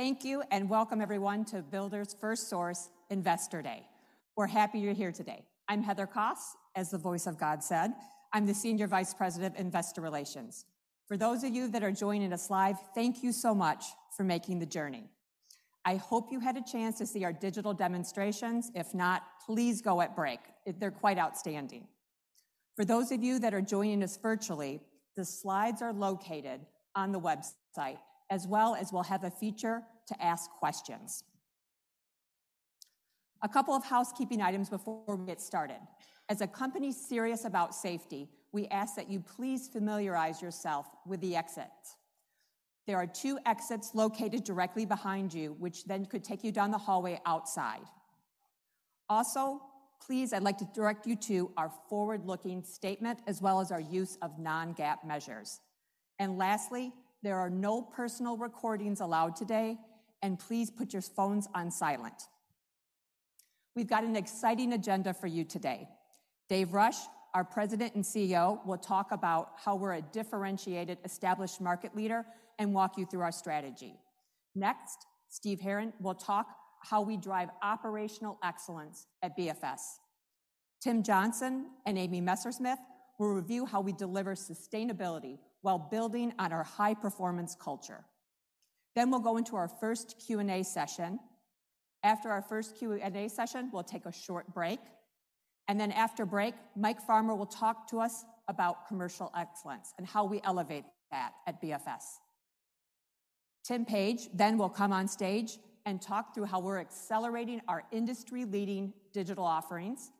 Thank you, and welcome everyone to Builders FirstSource Investor Day. We're happy you're here today. I'm Heather Kos, as the voice of God said. I'm the Senior Vice President, Investor Relations. For those of you that are joining us live, thank you so much for making the journey. I hope you had a chance to see our digital demonstrations. If not, please go at break. They're quite outstanding. For those of you that are joining us virtually, the slides are located on the website, as well as we'll have a feature to ask questions. A couple of housekeeping items before we get started. As a company serious about safety, we ask that you please familiarize yourself with the exits. There are two exits located directly behind you, which then could take you down the hallway outside. Also, please, I'd like to direct you to our forward-looking statement, as well as our use of non-GAAP measures. And lastly, there are no personal recordings allowed today, and please put your phones on silent. We've got an exciting agenda for you today. Dave Rush, our President and CEO, will talk about how we're a differentiated, established market leader and walk you through our strategy. Next, Steve Herron will talk how we drive Operational Excellence at BFS. Tim Johnson and Amy Messersmith will review how we deliver sustainability while building on our high-performance culture. Then we'll go into our first Q&A session. After our first Q&A session, we'll take a short break, and then after break, Mike Farmer will talk to us about Commercial Excellence and how we elevate that at BFS. Tim Page then will come on stage and talk through how we're accelerating our industry-leading digital offerings.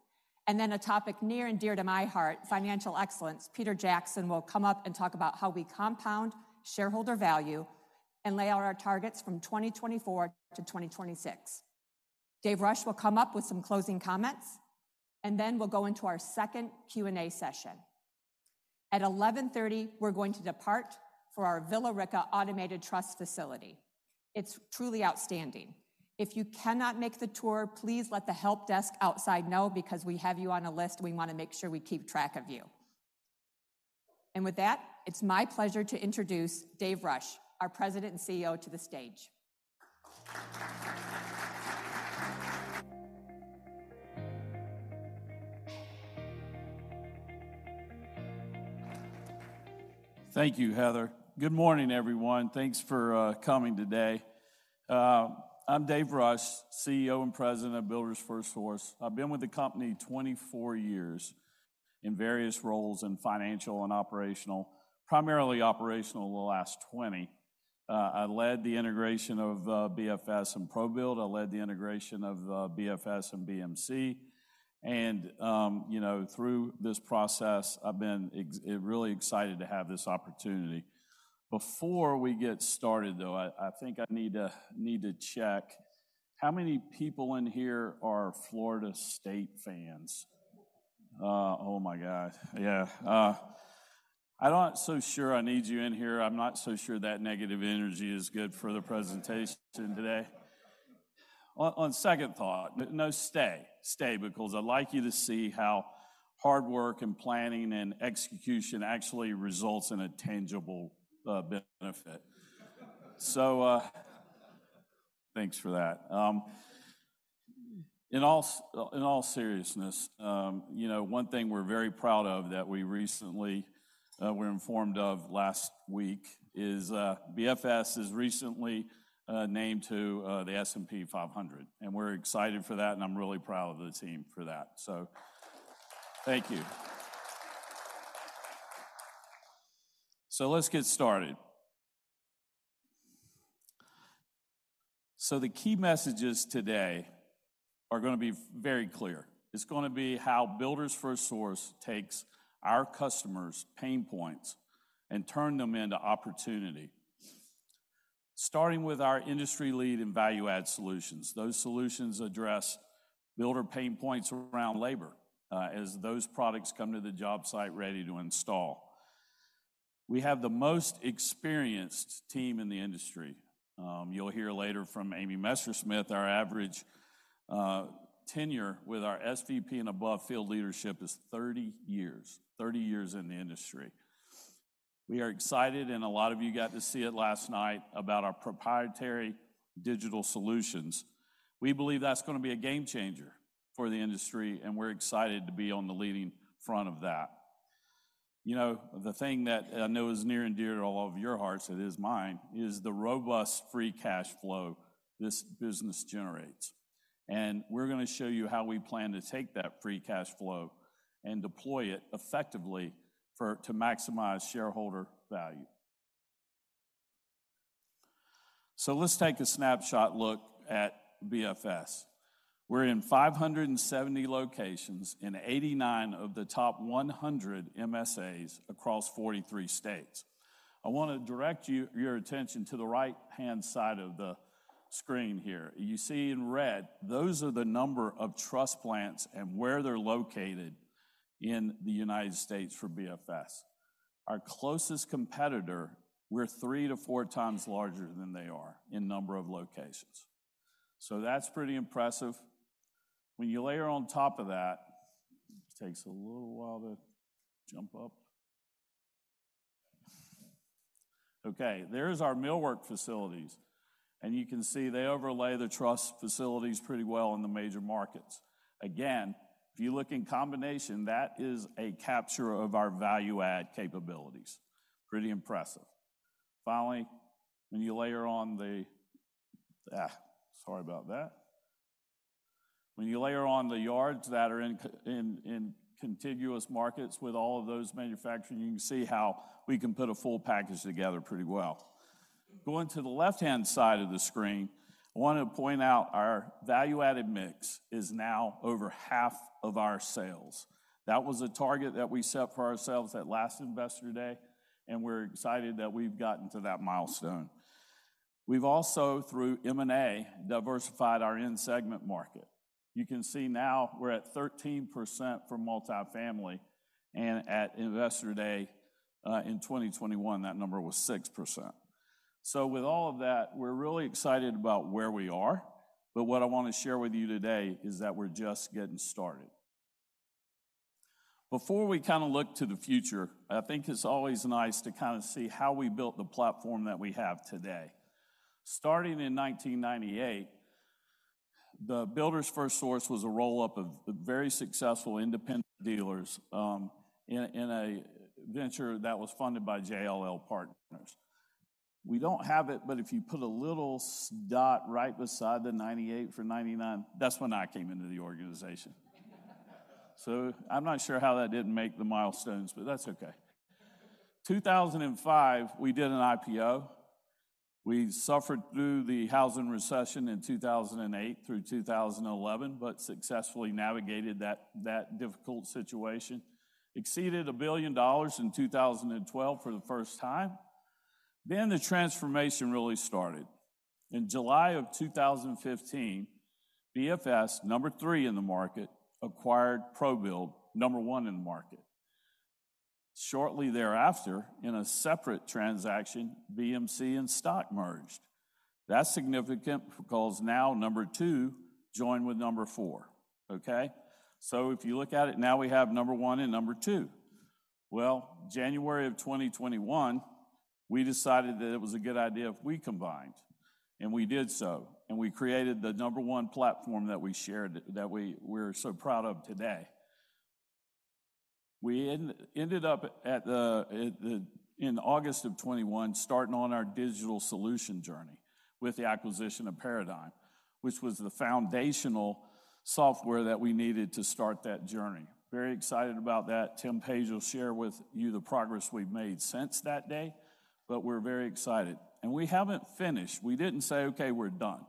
Then, a topic near and dear to my heart, Financial Excellence. Peter Jackson will come up and talk about how we compound shareholder value and lay out our targets from 2024 to 2026. Dave Rush will come up with some closing comments, and then we'll go into our second Q&A session. At 11:30 A.M., we're going to depart for our Villa Rica automated truss facility. It's truly outstanding. If you cannot make the tour, please let the help desk outside know because we have you on a list; we want to make sure we keep track of you. With that, it's my pleasure to introduce Dave Rush, our President and CEO, to the stage. Thank you, Heather. Good morning, everyone. Thanks for coming today. I'm Dave Rush, CEO and President of Builders FirstSource. I've been with the company 24 years in various roles in financial and operational, primarily operational the last 20. I led the integration of BFS and ProBuild. I led the integration of BFS and BMC, and, you know, through this process, I've been really excited to have this opportunity. Before we get started, though, I think I need to check, how many people in here are Florida State fans? Oh, my God. Yeah. I'm not so sure I need you in here. I'm not so sure that negative energy is good for the presentation today. On second thought, no, stay. Stay, because I'd like you to see how hard work and planning and execution actually results in a tangible benefit. So, thanks for that. In all seriousness, you know, one thing we're very proud of that we recently were informed of last week is, BFS is recently named to the S&P 500, and we're excited for that, and I'm really proud of the team for that. So, thank you. So let's get started. So the key messages today are gonna be very clear. It's gonna be how Builders FirstSource takes our customers' pain points and turn them into opportunity, starting with our industry lead in value-add solutions. Those solutions address builder pain points around labor, as those products come to the job site ready to install. We have the most experienced team in the industry. You'll hear later from Amy Messersmith. Our average tenure with our SVP and above field leadership is 30 years, 30 years in the industry. We are excited, and a lot of you got to see it last night, about our proprietary digital solutions. We believe that's gonna be a game changer for the industry, and we're excited to be on the leading front of that. You know, the thing that I know is near and dear to all of your hearts, it is mine, is the robust free cash flow this business generates. And we're gonna show you how we plan to take that free cash flow and deploy it effectively to maximize shareholder value. So let's take a snapshot look at BFS. We're in 570 locations in 89 of the top 100 MSAs across 43 states. I want to direct your attention to the right-hand side of the screen here. You see in red, those are the number of truss plants and where they're located in the United States for BFS. Our closest competitor, we're 3-4 times larger than they are in number of locations. So that's pretty impressive. When you layer on top of that... Takes a little while to jump up.... Okay, there's our millwork facilities, and you can see they overlay the truss facilities pretty well in the major markets. Again, if you look in combination, that is a capture of our value-add capabilities. Pretty impressive. Finally, when you layer on the-- Ah, sorry about that. When you layer on the yards that are in contiguous markets with all of those manufacturing, you can see how we can put a full package together pretty well. Going to the left-hand side of the screen, I want to point out our value-added mix is now over half of our sales. That was a target that we set for ourselves at last Investor Day, and we're excited that we've gotten to that milestone. We've also, through M&A, diversified our end segment market. You can see now we're at 13% for multifamily, and at Investor Day, in 2021, that number was 6%. So with all of that, we're really excited about where we are, but what I want to share with you today is that we're just getting started. Before we kinda look to the future, I think it's always nice to kind of see how we built the platform that we have today. Starting in 1998, the Builders FirstSource was a roll-up of very successful independent dealers in a venture that was funded by JLL Partners. We don't have it, but if you put a little asterisk right beside the 1998 for 1999, that's when I came into the organization. So I'm not sure how that didn't make the milestones, but that's okay. 2005, we did an IPO. We suffered through the housing recession in 2008 through 2011, but successfully navigated that difficult situation. Exceeded $1 billion in 2012 for the first time. Then the transformation really started. In July of 2015, BFS, number 3 in the market, acquired ProBuild, number 1 in the market. Shortly thereafter, in a separate transaction, BMC and Stock merged. That's significant because now number 2 joined with number 4, okay? So if you look at it, now we have number 1 and number 2. Well, January of 2021, we decided that it was a good idea if we combined, and we did so, and we created the number 1 platform that we shared, that we, we're so proud of today. We ended up in August of 2021, starting on our digital solution journey with the acquisition of Paradigm, which was the foundational software that we needed to start that journey. Very excited about that. Tim Page will share with you the progress we've made since that day, but we're very excited. We haven't finished. We didn't say, "Okay, we're done."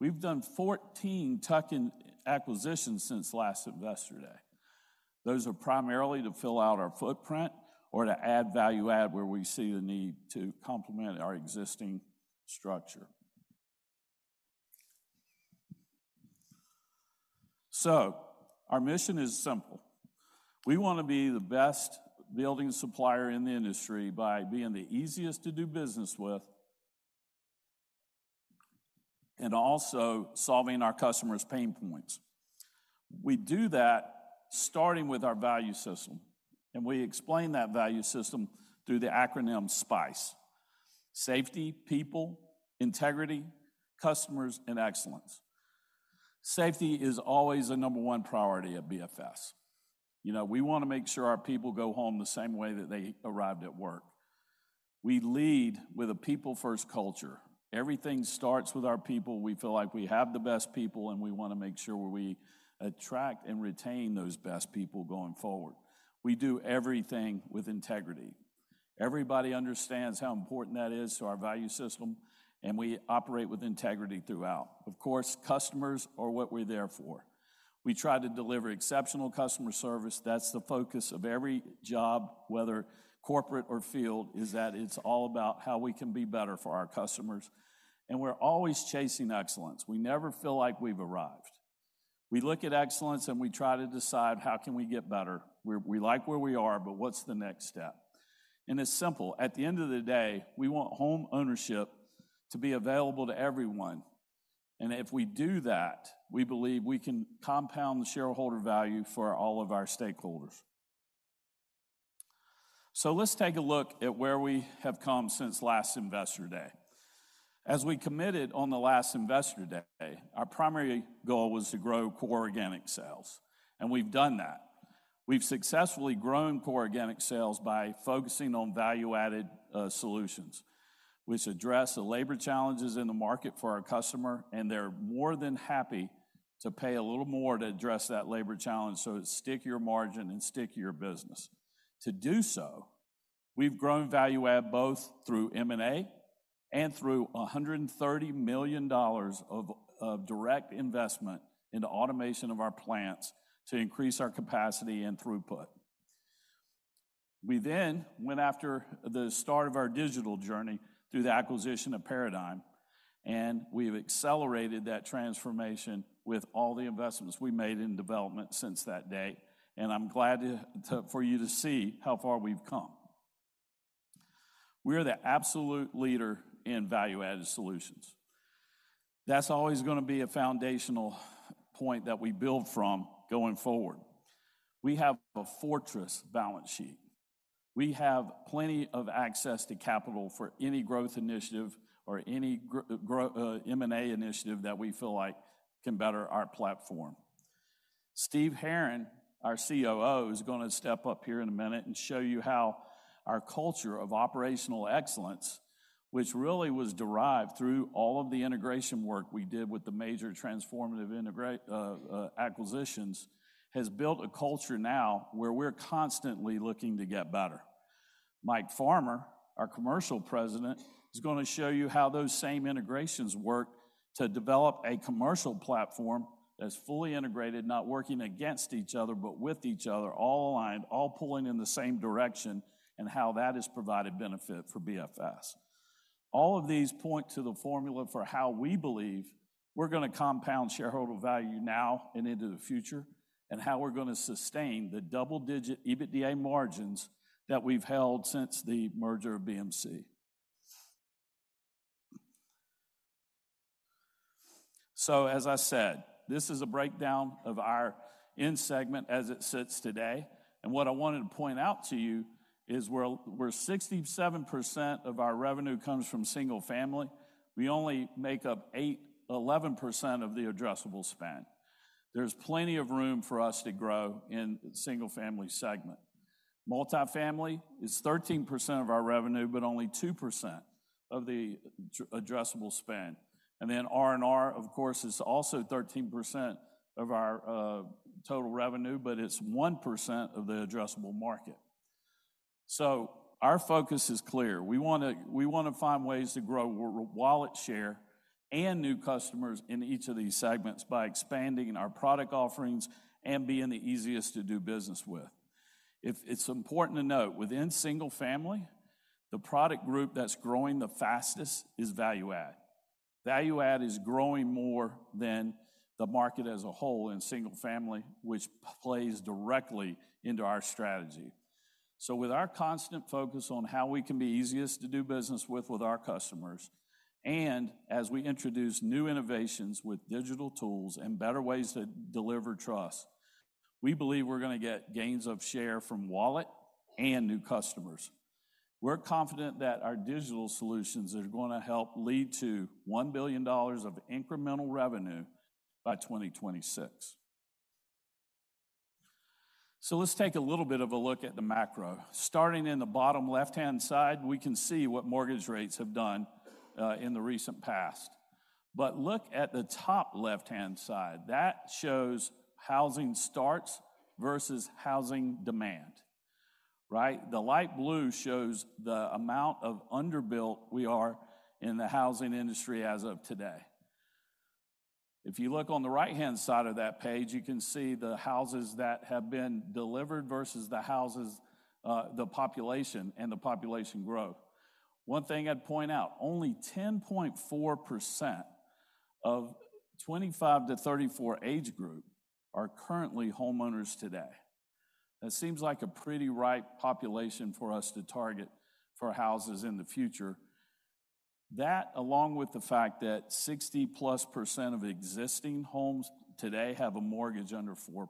We've done 14 tuck-in acquisitions since last Investor Day. Those are primarily to fill out our footprint or to add value add where we see the need to complement our existing structure. So our mission is simple: we want to be the best building supplier in the industry by being the easiest to do business with, and also solving our customers' pain points. We do that starting with our value system, and we explain that value system through the acronym SPICE: Safety, People, Integrity, Customers, and Excellence. Safety is always the number one priority at BFS. You know, we want to make sure our people go home the same way that they arrived at work. We lead with a people-first culture. Everything starts with our people. We feel like we have the best people, and we want to make sure we attract and retain those best people going forward. We do everything with integrity. Everybody understands how important that is to our value system, and we operate with integrity throughout. Of course, customers are what we're there for. We try to deliver exceptional customer service. That's the focus of every job, whether corporate or field, is that it's all about how we can be better for our customers, and we're always chasing excellence. We never feel like we've arrived. We look at excellence, and we try to decide, how can we get better? We, we like where we are, but what's the next step? And it's simple. At the end of the day, we want home ownership to be available to everyone, and if we do that, we believe we can compound the shareholder value for all of our stakeholders. So let's take a look at where we have come since last Investor Day. As we committed on the last Investor Day, our primary goal was to grow core organic sales, and we've done that. We've successfully grown core organic sales by focusing on value-added solutions, which address the labor challenges in the market for our customer, and they're more than happy to pay a little more to address that labor challenge, so it's stickier margin and stickier business. To do so, we've grown value add both through M&A and through $130 million of direct investment in the automation of our plants to increase our capacity and throughput. We then went after the start of our digital journey through the acquisition of Paradigm, and we've accelerated that transformation with all the investments we made in development since that day, and I'm glad for you to see how far we've come. We are the absolute leader in value-added solutions... That's always gonna be a foundational point that we build from going forward. We have a fortress balance sheet. We have plenty of access to capital for any growth initiative or any M&A initiative that we feel like can better our platform. Steve Herron, our COO, is gonna step up here in a minute and show you how our culture of Operational Excellence, which really was derived through all of the integration work we did with the major transformative acquisitions, has built a culture now where we're constantly looking to get better. Mike Farmer, our commercial president, is gonna show you how those same integrations work to develop a commercial platform that's fully integrated, not working against each other, but with each other, all aligned, all pulling in the same direction, and how that has provided benefit for BFS. All of these point to the formula for how we believe we're gonna compound shareholder value now and into the future, and how we're gonna sustain the double-digit EBITDA margins that we've held since the merger of BMC. So, as I said, this is a breakdown of our end segment as it sits today, and what I wanted to point out to you is where 67% of our revenue comes from single family, we only make up 8%-11% of the addressable spend. There's plenty of room for us to grow in the single family segment. Multifamily is 13% of our revenue, but only 2% of the addressable spend. And then R&R, of course, is also 13% of our total revenue, but it's 1% of the addressable market. So our focus is clear: we wanna, we wanna find ways to grow our wallet share and new customers in each of these segments by expanding our product offerings and being the easiest to do business with. It's important to note, within single family, the product group that's growing the fastest is value add. Value add is growing more than the market as a whole in single family, which plays directly into our strategy. So with our constant focus on how we can be easiest to do business with, with our customers, and as we introduce new innovations with digital tools and better ways to deliver trust, we believe we're gonna get gains of share from wallet and new customers. We're confident that our digital solutions are gonna help lead to $1 billion of incremental revenue by 2026. So let's take a little bit of a look at the macro. Starting in the bottom left-hand side, we can see what mortgage rates have done in the recent past. But look at the top left-hand side. That shows housing starts versus housing demand, right? The light blue shows the amount of underbuilt we are in the housing industry as of today. If you look on the right-hand side of that page, you can see the houses that have been delivered versus the houses, the population and the population growth. One thing I'd point out, only 10.4% of 25-34 age group are currently homeowners today. That seems like a pretty ripe population for us to target for houses in the future. That, along with the fact that 60+% of existing homes today have a mortgage under 4%.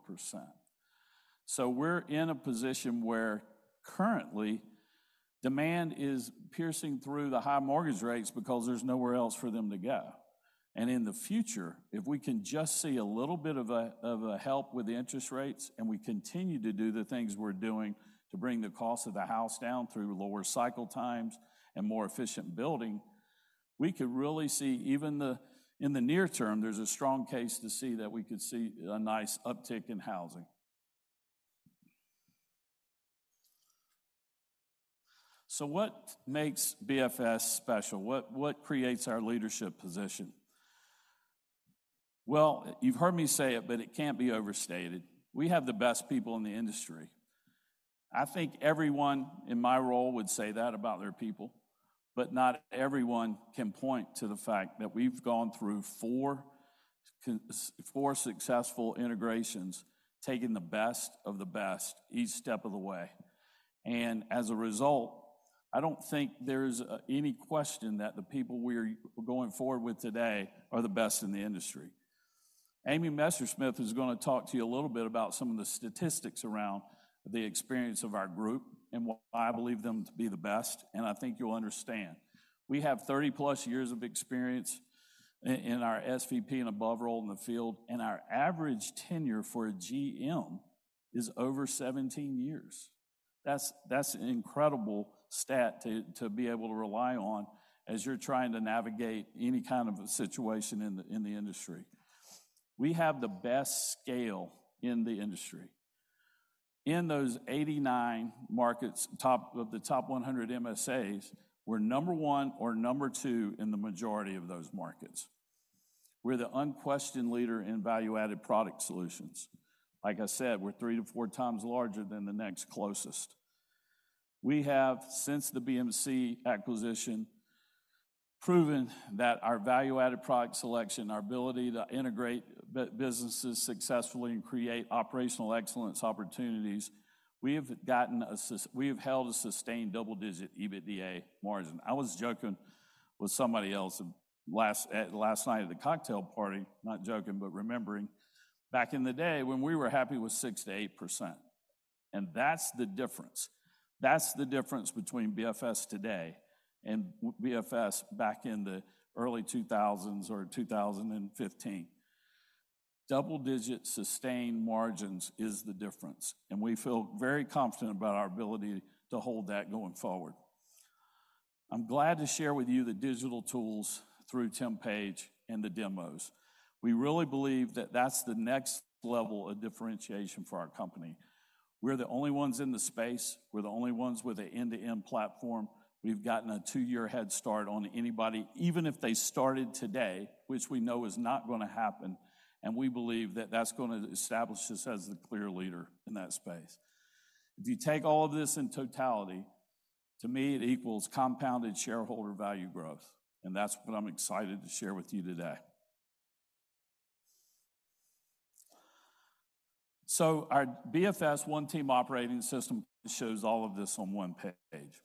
So we're in a position where currently, demand is piercing through the high mortgage rates because there's nowhere else for them to go. In the future, if we can just see a little bit of help with the interest rates, and we continue to do the things we're doing to bring the cost of the house down through lower cycle times and more efficient building, we could really see, in the near term, there's a strong case to see that we could see a nice uptick in housing. So what makes BFS special? What creates our leadership position? Well, you've heard me say it, but it can't be overstated: we have the best people in the industry. I think everyone in my role would say that about their people, but not everyone can point to the fact that we've gone through four successful integrations, taking the best of the best each step of the way. As a result, I don't think there's any question that the people we're going forward with today are the best in the industry. Amy Messersmith is gonna talk to you a little bit about some of the statistics around the experience of our group and why I believe them to be the best, and I think you'll understand. We have 30+ years of experience in our SVP and above role in the field, and our average tenure for a GM is over 17 years. That's an incredible stat to be able to rely on as you're trying to navigate any kind of a situation in the industry. We have the best scale in the industry. In those 89 markets, top of the top 100 MSAs, we're number one or number two in the majority of those markets. We're the unquestioned leader in value-added product solutions. Like I said, we're 3-4 times larger than the next closest. We have, since the BMC acquisition, proven that our value-added product selection, our ability to integrate businesses successfully and create Operational Excellence opportunities, we have held a sustained double-digit EBITDA margin. I was joking with somebody else last night at the cocktail party, not joking, but remembering, back in the day when we were happy with 6%-8%, and that's the difference. That's the difference between BFS today and BFS back in the early 2000s or 2015. Double-digit sustained margins is the difference, and we feel very confident about our ability to hold that going forward. I'm glad to share with you the digital tools through Tim Page and the demos. We really believe that that's the next level of differentiation for our company. We're the only ones in the space. We're the only ones with an end-to-end platform. We've gotten a two-year head start on anybody, even if they started today, which we know is not gonna happen, and we believe that that's going to establish us as the clear leader in that space. If you take all of this in totality, to me, it equals compounded shareholder value growth, and that's what I'm excited to share with you today. So our BFS One Team operating system shows all of this on one page.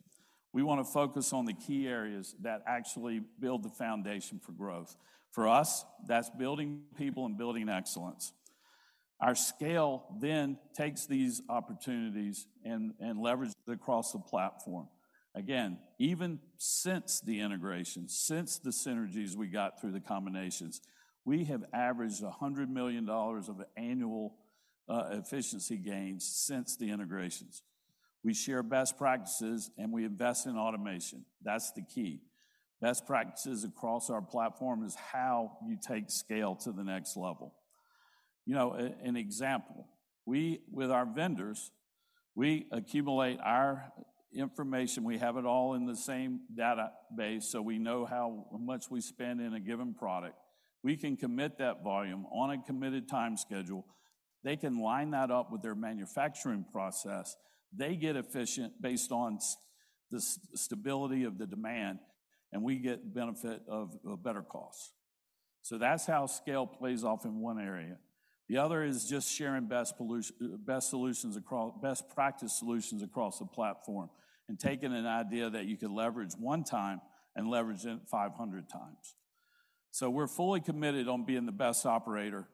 We want to focus on the key areas that actually build the foundation for growth. For us, that's building people and building excellence. Our scale then takes these opportunities and leverages it across the platform. Again, even since the integration, since the synergies we got through the combinations, we have averaged $100 million of annual efficiency gains since the integrations. We share best practices, and we invest in automation. That's the key. Best practices across our platform is how you take scale to the next level. You know, an example: we, with our vendors, we accumulate our information. We have it all in the same database, so we know how much we spend in a given product. We can commit that volume on a committed time schedule. They can line that up with their manufacturing process. They get efficient based on the stability of the demand, and we get benefit of better costs. So that's how scale plays off in one area. The other is just sharing best practice solutions across the platform, and taking an idea that you could leverage one time and leveraging it 500 times. So we're fully committed on being the best operator,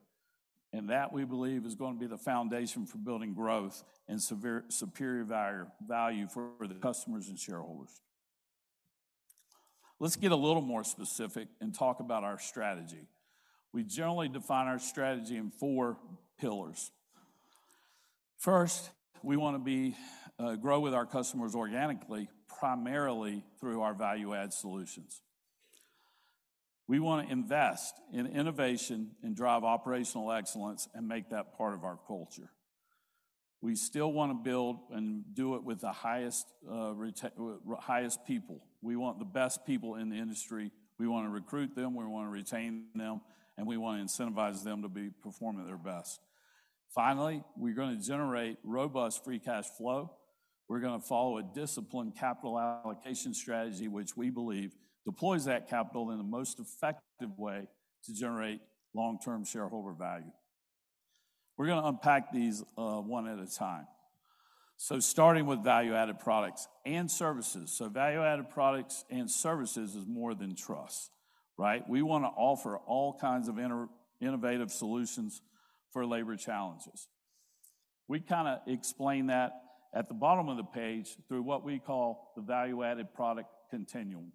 and that, we believe, is going to be the foundation for building growth and superior value for the customers and shareholders. Let's get a little more specific and talk about our strategy. We generally define our strategy in four pillars. First, we want to grow with our customers organically, primarily through our value-add solutions. We want to invest in innovation and drive Operational Excellence and make that part of our culture. We still want to build and do it with the highest people. We want the best people in the industry. We want to recruit them, we want to retain them, and we want to incentivize them to be performing at their best. Finally, we're gonna generate robust free cash flow. We're gonna follow a disciplined capital allocation strategy, which we believe deploys that capital in the most effective way to generate long-term shareholder value. We're gonna unpack these one at a time. So starting with value-added products and services. So value-added products and services is more than trust, right? We want to offer all kinds of innovative solutions for labor challenges. We kinda explain that at the bottom of the page through what we call the value-added product continuum.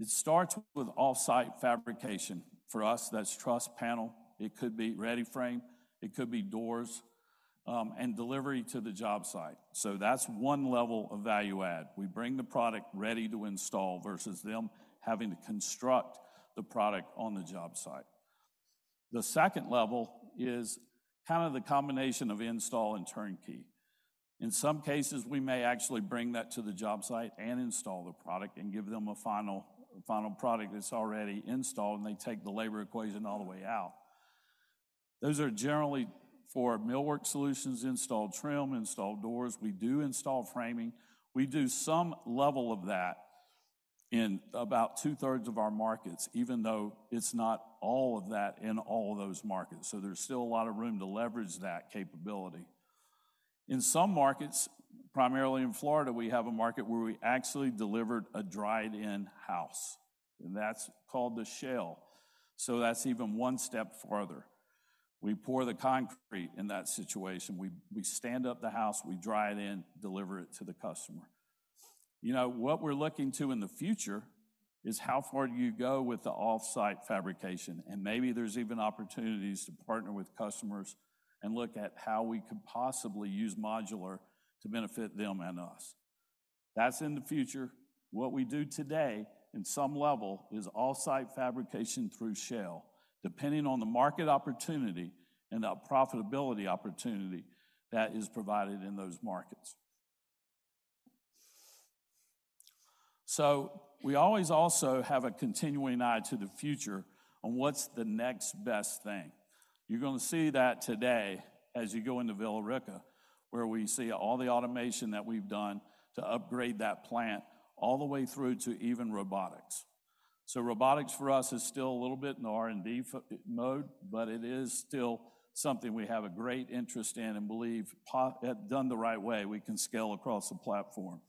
It starts with off-site fabrication. For us, that's truss panel. It could be Ready-Frame, it could be doors, and delivery to the job site. So that's one level of value add. We bring the product ready to install versus them having to construct the product on the job site. The second level is kind of the combination of install and turnkey. In some cases, we may actually bring that to the job site and install the product and give them a final, final product that's already installed, and they take the labor equation all the way out. Those are generally for millwork solutions, installed trim, installed doors. We do install framing. We do some level of that in about two-thirds of our markets, even though it's not all of that in all those markets, so there's still a lot of room to leverage that capability. In some markets, primarily in Florida, we have a market where we actually delivered a dried-in house, and that's called the shell, so that's even one step farther. We pour the concrete in that situation. We stand up the house, we dry it in, deliver it to the customer. You know, what we're looking to in the future is how far do you go with the off-site fabrication, and maybe there's even opportunities to partner with customers and look at how we could possibly use modular to benefit them and us. That's in the future. What we do today, in some level, is off-site fabrication through shell, depending on the market opportunity and the profitability opportunity that is provided in those markets. So we always also have a continuing eye to the future on what's the next best thing. You're gonna see that today as you go into Villa Rica, where we see all the automation that we've done to upgrade that plant all the way through to even robotics. So robotics for us is still a little bit in the R&D mode, but it is still something we have a great interest in and believe, done the right way, we can scale across the platform,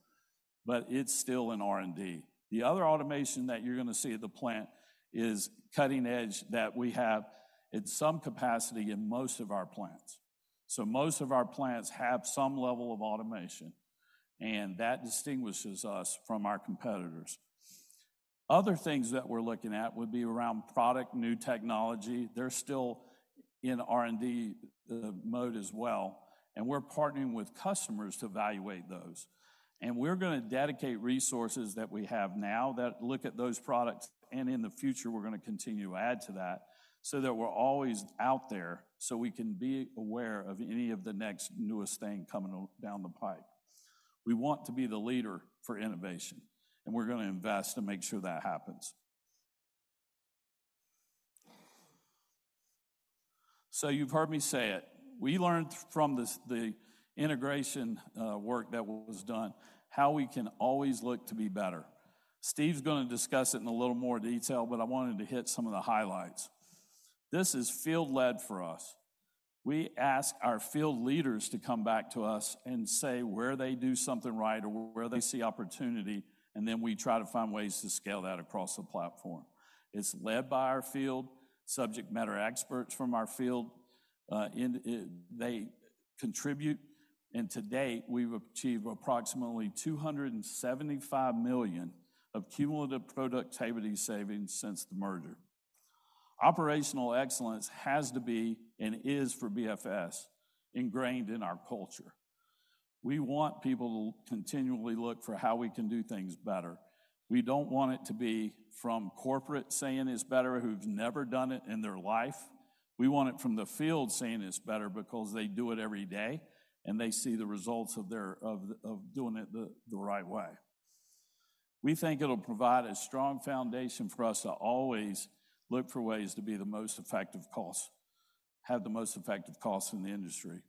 but it's still in R&D. The other automation that you're gonna see at the plant is cutting-edge, that we have in some capacity in most of our plants. So most of our plants have some level of automation, and that distinguishes us from our competitors. Other things that we're looking at would be around product, new technology. They're still in R&D mode as well, and we're partnering with customers to evaluate those. And we're gonna dedicate resources that we have now that look at those products, and in the future, we're gonna continue to add to that, so that we're always out there, so we can be aware of any of the next newest thing coming down the pipe. We want to be the leader for innovation, and we're gonna invest to make sure that happens. So you've heard me say it: we learned from this, the integration work that was done, how we can always look to be better. Steve's gonna discuss it in a little more detail, but I wanted to hit some of the highlights. This is field-led for us. We ask our field leaders to come back to us and say where they do something right or where they see opportunity, and then we try to find ways to scale that across the platform. It's led by our field, subject matter experts from our field. And they contribute, and to date, we've achieved approximately $275 million of cumulative productivity savings since the merger. Operational Excellence has to be, and is for BFS, ingrained in our culture. We want people to continually look for how we can do things better. We don't want it to be from corporate saying it's better, who've never done it in their life. We want it from the field saying it's better because they do it every day, and they see the results of their doing it the right way. We think it'll provide a strong foundation for us to always look for ways to be the most effective cost- have the most effective costs in the industry.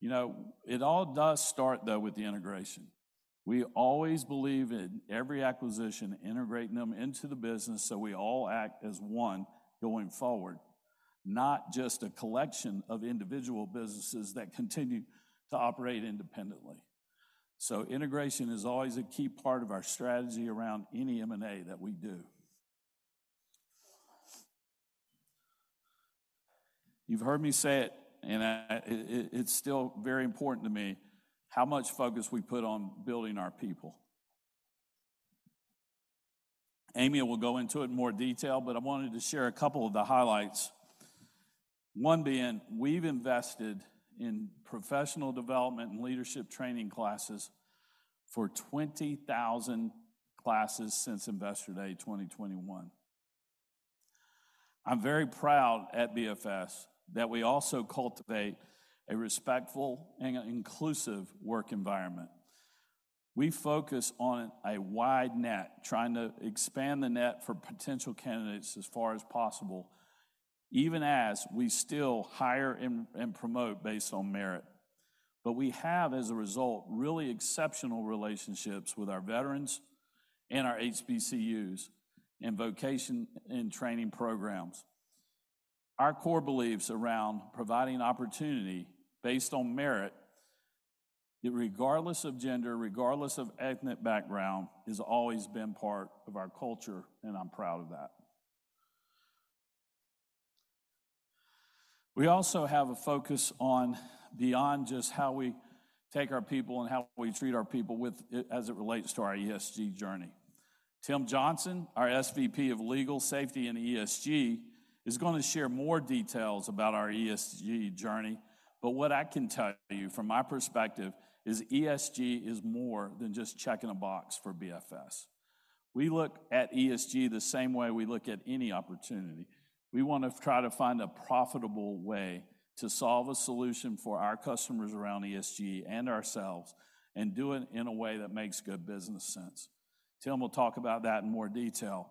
You know, it all does start, though, with the integration. We always believe in every acquisition, integrating them into the business, so we all act as one going forward, not just a collection of individual businesses that continue to operate independently. So integration is always a key part of our strategy around any M&A that we do. You've heard me say it, and, it's still very important to me how much focus we put on building our people. Amy will go into it in more detail, but I wanted to share a couple of the highlights. One being, we've invested in professional development and leadership training classes for 20,000 classes since Investor Day 2021. I'm very proud at BFS that we also cultivate a respectful and an inclusive work environment. We focus on a wide net, trying to expand the net for potential candidates as far as possible, even as we still hire and promote based on merit. But we have, as a result, really exceptional relationships with our veterans and our HBCUs and vocational and training programs. Our core beliefs around providing opportunity based on merit, regardless of gender, regardless of ethnic background, has always been part of our culture, and I'm proud of that. We also have a focus on beyond just how we take our people and how we treat our people with it, as it relates to our ESG journey. Tim Johnson, our SVP of Legal, Safety, and ESG, is gonna share more details about our ESG journey. But what I can tell you from my perspective is ESG is more than just checking a box for BFS. We look at ESG the same way we look at any opportunity. We want to try to find a profitable way to solve a solution for our customers around ESG and ourselves and do it in a way that makes good business sense. Tim will talk about that in more detail.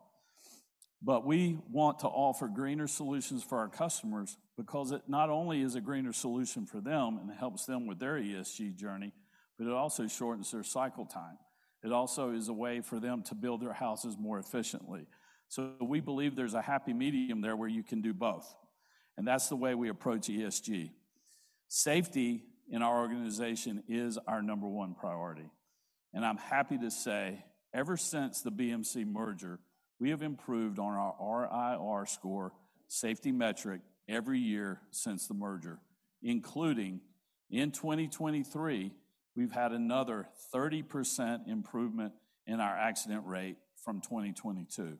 But we want to offer greener solutions for our customers because it not only is a greener solution for them and helps them with their ESG journey, but it also shortens their cycle time. It also is a way for them to build their houses more efficiently. So we believe there's a happy medium there where you can do both, and that's the way we approach ESG. Safety in our organization is our number one priority, and I'm happy to say, ever since the BMC merger, we have improved on our RIR score safety metric every year since the merger, including in 2023, we've had another 30% improvement in our accident rate from 2022.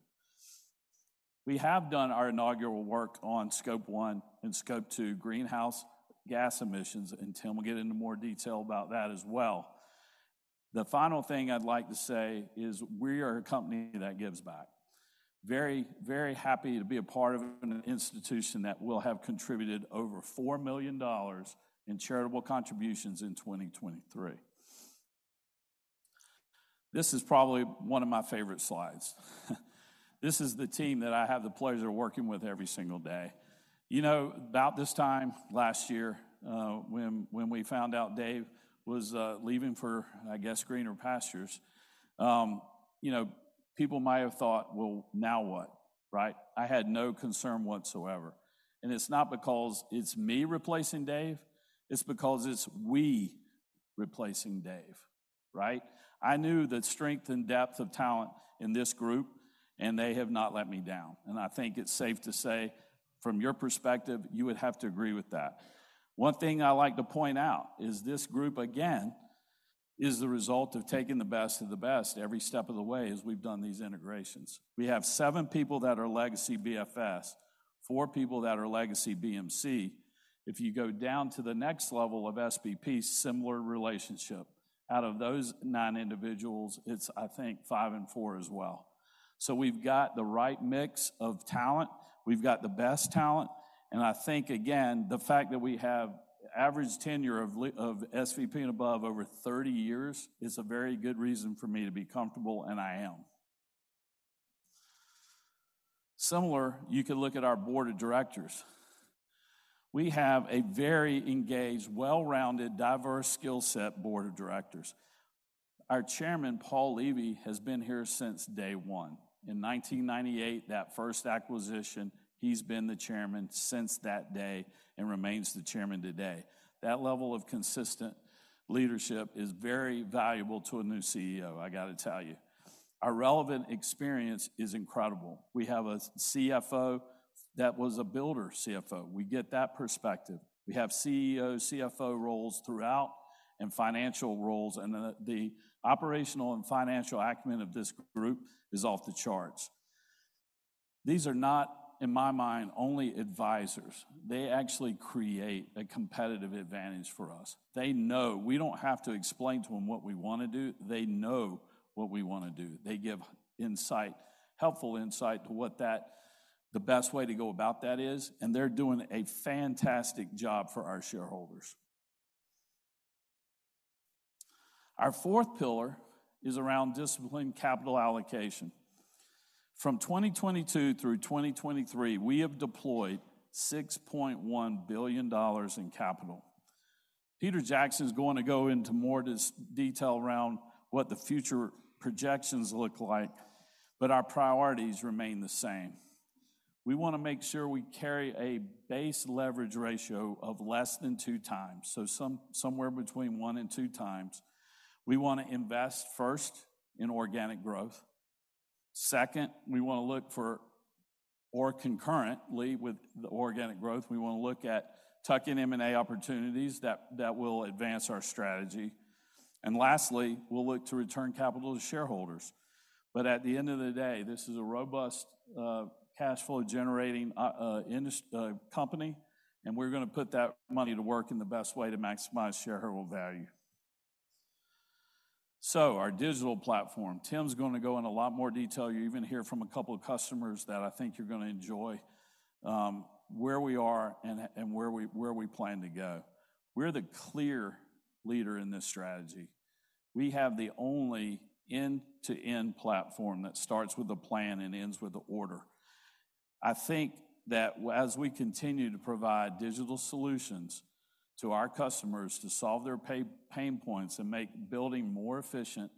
We have done our inaugural work on Scope 1 and Scope 2 greenhouse gas emissions, and Tim will get into more detail about that as well. The final thing I'd like to say is we are a company that gives back. Very, very happy to be a part of an institution that will have contributed over $4 million in charitable contributions in 2023. This is probably one of my favorite slides. This is the team that I have the pleasure of working with every single day. You know, about this time last year, when, when we found out Dave was leaving for, I guess, greener pastures, you know, people might have thought, "Well, now what?" Right? I had no concern whatsoever. It's not because it's me replacing Dave.... It's because it's we replacing Dave, right? I knew the strength and depth of talent in this group, and they have not let me down. I think it's safe to say, from your perspective, you would have to agree with that. One thing I like to point out is this group, again, is the result of taking the best of the best every step of the way as we've done these integrations. We have seven people that are legacy BFS, four people that are legacy BMC. If you go down to the next level of SVP, similar relationship. Out of those 9 individuals, it's, I think, 5 and 4 as well. So we've got the right mix of talent, we've got the best talent, and I think, again, the fact that we have average tenure of SVP and above over 30 years is a very good reason for me to be comfortable, and I am. Similar, you could look at our board of directors. We have a very engaged, well-rounded, diverse skill set board of directors. Our chairman, Paul Levy, has been here since day one. In 1998, that first acquisition, he's been the chairman since that day and remains the chairman today. That level of consistent leadership is very valuable to a new CEO, I gotta tell you. Our relevant experience is incredible. We have a CFO that was a builder CFO. We get that perspective. We have CEO, CFO roles throughout, and financial roles, and the operational and financial acumen of this group is off the charts. These are not, in my mind, only advisors. They actually create a competitive advantage for us. They know. We don't have to explain to them what we wanna do; they know what we wanna do. They give insight, helpful insight to what that, the best way to go about that is, and they're doing a fantastic job for our shareholders. Our fourth pillar is around disciplined capital allocation. From 2022 through 2023, we have deployed $6.1 billion in capital. Peter Jackson is going to go into more detail around what the future projections look like, but our priorities remain the same. We wanna make sure we carry a base leverage ratio of less than 2x, so somewhere between 1x and 2x. We wanna invest first in organic growth. Second, we wanna look for, or concurrently with the organic growth, we wanna look at tuck-in M&A opportunities that, that will advance our strategy. And lastly, we'll look to return capital to shareholders. But at the end of the day, this is a robust, cash flow generating company, and we're gonna put that money to work in the best way to maximize shareholder value. So our digital platform. Tim's gonna go in a lot more detail. You'll even hear from a couple of customers that I think you're gonna enjoy, where we are and, and where we, where we plan to go. We're the clear leader in this strategy. We have the only end-to-end platform that starts with a plan and ends with an order. I think that as we continue to provide digital solutions to our customers to solve their pain points and make building more efficient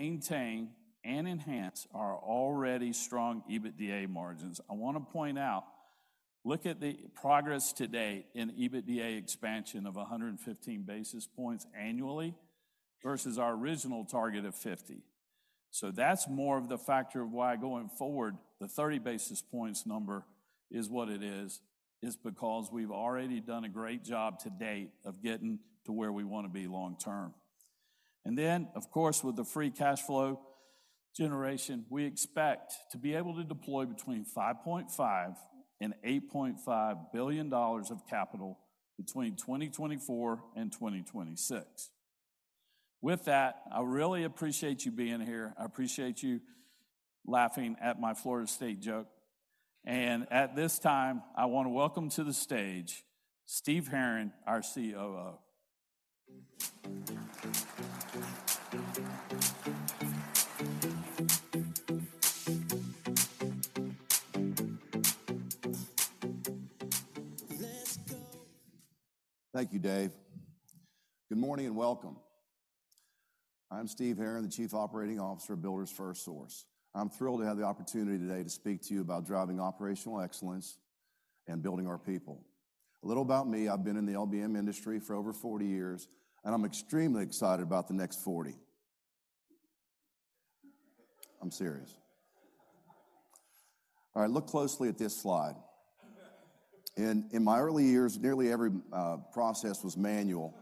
and maintain and enhance our already strong EBITDA margins. I wanna point out, look at the progress to date in EBITDA expansion of 115 basis points annually versus our original target of 50. So that's more of the factor of why, going forward, the 30 basis points number is what it is, is because we've already done a great job to date of getting to where we wanna be long term. And then, of course, with the free cash flow generation, we expect to be able to deploy between $5.5 billion and $8.5 billion of capital between 2024 and 2026. With that, I really appreciate you being here. I appreciate you laughing at my Florida State joke. At this time, I wanna welcome to the stage Steve Herron, our COO. Thank you, Dave. Good morning, and welcome. I'm Steve Herron, the Chief Operating Officer of Builders FirstSource. I'm thrilled to have the opportunity today to speak to you about driving Operational Excellence and building our people. A little about me, I've been in the LBM industry for over 40 years, and I'm extremely excited about the next 40. I'm serious.... All right, look closely at this slide. In my early years, nearly every process was manual.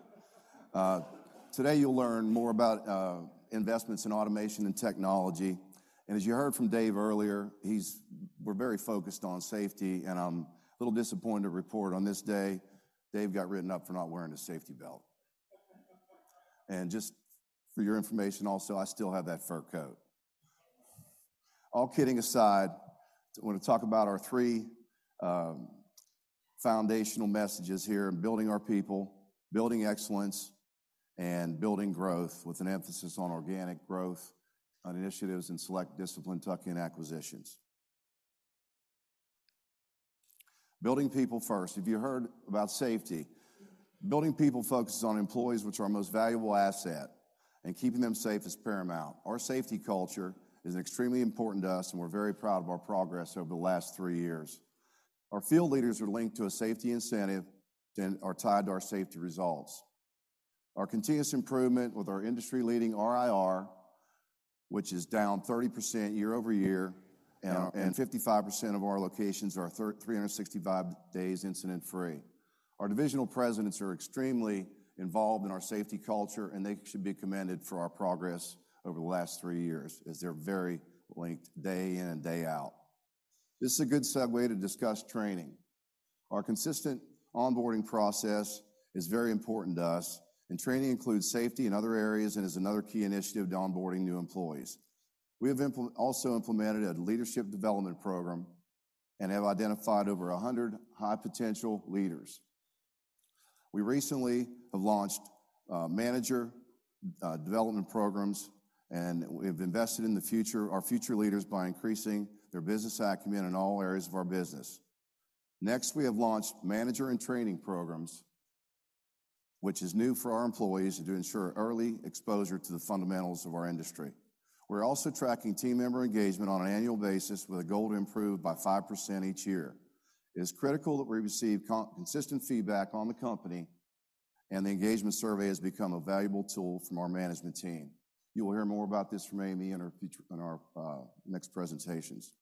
Today, you'll learn more about investments in automation and technology. And as you heard from Dave earlier, he's, we're very focused on safety, and I'm a little disappointed to report on this day, Dave got written up for not wearing his safety belt. And just for your information, also, I still have that fur coat. All kidding aside, I want to talk about our 3, foundational messages here: building our people, building excellence, and building growth, with an emphasis on organic growth on initiatives and select discipline tuck-in acquisitions. Building people first. Have you heard about safety? Building people focuses on employees, which are our most valuable asset, and keeping them safe is paramount. Our safety culture is extremely important to us, and we're very proud of our progress over the last 3 years. Our field leaders are linked to a safety incentive and are tied to our safety results. Our continuous improvement with our industry-leading RIR, which is down 30% year-over-year, and 55% of our locations are 365 days incident-free. Our divisional presidents are extremely involved in our safety culture, and they should be commended for our progress over the last three years, as they're very linked, day in and day out. This is a good segue to discuss training. Our consistent onboarding process is very important to us, and training includes safety in other areas and is another key initiative to onboarding new employees. We have also implemented a leadership development program and have identified over 100 high-potential leaders. We recently have launched manager development programs, and we've invested in the future, our future leaders, by increasing their business acumen in all areas of our business. Next, we have launched manager and training programs, which is new for our employees to ensure early exposure to the fundamentals of our industry. We're also tracking team member engagement on an annual basis with a goal to improve by 5% each year. It is critical that we receive consistent feedback on the company, and the engagement survey has become a valuable tool from our management team. You will hear more about this from Amy in our next presentations.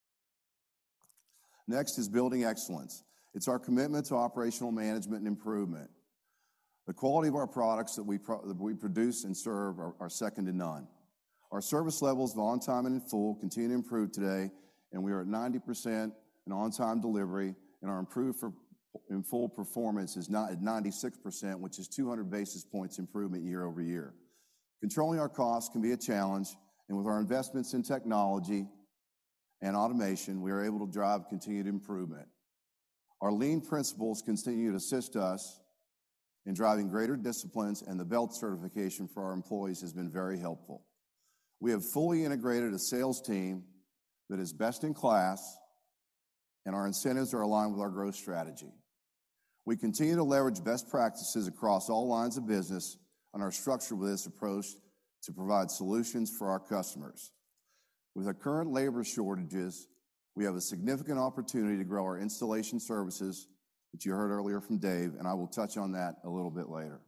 Next is building excellence. It's our commitment to operational management and improvement. The quality of our products that we produce and serve are second to none. Our service levels, on time and in full, continue to improve today, and we are at 90% in on-time delivery, and our in full performance is now at 96%, which is 200 basis points improvement year-over-year. Controlling our costs can be a challenge, and with our investments in technology and automation, we are able to drive continued improvement. Our lean principles continue to assist us in driving greater disciplines, and the Belt certification for our employees has been very helpful. We have fully integrated a sales team that is best-in-class, and our incentives are aligned with our growth strategy. We continue to leverage best practices across all lines of business and are structured with this approach to provide solutions for our customers. With our current labor shortages, we have a significant opportunity to grow our installation services, which you heard earlier from Dave, and I will touch on that a little bit later.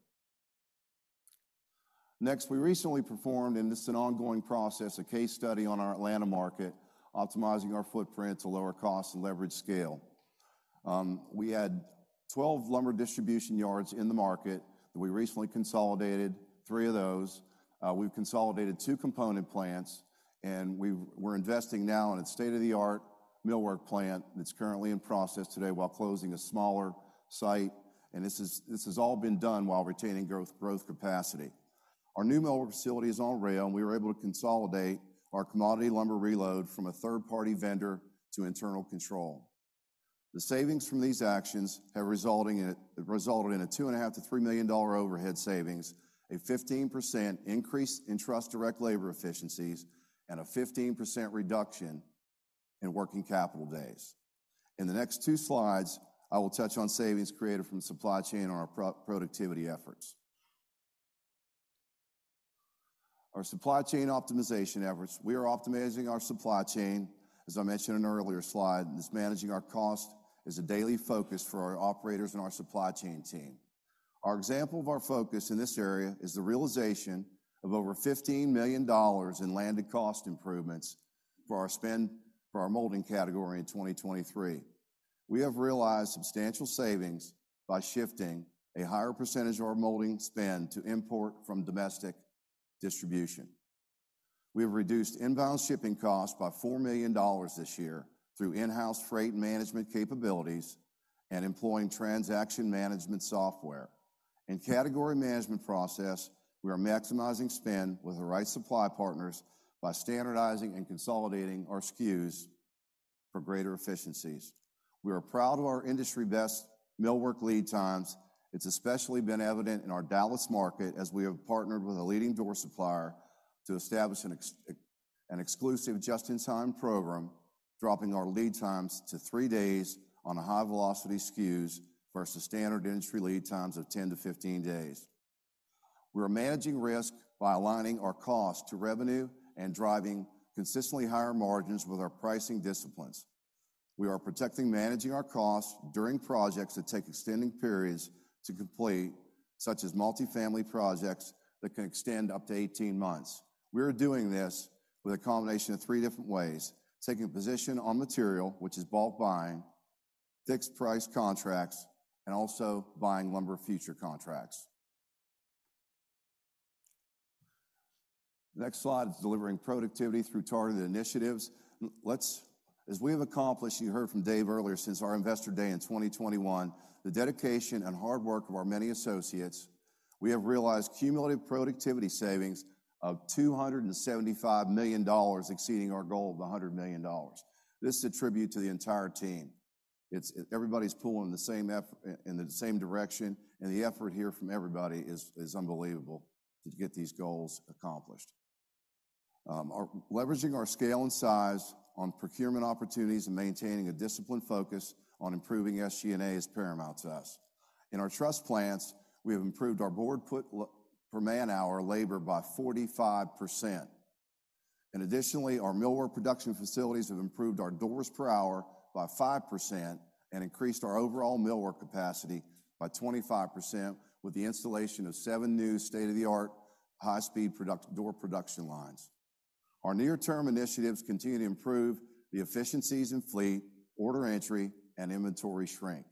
Next, we recently performed, and this is an ongoing process, a case study on our Atlanta market, optimizing our footprint to lower costs and leverage scale. We had 12 lumber distribution yards in the market, and we recently consolidated 3 of those. We've consolidated 2 component plants, and we're investing now in a state-of-the-art millwork plant that's currently in process today while closing a smaller site, and this has all been done while retaining growth capacity. Our new millwork facility is on rail, and we were able to consolidate our commodity lumber reload from a third-party vendor to internal control. The savings from these actions have resulted in a $2.5-$3 million overhead savings, a 15% increase in truss direct labor efficiencies, and a 15% reduction in working capital days. In the next 2 slides, I will touch on savings created from the supply chain on our productivity efforts. Our supply chain optimization efforts. We are optimizing our supply chain, as I mentioned in an earlier slide, and this managing our cost is a daily focus for our operators and our supply chain team. Our example of our focus in this area is the realization of over $15 million in landed cost improvements for our spend for our molding category in 2023. We have realized substantial savings by shifting a higher percentage of our molding spend to import from domestic distribution. We have reduced inbound shipping costs by $4 million this year through in-house freight management capabilities and employing transaction management software. In category management process, we are maximizing spend with the right supply partners by standardizing and consolidating our SKUs for greater efficiencies. We are proud of our industry-best millwork lead times. It's especially been evident in our Dallas market, as we have partnered with a leading door supplier to establish an exclusive just-in-time program, dropping our lead times to 3 days on a high-velocity SKUs versus standard industry lead times of 10-15 days. We are managing risk by aligning our costs to revenue and driving consistently higher margins with our pricing disciplines. We are protecting, managing our costs during projects that take extending periods to complete.... such as multifamily projects that can extend up to 18 months. We are doing this with a combination of three different ways: taking a position on material, which is bulk buying, fixed-price contracts, and also buying lumber future contracts. Next slide is delivering productivity through targeted initiatives. Let's—as we have accomplished, you heard from Dave earlier, since our Investor Day in 2021, the dedication and hard work of our many associates, we have realized cumulative productivity savings of $275 million, exceeding our goal of $100 million. This is a tribute to the entire team. It's, everybody's pulling the same effort in the same direction, and the effort here from everybody is, is unbelievable to get these goals accomplished. Our leveraging our scale and size on procurement opportunities and maintaining a disciplined focus on improving SG&A is paramount to us. In our truss plants, we have improved our board foot per man-hour labor by 45%. Additionally, our millwork production facilities have improved our doors per hour by 5% and increased our overall millwork capacity by 25% with the installation of 7 new state-of-the-art, high-speed pre-hung door production lines. Our near-term initiatives continue to improve the efficiencies in fleet, order entry, and inventory shrink.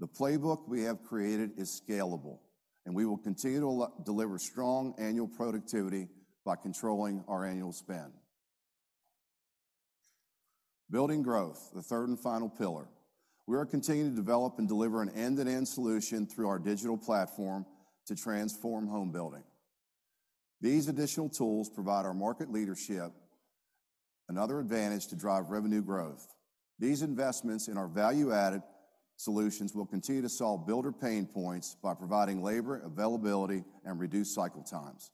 The playbook we have created is scalable, and we will continue to deliver strong annual productivity by controlling our annual spend. Building growth, the third and final pillar. We are continuing to develop and deliver an end-to-end solution through our digital platform to transform home building. These additional tools provide our market leadership another advantage to drive revenue growth. These investments in our value-added solutions will continue to solve builder pain points by providing labor availability and reduced cycle times.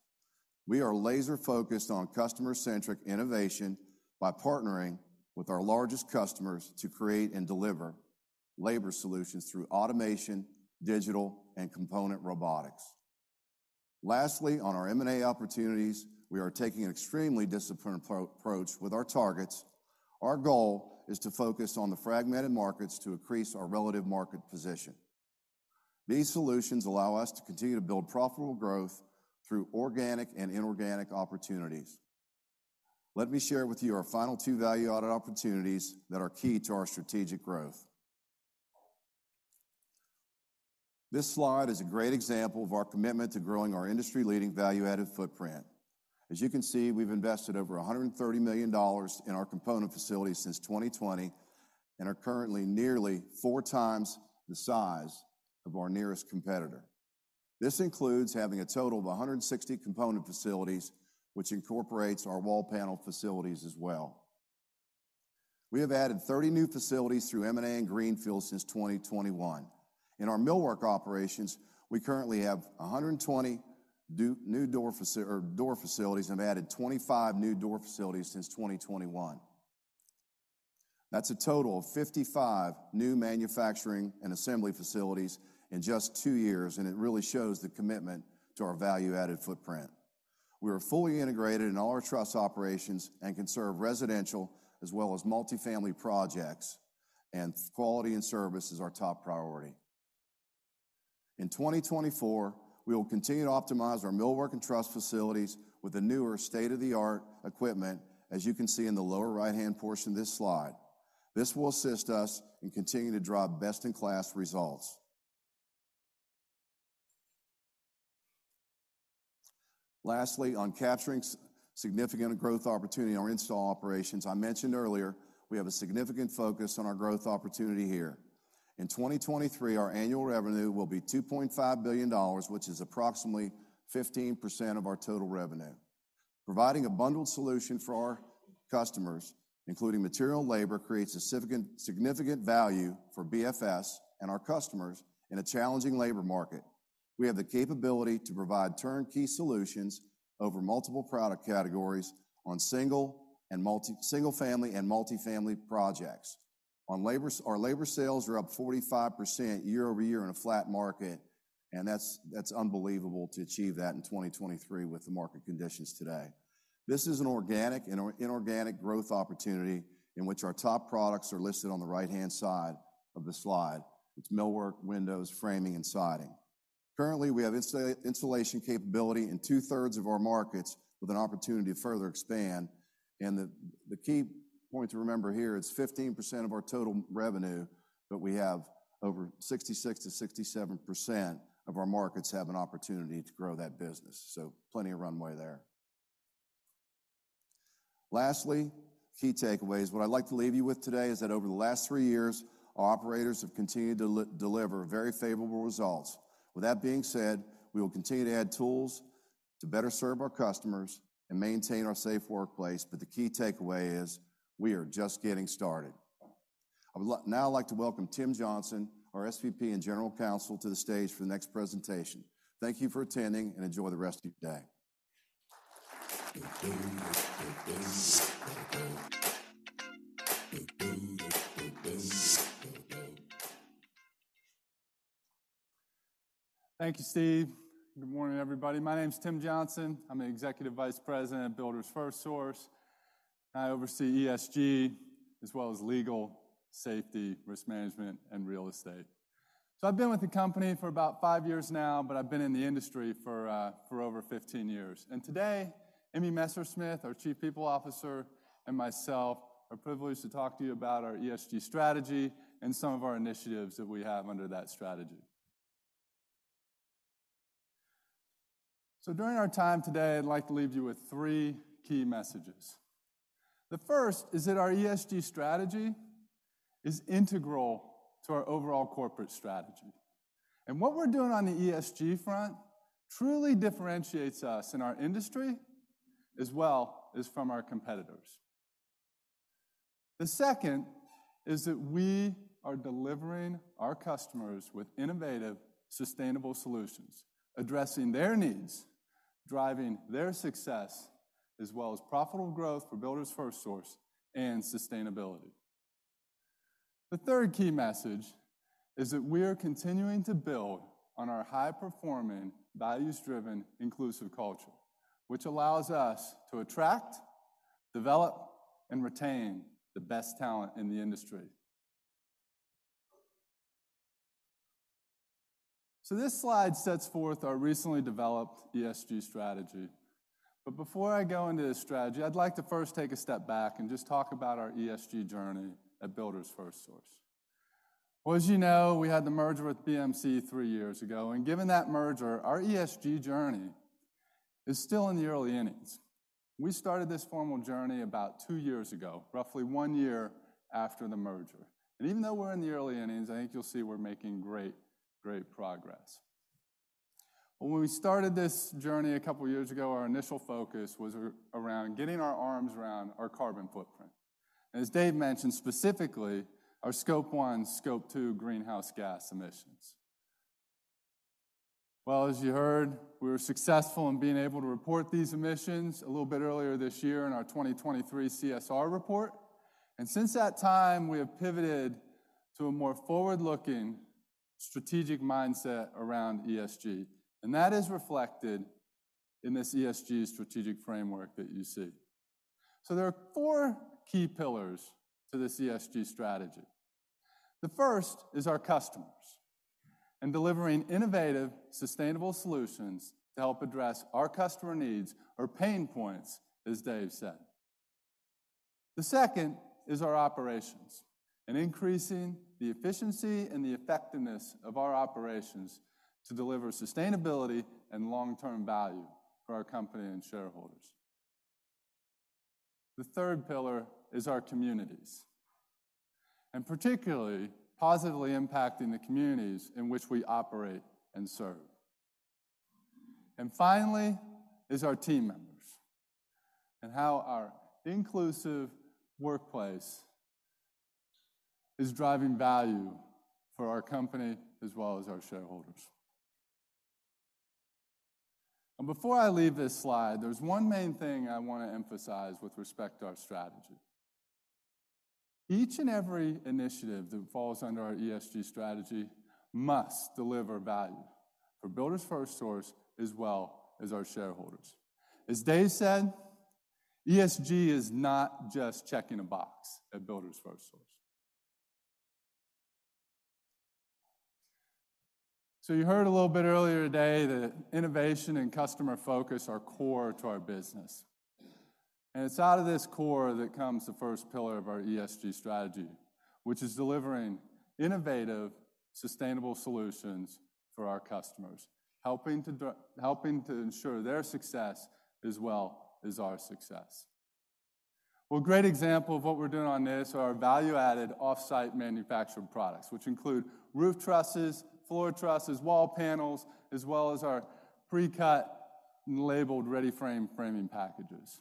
We are laser-focused on customer-centric innovation by partnering with our largest customers to create and deliver labor solutions through automation, digital, and component robotics. Lastly, on our M&A opportunities, we are taking an extremely disciplined approach with our targets. Our goal is to focus on the fragmented markets to increase our relative market position. These solutions allow us to continue to build profitable growth through organic and inorganic opportunities. Let me share with you our final two value-added opportunities that are key to our strategic growth. This slide is a great example of our commitment to growing our industry-leading value-added footprint. As you can see, we've invested over $130 million in our component facilities since 2020, and are currently nearly 4x the size of our nearest competitor. This includes having a total of 160 component facilities, which incorporates our wall panel facilities as well. We have added 30 new facilities through M&A and greenfield since 2021. In our millwork operations, we currently have 120 door facilities and have added 25 new door facilities since 2021. That's a total of 55 new manufacturing and assembly facilities in just two years, and it really shows the commitment to our value-added footprint. We are fully integrated in all our truss operations and can serve residential as well as multifamily projects, and quality and service is our top priority. In 2024, we will continue to optimize our millwork and truss facilities with the newer state-of-the-art equipment, as you can see in the lower right-hand portion of this slide. This will assist us in continuing to drive best-in-class results. Lastly, on capturing significant growth opportunity in our install operations, I mentioned earlier, we have a significant focus on our growth opportunity here. In 2023, our annual revenue will be $2.5 billion, which is approximately 15% of our total revenue. Providing a bundled solution for our customers, including material and labor, creates a significant, significant value for BFS and our customers in a challenging labor market. We have the capability to provide turnkey solutions over multiple product categories on single-family and multifamily projects. On labor, our labor sales are up 45% year-over-year in a flat market, and that's, that's unbelievable to achieve that in 2023 with the market conditions today. This is an organic and inorganic growth opportunity in which our top products are listed on the right-hand side of the slide. It's millwork, windows, framing, and siding. Currently, we have insulation capability in two-thirds of our markets with an opportunity to further expand, and the key point to remember here, it's 15% of our total revenue, but we have over 66%-67% of our markets have an opportunity to grow that business, so plenty of runway there. Lastly, key takeaways. What I'd like to leave you with today is that over the last three years, our operators have continued to deliver very favorable results. With that being said, we will continue to add tools to better serve our customers and maintain our safe workplace, but the key takeaway is we are just getting started. Now I'd like to welcome Tim Johnson, our SVP and General Counsel, to the stage for the next presentation. Thank you for attending, and enjoy the rest of your day. Thank you, Steve. Good morning, everybody. My name's Tim Johnson. I'm the Executive Vice President at Builders FirstSource. I oversee ESG, as well as legal, safety, risk management, and real estate. So I've been with the company for about five years now, but I've been in the industry for over 15 years. And today, Amy Messersmith, our Chief People Officer, and myself are privileged to talk to you about our ESG strategy and some of our initiatives that we have under that strategy. So during our time today, I'd like to leave you with three key messages. The first is that our ESG strategy is integral to our overall corporate strategy. And what we're doing on the ESG front truly differentiates us in our industry, as well as from our competitors. The second is that we are delivering our customers with innovative, sustainable solutions, addressing their needs, driving their success, as well as profitable growth for Builders FirstSource and sustainability. The third key message is that we are continuing to build on our high-performing, values-driven, inclusive culture, which allows us to attract, develop, and retain the best talent in the industry. So this slide sets forth our recently developed ESG strategy. But before I go into this strategy, I'd like to first take a step back and just talk about our ESG journey at Builders FirstSource. Well, as you know, we had the merger with BMC three years ago, and given that merger, our ESG journey is still in the early innings. We started this formal journey about two years ago, roughly one year after the merger. Even though we're in the early innings, I think you'll see we're making great, great progress. When we started this journey a couple of years ago, our initial focus was around getting our arms around our carbon footprint, and as Dave mentioned, specifically, our Scope One, Scope Two greenhouse gas emissions. Well, as you heard, we were successful in being able to report these emissions a little bit earlier this year in our 2023 CSR report. Since that time, we have pivoted to a more forward-looking strategic mindset around ESG, and that is reflected in this ESG strategic framework that you see. There are four key pillars to this ESG strategy. The first is our customers, and delivering innovative, sustainable solutions to help address our customer needs or pain points, as Dave said. The second is our operations, and increasing the efficiency and the effectiveness of our operations to deliver sustainability and long-term value for our company and shareholders. The third pillar is our communities, and particularly, positively impacting the communities in which we operate and serve. And finally, is our team members, and how our inclusive workplace is driving value for our company as well as our shareholders. Before I leave this slide, there's one main thing I want to emphasize with respect to our strategy. Each and every initiative that falls under our ESG strategy must deliver value for Builders FirstSource as well as our shareholders. As Dave said, ESG is not just checking a box at Builders FirstSource. You heard a little bit earlier today that innovation and customer focus are core to our business. And it's out of this core that comes the first pillar of our ESG strategy, which is delivering innovative, sustainable solutions for our customers, helping to ensure their success as well as our success. Well, a great example of what we're doing on this are our value-added off-site manufactured products, which include roof trusses, floor trusses, wall panels, as well as our pre-cut and labeled Ready-Frame framing packages.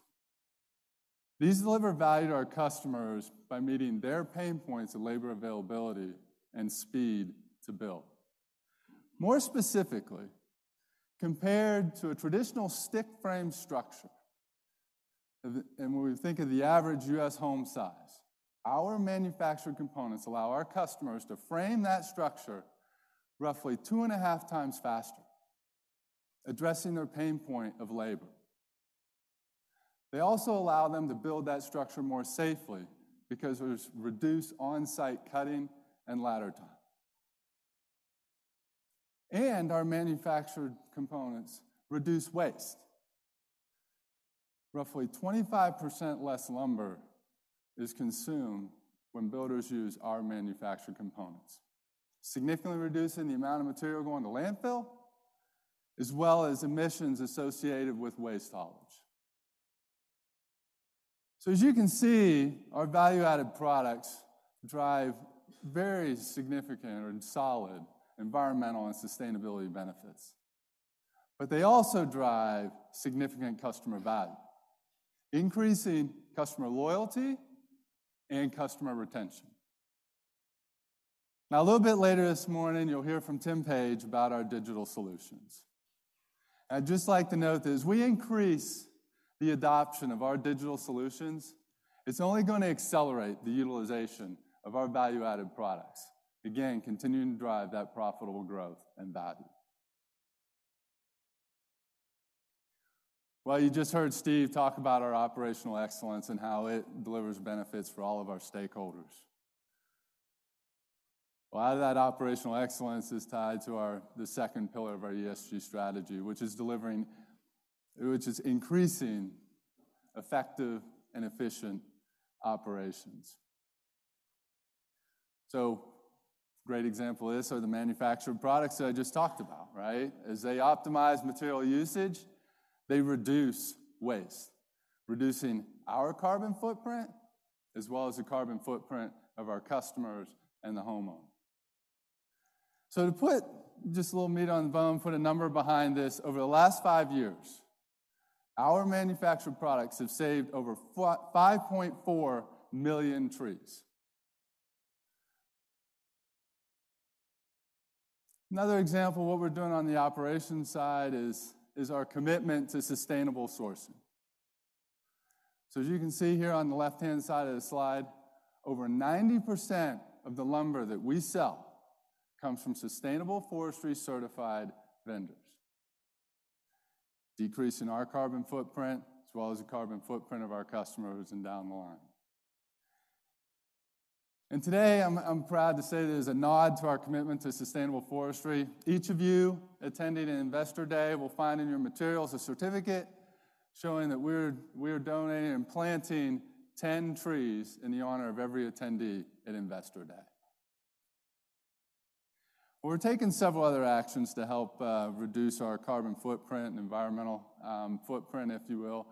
These deliver value to our customers by meeting their pain points of labor availability and speed to build. More specifically, compared to a traditional stick frame structure, and when we think of the average U.S. home size, our manufactured components allow our customers to frame that structure roughly 2.5 times faster, addressing their pain point of labor. They also allow them to build that structure more safely because there's reduced on-site cutting and ladder time. Our manufactured components reduce waste. Roughly 25% less lumber is consumed when builders use our manufactured components, significantly reducing the amount of material going to landfill, as well as emissions associated with waste haulage. So as you can see, our value-added products drive very significant and solid environmental and sustainability benefits, but they also drive significant customer value, increasing customer loyalty and customer retention. Now, a little bit later this morning, you'll hear from Tim Page about our digital solutions. I'd just like to note that as we increase the adoption of our digital solutions, it's only going to accelerate the utilization of our value-added products. Again, continuing to drive that profitable growth and value.... Well, you just heard Steve talk about our Operational Excellence and how it delivers benefits for all of our stakeholders. Well, a lot of that Operational Excellence is tied to our, the second pillar of our ESG strategy, which is delivering, which is increasing effective and efficient operations. So great example is, are the manufactured products that I just talked about, right? As they optimize material usage, they reduce waste, reducing our carbon footprint, as well as the carbon footprint of our customers and the homeowner. So to put just a little meat on the bone, put a number behind this, over the last five years, our manufactured products have saved over 5.4 million trees. Another example of what we're doing on the operations side is, is our commitment to sustainable sourcing. So as you can see here on the left-hand side of the slide, over 90% of the lumber that we sell comes from sustainable forestry-certified vendors, decreasing our carbon footprint, as well as the carbon footprint of our customers and down the line. And today, I'm proud to say there's a nod to our commitment to sustainable forestry. Each of you attending an Investor Day will find in your materials a certificate showing that we're donating and planting 10 trees in the honor of every attendee at Investor Day. We're taking several other actions to help reduce our carbon footprint and environmental footprint, if you will,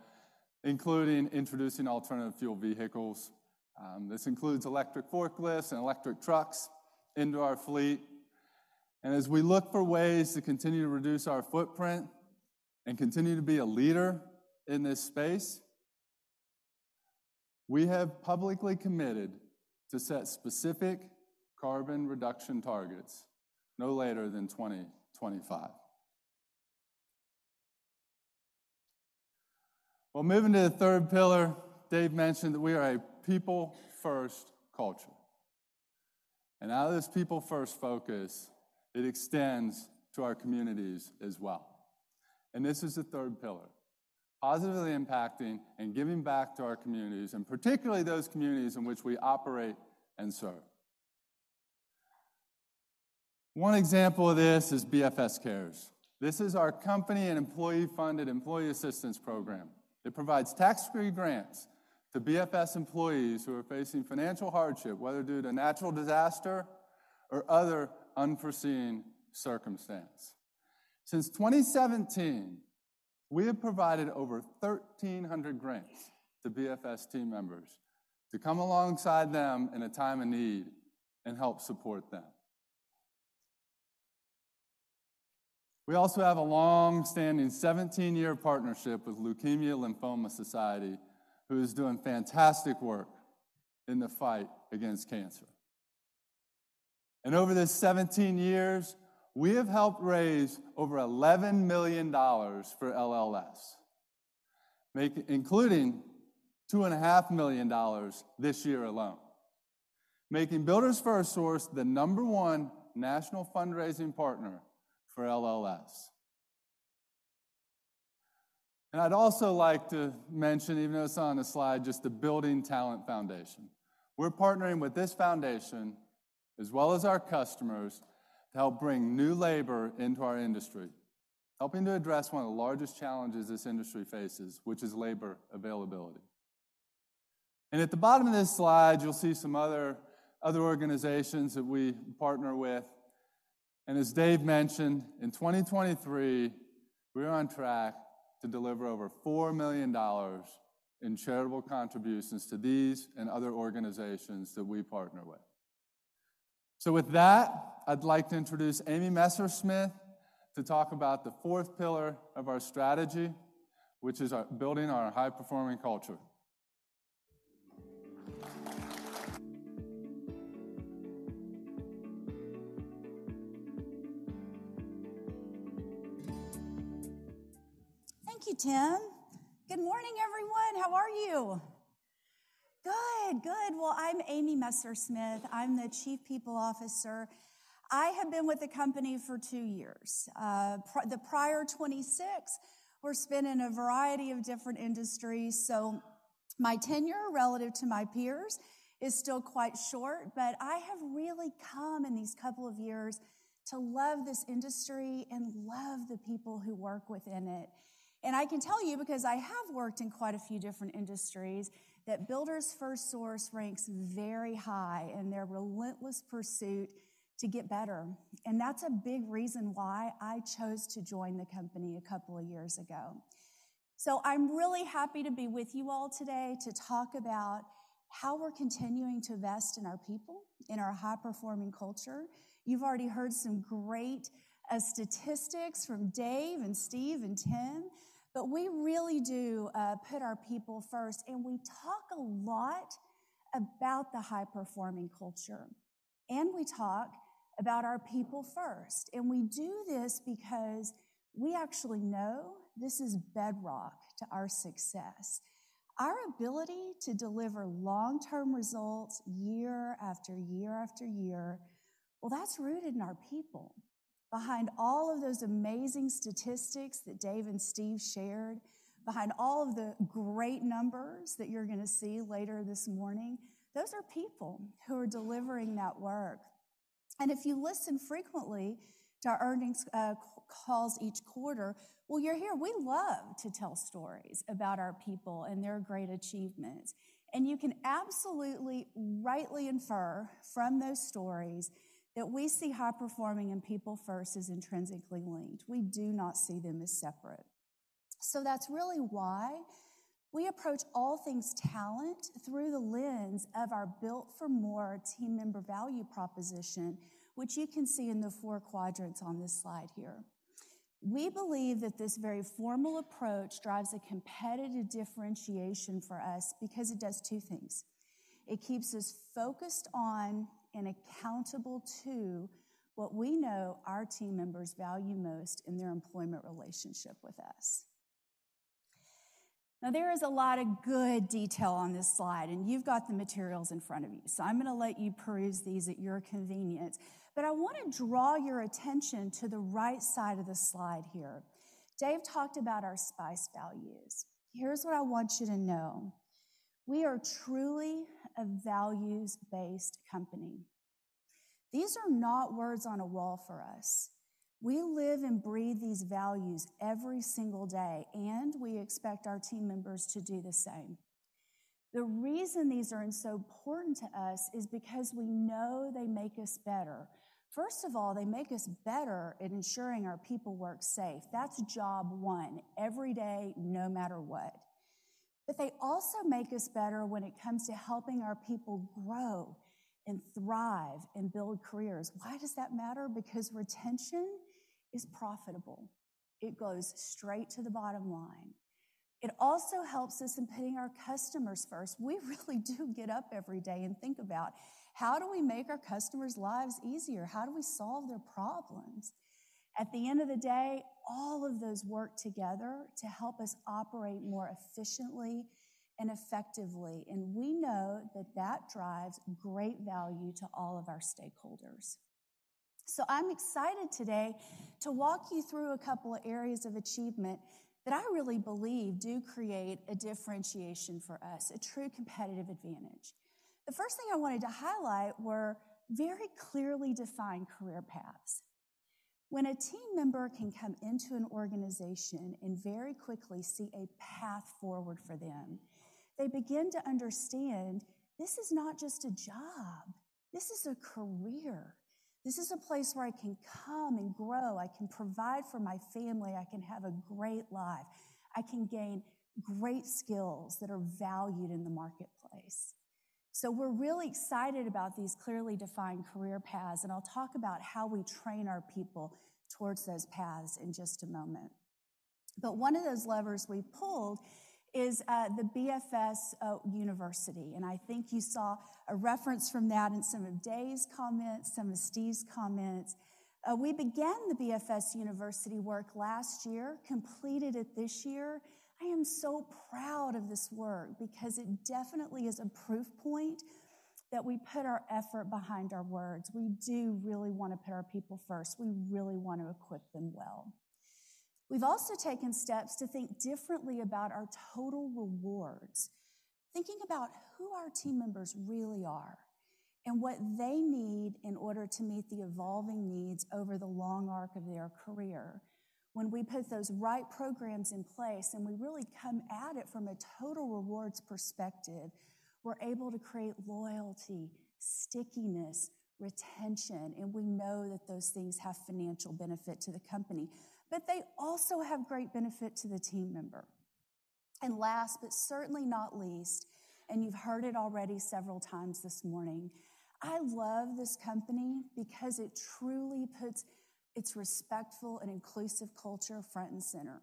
including introducing alternative fuel vehicles. This includes electric forklifts and electric trucks into our fleet. And as we look for ways to continue to reduce our footprint and continue to be a leader in this space, we have publicly committed to set specific carbon reduction targets no later than 2025. Well, moving to the third pillar, Dave mentioned that we are a people-first culture, and out of this people-first focus, it extends to our communities as well. And this is the third pillar, positively impacting and giving back to our communities, and particularly those communities in which we operate and serve. One example of this is BFS Cares. This is our company and employee-funded employee assistance program. It provides tax-free grants to BFS employees who are facing financial hardship, whether due to natural disaster or other unforeseen circumstance. Since 2017, we have provided over 1,300 grants to BFS team members to come alongside them in a time of need and help support them. We also have a long-standing 17-year partnership with Leukemia & Lymphoma Society, who is doing fantastic work in the fight against cancer. And over this 17 years, we have helped raise over $11 million for LLS, including $2.5 million this year alone, making Builders FirstSource the number one national fundraising partner for LLS. And I'd also like to mention, even though it's not on the slide, just the Building Talent Foundation. We're partnering with this foundation, as well as our customers, to help bring new labor into our industry, helping to address one of the largest challenges this industry faces, which is labor availability. At the bottom of this slide, you'll see some other organizations that we partner with. As Dave mentioned, in 2023, we are on track to deliver over $4 million in charitable contributions to these and other organizations that we partner with. With that, I'd like to introduce Amy Messersmith to talk about the fourth pillar of our strategy, which is building our high-performing culture. Thank you, Tim. Good morning, everyone. How are you? Good, good. Well, I'm Amy Messersmith. I'm the Chief People Officer. I have been with the company for two years. The prior 26 were spent in a variety of different industries, so my tenure relative to my peers is still quite short, but I have really come in these couple of years to love this industry and love the people who work within it. And I can tell you, because I have worked in quite a few different industries, that Builders FirstSource ranks very high in their relentless pursuit to get better, and that's a big reason why I chose to join the company a couple of years ago. So I'm really happy to be with you all today to talk about how we're continuing to invest in our people, in our high-performing culture. You've already heard some great statistics from Dave and Steve and Tim, but we really do put our people first, and we talk a lot about the high-performing culture, and we talk about our people first. And we do this because we actually know this is bedrock to our success. Our ability to deliver long-term results year after year after year, well, that's rooted in our people. Behind all of those amazing statistics that Dave and Steve shared, behind all of the great numbers that you're gonna see later this morning, those are people who are delivering that work. And if you listen frequently to our earnings calls each quarter, well, you'll hear we love to tell stories about our people and their great achievements. And you can absolutely rightly infer from those stories that we see high performing and people first as intrinsically linked. We do not see them as separate. So that's really why we approach all things talent through the lens of our Built for More team member value proposition, which you can see in the four quadrants on this slide here. We believe that this very formal approach drives a competitive differentiation for us because it does two things: It keeps us focused on and accountable to what we know our team members value most in their employment relationship with us. Now, there is a lot of good detail on this slide, and you've got the materials in front of you, so I'm gonna let you peruse these at your convenience, but I wanna draw your attention to the right side of the slide here. Dave talked about our SPICE values. Here's what I want you to know: We are truly a values-based company. These are not words on a wall for us. We live and breathe these values every single day, and we expect our team members to do the same. The reason these are so important to us is because we know they make us better. First of all, they make us better at ensuring our people work safe. That's job one every day, no matter what. But they also make us better when it comes to helping our people grow and thrive and build careers. Why does that matter? Because retention is profitable. It goes straight to the bottom line. It also helps us in putting our customers first. We really do get up every day and think about: how do we make our customers' lives easier? How do we solve their problems? At the end of the day, all of those work together to help us operate more efficiently and effectively, and we know that that drives great value to all of our stakeholders. So I'm excited today to walk you through a couple of areas of achievement that I really believe do create a differentiation for us, a true competitive advantage. The first thing I wanted to highlight were very clearly defined career paths. When a team member can come into an organization and very quickly see a path forward for them, they begin to understand, this is not just a job, this is a career. This is a place where I can come and grow. I can provide for my family. I can have a great life. I can gain great skills that are valued in the marketplace. So we're really excited about these clearly defined career paths, and I'll talk about how we train our people towards those paths in just a moment. But one of those levers we pulled is, the BFS University, and I think you saw a reference from that in some of Dave's comments, some of Steve's comments. We began the BFS University work last year, completed it this year. I am so proud of this work because it definitely is a proof point that we put our effort behind our words. We do really wanna put our people first. We really want to equip them well. We've also taken steps to think differently about our total rewards. Thinking about who our team members really are and what they need in order to meet the evolving needs over the long arc of their career. When we put those right programs in place, and we really come at it from a total rewards perspective, we're able to create loyalty, stickiness, retention, and we know that those things have financial benefit to the company, but they also have great benefit to the team member. And last, but certainly not least, and you've heard it already several times this morning, I love this company because it truly puts its respectful and inclusive culture front and center.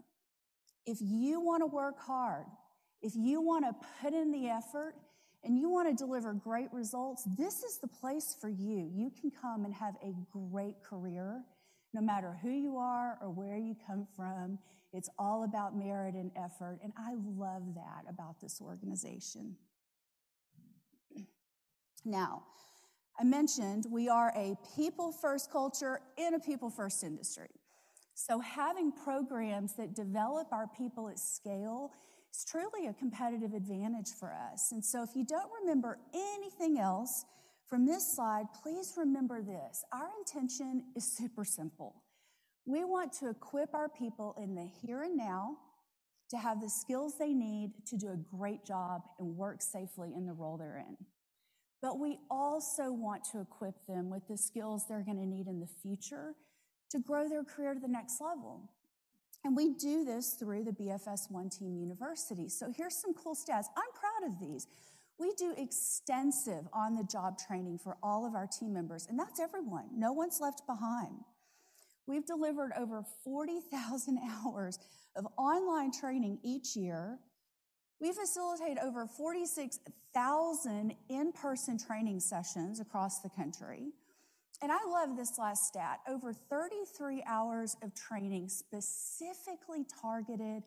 If you wanna work hard, if you wanna put in the effort, and you wanna deliver great results, this is the place for you. You can come and have a great career, no matter who you are or where you come from. It's all about merit and effort, and I love that about this organization. Now, I mentioned we are a people-first culture in a people-first industry. So having programs that develop our people at scale is truly a competitive advantage for us. And so if you don't remember anything else from this slide, please remember this: Our intention is super simple. We want to equip our people in the here and now to have the skills they need to do a great job and work safely in the role they're in. But we also want to equip them with the skills they're gonna need in the future to grow their career to the next level, and we do this through the BFS One Team University. So here's some cool stats. I'm proud of these. We do extensive on-the-job training for all of our team members, and that's everyone. No one's left behind. We've delivered over 40,000 hours of online training each year. We facilitate over 46,000 in-person training sessions across the country.... And I love this last stat. Over 33 hours of training specifically targeted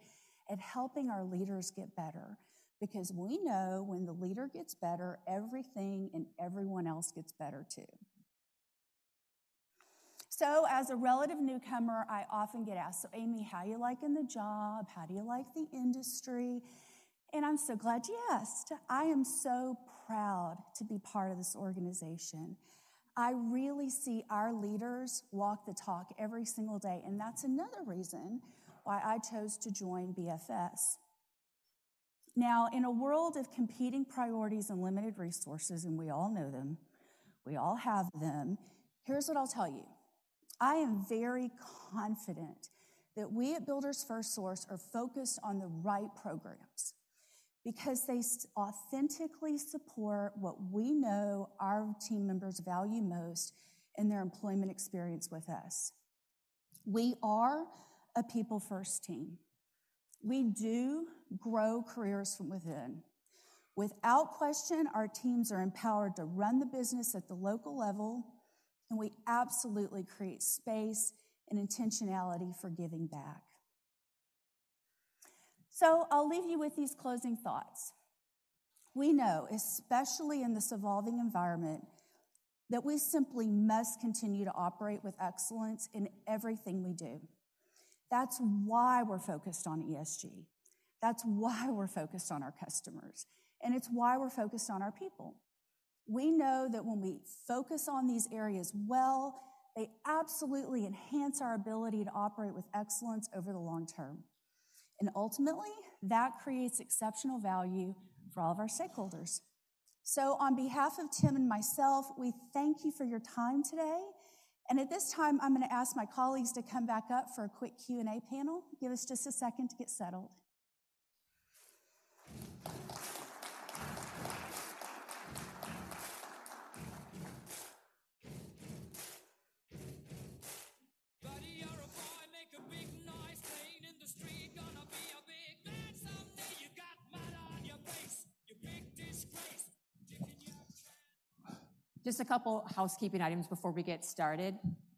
at helping our leaders get better, because we know when the leader gets better, everything and everyone else gets better, too. So as a relative newcomer, I often get asked: "So Amy, how you liking the job? How do you like the industry?" And I'm so glad you asked. I am so proud to be part of this organization. I really see our leaders walk the talk every single day, and that's another reason why I chose to join BFS. Now, in a world of competing priorities and limited resources, and we all know them, we all have them, here's what I'll tell you. I am very confident that we at Builders FirstSource are focused on the right programs because they authentically support what we know our team members value most in their employment experience with us. We are a people-first team. We do grow careers from within. Without question, our teams are empowered to run the business at the local level, and we absolutely create space and intentionality for giving back. So I'll leave you with these closing thoughts. We know, especially in this evolving environment, that we simply must continue to operate with excellence in everything we do. That's why we're focused on ESG, that's why we're focused on our customers, and it's why we're focused on our people. We know that when we focus on these areas well, they absolutely enhance our ability to operate with excellence over the long term, and ultimately, that creates exceptional value for all of our stakeholders. So on behalf of Tim and myself, we thank you for your time today, and at this time, I'm gonna ask my colleagues to come back up for a quick Q&A panel. Give us just a second to get settled. Buddy, you're a boy, make a big noise, Playing in the street, gonna be a big man someday! You got mud on your face, You big disgrace, Kicking your can... Just a couple housekeeping items before we get started.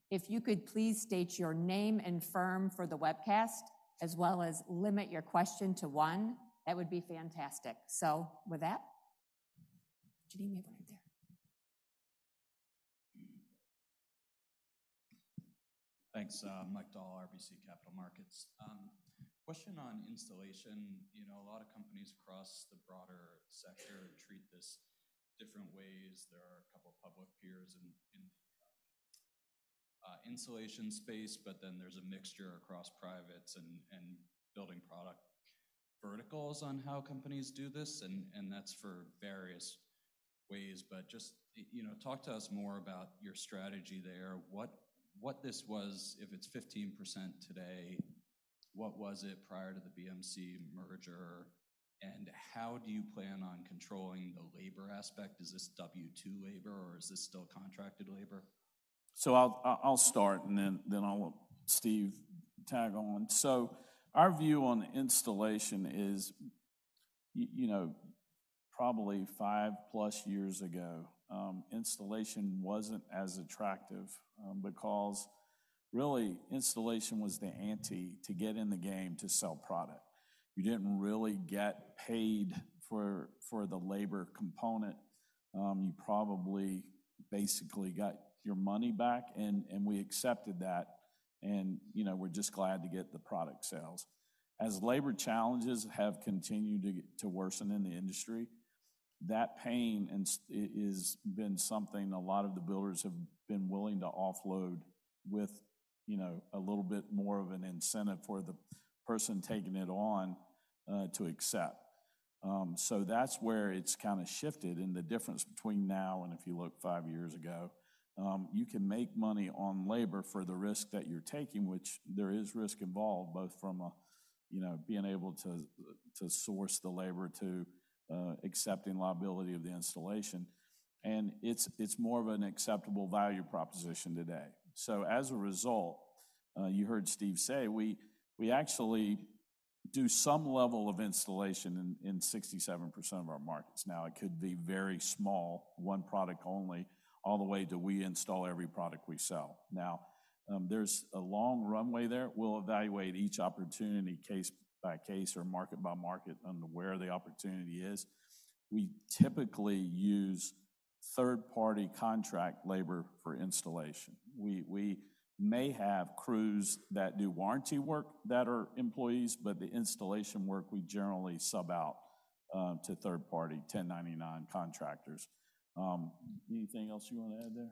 If you could please state your name and firm for the webcast, as well as limit your question to one, that would be fantastic. So with that... Janine, we have one right there. Thanks, Mike Dahl, RBC Capital Markets. Question on installation. You know, a lot of companies across the broader sector treat this different ways. There are a couple public peers in the insulation space, but then there's a mixture across privates and building product verticals on how companies do this, and that's for various ways. But just, you know, talk to us more about your strategy there. What this was, if it's 15% today, what was it prior to the BMC merger, and how do you plan on controlling the labor aspect? Is this W-2 labor or is this still contracted labor? So I'll start and then I'll Steve tag on. So our view on installation is you know, probably 5 plus years ago, installation wasn't as attractive, because really, installation was the ante to get in the game to sell product. You didn't really get paid for the labor component. You probably basically got your money back and we accepted that, and you know, we're just glad to get the product sales. As labor challenges have continued to worsen in the industry, that pain and it has been something a lot of the builders have been willing to offload with you know, a little bit more of an incentive for the person taking it on, to accept. So that's where it's kinda shifted, and the difference between now and if you look 5 years ago, you can make money on labor for the risk that you're taking, which there is risk involved, both from a, you know, being able to source the labor, to accepting liability of the installation, and it's, it's more of an acceptable value proposition today. So as a result, you heard Steve say, we, we actually do some level of installation in 67% of our markets. Now, it could be very small, 1 product only, all the way to we install every product we sell. Now, there's a long runway there. We'll evaluate each opportunity case by case or market by market on where the opportunity is. We typically use third-party contract labor for installation. We, we may have crews that do warranty work that are employees, but the installation work, we generally sub out to third party 1099 contractors. Anything else you wanna add there?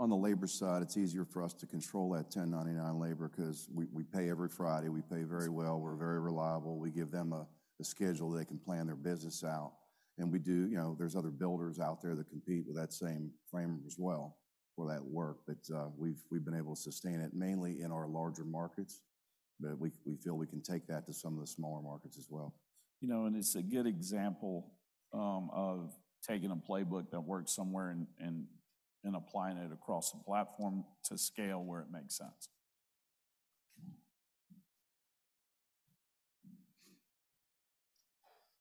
On the labor side, it's easier for us to control that 1099 labor 'cause we, we pay every Friday, we pay very well, we're very reliable. We give them a, a schedule they can plan their business out, and we do... You know, there's other builders out there that compete with that same framework as well for that work. But, we've, we've been able to sustain it mainly in our larger markets, but we, we feel we can take that to some of the smaller markets as well. You know, and it's a good example of taking a playbook that works somewhere and applying it across the platform to scale where it makes sense....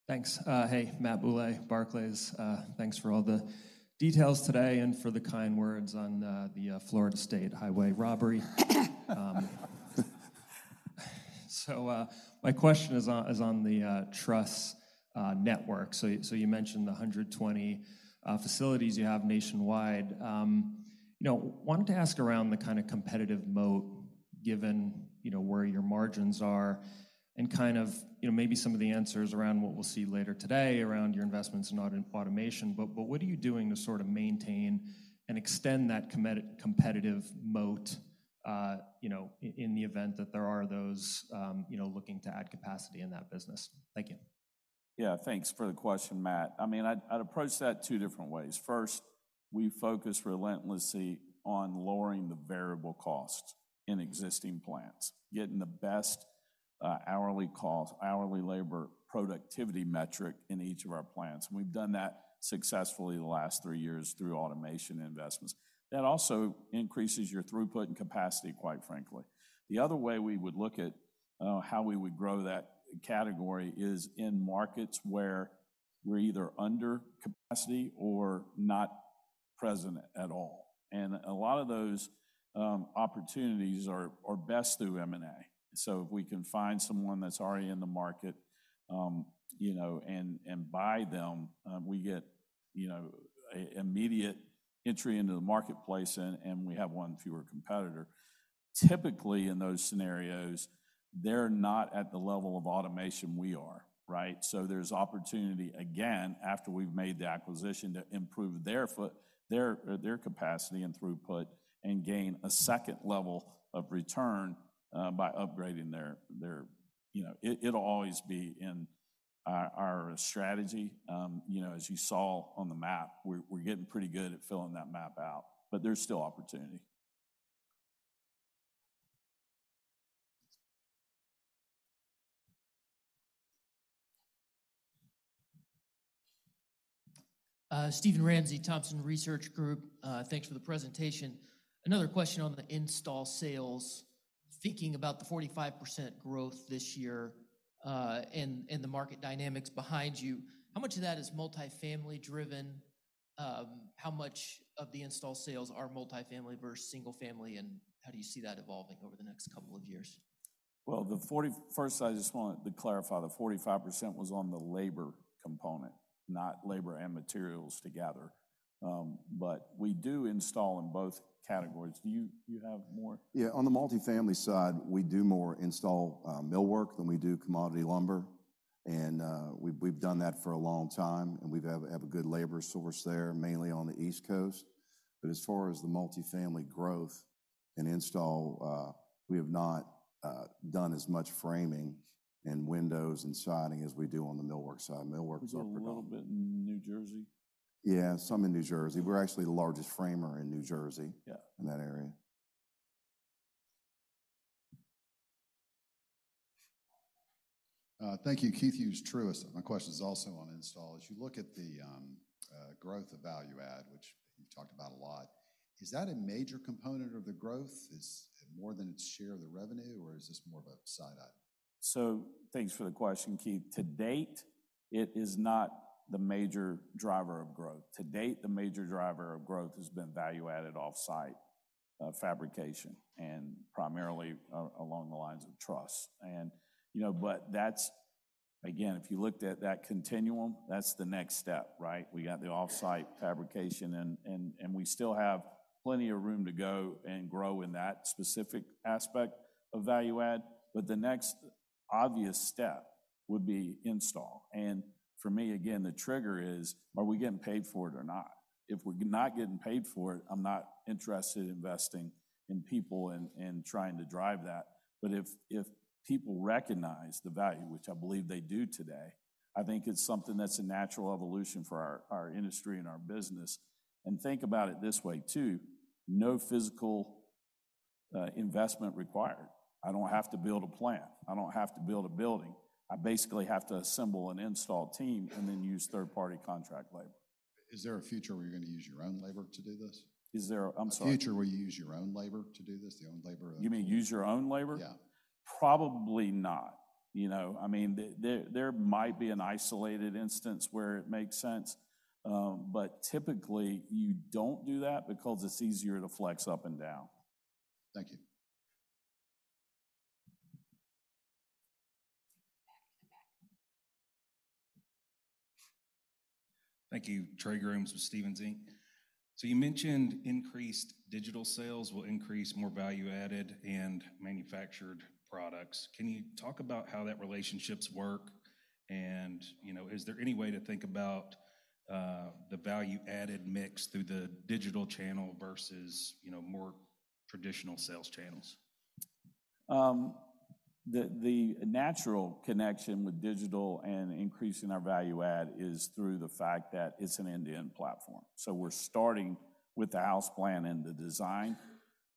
Thanks. Hey, Matt Bouley, Barclays. Thanks for all the details today and for the kind words on the Florida State Highway robbery. So my question is on the truss network. So you mentioned the 120 facilities you have nationwide. You know, wanted to ask around the kind of competitive moat given, you know, where your margins are, and kind of, you know, maybe some of the answers around what we'll see later today around your investments in automation. But what are you doing to sort of maintain and extend that competitive moat, you know, in the event that there are those, you know, looking to add capacity in that business? Thank you. Yeah, thanks for the question, Matt. I mean, I'd, I'd approach that two different ways. First, we focus relentlessly on lowering the variable costs in existing plants, getting the best hourly cost, hourly labor productivity metric in each of our plants. And we've done that successfully the last three years through automation investments. That also increases your throughput and capacity, quite frankly. The other way we would look at how we would grow that category is in markets where we're either under capacity or not present at all. And a lot of those opportunities are best through M&A. So if we can find someone that's already in the market, you know, and buy them, we get, you know, a immediate entry into the marketplace and we have one fewer competitor. Typically, in those scenarios, they're not at the level of automation we are, right? So there's opportunity, again, after we've made the acquisition, to improve their capacity and throughput and gain a second level of return by upgrading their... You know, it'll always be in our strategy. You know, as you saw on the map, we're getting pretty good at filling that map out, but there's still opportunity. Steven Ramsey, Thompson Research Group. Thanks for the presentation. Another question on the install sales. Thinking about the 45% growth this year, and, and the market dynamics behind you, how much of that is multifamily driven? How much of the install sales are multifamily versus single family, and how do you see that evolving over the next couple of years? Well, First, I just wanted to clarify, the 45% was on the labor component, not labor and materials together. But we do install in both categories. Do you have more? Yeah, on the multifamily side, we do more install millwork than we do commodity lumber, and we've done that for a long time, and we have a good labor source there, mainly on the East Coast. But as far as the multifamily growth and install, we have not done as much framing and windows and siding as we do on the millwork side. Millwork is our- We do a little bit in New Jersey. Yeah, some in New Jersey. We're actually the largest framer in New Jersey- Yeah... in that area. Thank you. Keith Hughes, Truist. My question is also on install. As you look at the growth of value add, which you talked about a lot, is that a major component of the growth? Is it more than its share of the revenue, or is this more of a side line? So thanks for the question, Keith. To date, it is not the major driver of growth. To date, the major driver of growth has been value-added offsite fabrication, and primarily along the lines of truss. And, you know, but that's, again, if you looked at that continuum, that's the next step, right? We got the offsite fabrication and we still have plenty of room to go and grow in that specific aspect of value add, but the next obvious step would be install. And for me, again, the trigger is, are we getting paid for it or not? If we're not getting paid for it, I'm not interested in investing in people and trying to drive that. But if people recognize the value, which I believe they do today, I think it's something that's a natural evolution for our industry and our business. And think about it this way, too: no physical investment required. I don't have to build a plant. I don't have to build a building. I basically have to assemble an install team and then use third-party contract labor. Is there a future where you're gonna use your own labor to do this? I'm sorry. A future where you use your own labor to do this, the own labor of- You mean use your own labor? Yeah. Probably not. You know, I mean, there might be an isolated instance where it makes sense, but typically you don't do that because it's easier to flex up and down. Thank you. In the back, in the back. Thank you. Trey Grooms with Stephens Inc. So you mentioned increased digital sales will increase more value added and manufactured products. Can you talk about how that relationships work? And, you know, is there any way to think about the value added mix through the digital channel versus, you know, more traditional sales channels? The natural connection with digital and increasing our value add is through the fact that it's an end-to-end platform. So we're starting with the house plan and the design.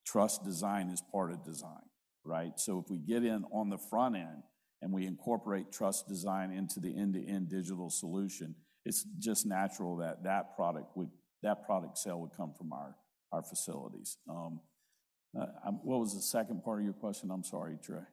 Truss design is part of design, right? So if we get in on the front end, and we incorporate truss design into the end-to-end digital solution, it's just natural that that product sale would come from our facilities. What was the second part of your question? I'm sorry, Trey.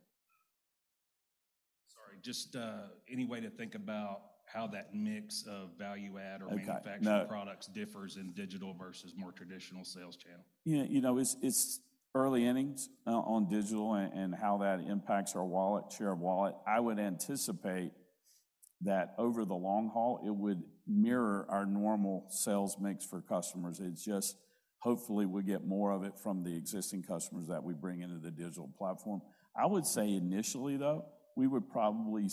Sorry, just, any way to think about how that mix of value add or- Okay, no- manufactured products differs in digital versus more traditional sales channel? Yeah, you know, it's, it's early innings on digital and how that impacts our wallet, share of wallet. I would anticipate that over the long haul, it would mirror our normal sales mix for customers. It's just hopefully we get more of it from the existing customers that we bring into the digital platform. I would say initially, though, we would probably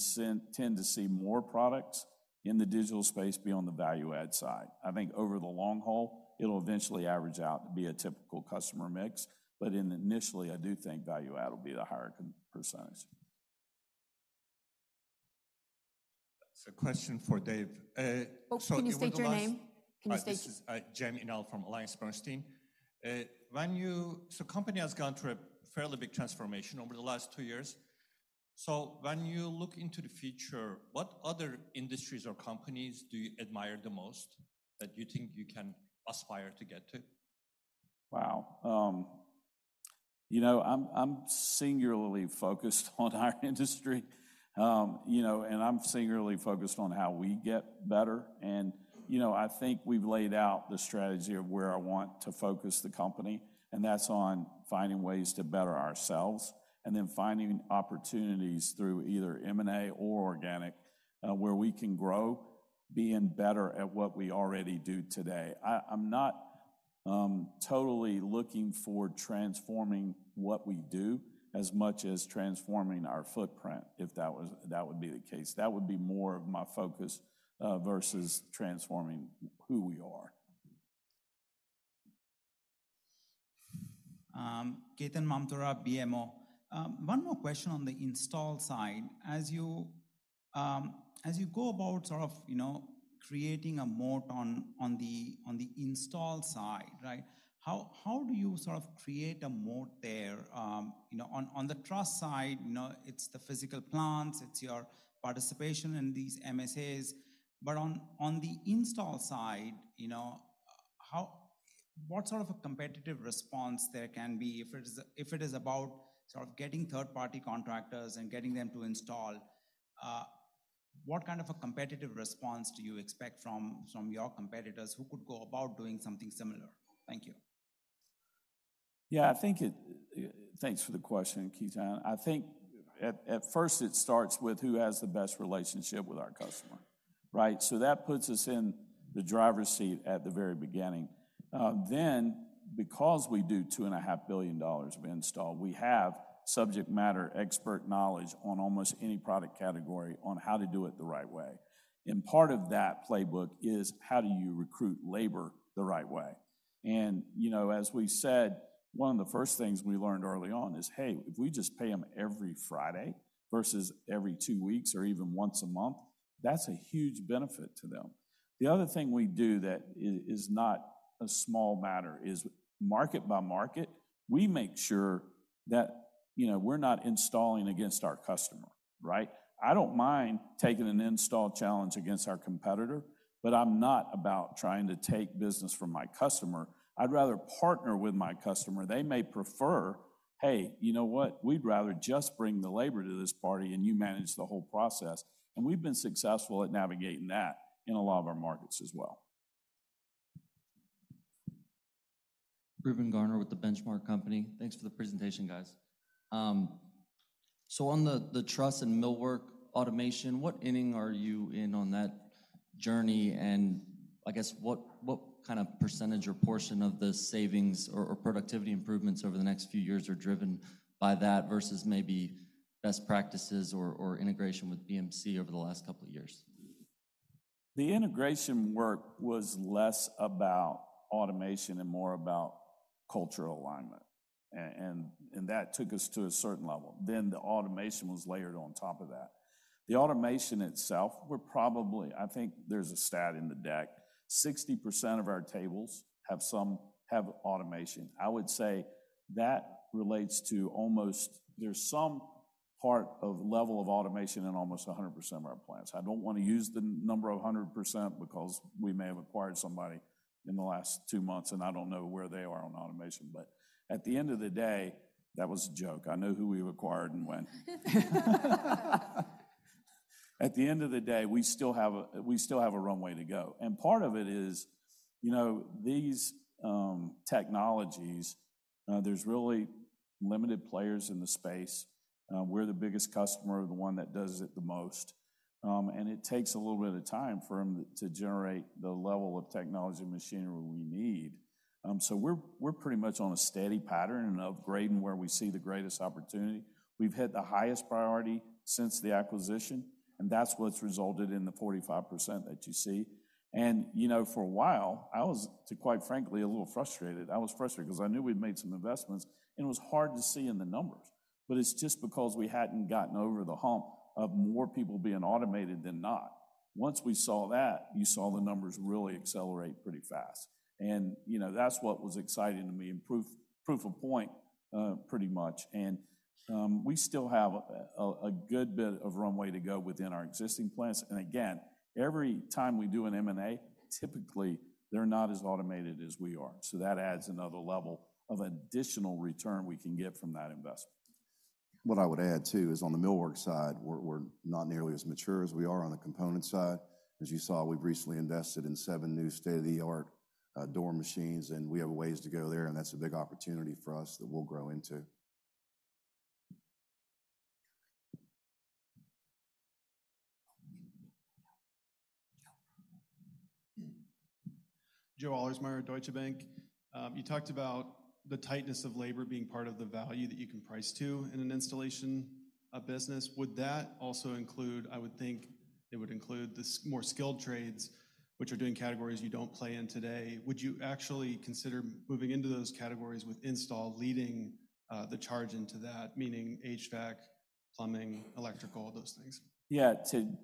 tend to see more products in the digital space be on the value add side. I think over the long haul, it'll eventually average out to be a typical customer mix, but initially, I do think value add will be the higher percentage. It's a question for Dave. So over the last- Oh, can you state your name? This is from AllianceBernstein. When you—so company has gone through a fairly big transformation over the last two years. When you look into the future, what other industries or companies do you admire the most that you think you can aspire to get to? Wow! You know, I'm singularly focused on our industry, you know, and I'm singularly focused on how we get better. You know, I think we've laid out the strategy of where I want to focus the company, and that's on finding ways to better ourselves, and then finding opportunities through either M&A or organic, where we can grow, being better at what we already do today. I'm not totally looking for transforming what we do as much as transforming our footprint, if that was, that would be the case. That would be more of my focus, versus transforming who we are. Ketan Mamtora, BMO. One more question on the install side. As you go about sort of, you know, creating a moat on the install side, right? How do you sort of create a moat there? You know, on the truss side, you know, it's the physical plants, it's your participation in these MSAs. But on the install side, you know, how—what sort of a competitive response there can be if it is, if it is about sort of getting third-party contractors and getting them to install, what kind of a competitive response do you expect from your competitors who could go about doing something similar? Thank you. Yeah, I think it... Thanks for the question, Ketan. I think at first it starts with who has the best relationship with our customer, right? So that puts us in the driver's seat at the very beginning. Then, because we do $2.5 billion of install, we have subject matter expert knowledge on almost any product category on how to do it the right way. And part of that playbook is: how do you recruit labor the right way? And, you know, as we said, one of the first things we learned early on is, hey, if we just pay them every Friday versus every two weeks or even once a month, that's a huge benefit to them. The other thing we do that is not a small matter is market by market, we make sure that, you know, we're not installing against our customer, right? I don't mind taking an install challenge against our competitor, but I'm not about trying to take business from my customer. I'd rather partner with my customer. They may prefer, "Hey, you know what? We'd rather just bring the labor to this party, and you manage the whole process." We've been successful at navigating that in a lot of our markets as well. Reuben Garner with The Benchmark Company. Thanks for the presentation, guys. So on the truss and millwork automation, what inning are you in on that journey? And I guess, what kind of percentage or portion of the savings or productivity improvements over the next few years are driven by that versus maybe best practices or integration with BMC over the last couple of years? The integration work was less about automation and more about cultural alignment, and that took us to a certain level. Then the automation was layered on top of that. The automation itself, we're probably... I think there's a stat in the deck, 60% of our tables have some automation. I would say that relates to almost, there's some level of automation in almost 100% of our plants. I don't want to use the number 100% because we may have acquired somebody in the last two months, and I don't know where they are on automation. But at the end of the day... That was a joke. I know who we acquired and when. At the end of the day, we still have a runway to go, and part of it is, you know, these technologies, there's really limited players in the space. We're the biggest customer, the one that does it the most, and it takes a little bit of time for them to generate the level of technology and machinery we need. So we're pretty much on a steady pattern and upgrading where we see the greatest opportunity. We've hit the highest priority since the acquisition, and that's what's resulted in the 45% that you see. You know, for a while, I was too, quite frankly, a little frustrated. I was frustrated because I knew we'd made some investments, and it was hard to see in the numbers, but it's just because we hadn't gotten over the hump of more people being automated than not. Once we saw that, you saw the numbers really accelerate pretty fast. And, you know, that's what was exciting to me, and proof, proof of point, pretty much. And, we still have a good bit of runway to go within our existing plants. And again, every time we do an M&A, typically, they're not as automated as we are, so that adds another level of additional return we can get from that investment.... What I would add, too, is on the millwork side, we're not nearly as mature as we are on the component side. As you saw, we've recently invested in seven new state-of-the-art, door machines, and we have a ways to go there, and that's a big opportunity for us that we'll grow into. Joe Ahlersmeyer at Deutsche Bank. You talked about the tightness of labor being part of the value that you can price to in an installation of business. Would that also include, I would think, it would include the more skilled trades, which are doing categories you don't play in today. Would you actually consider moving into those categories with install leading the charge into that, meaning HVAC, plumbing, electrical, those things? Yeah.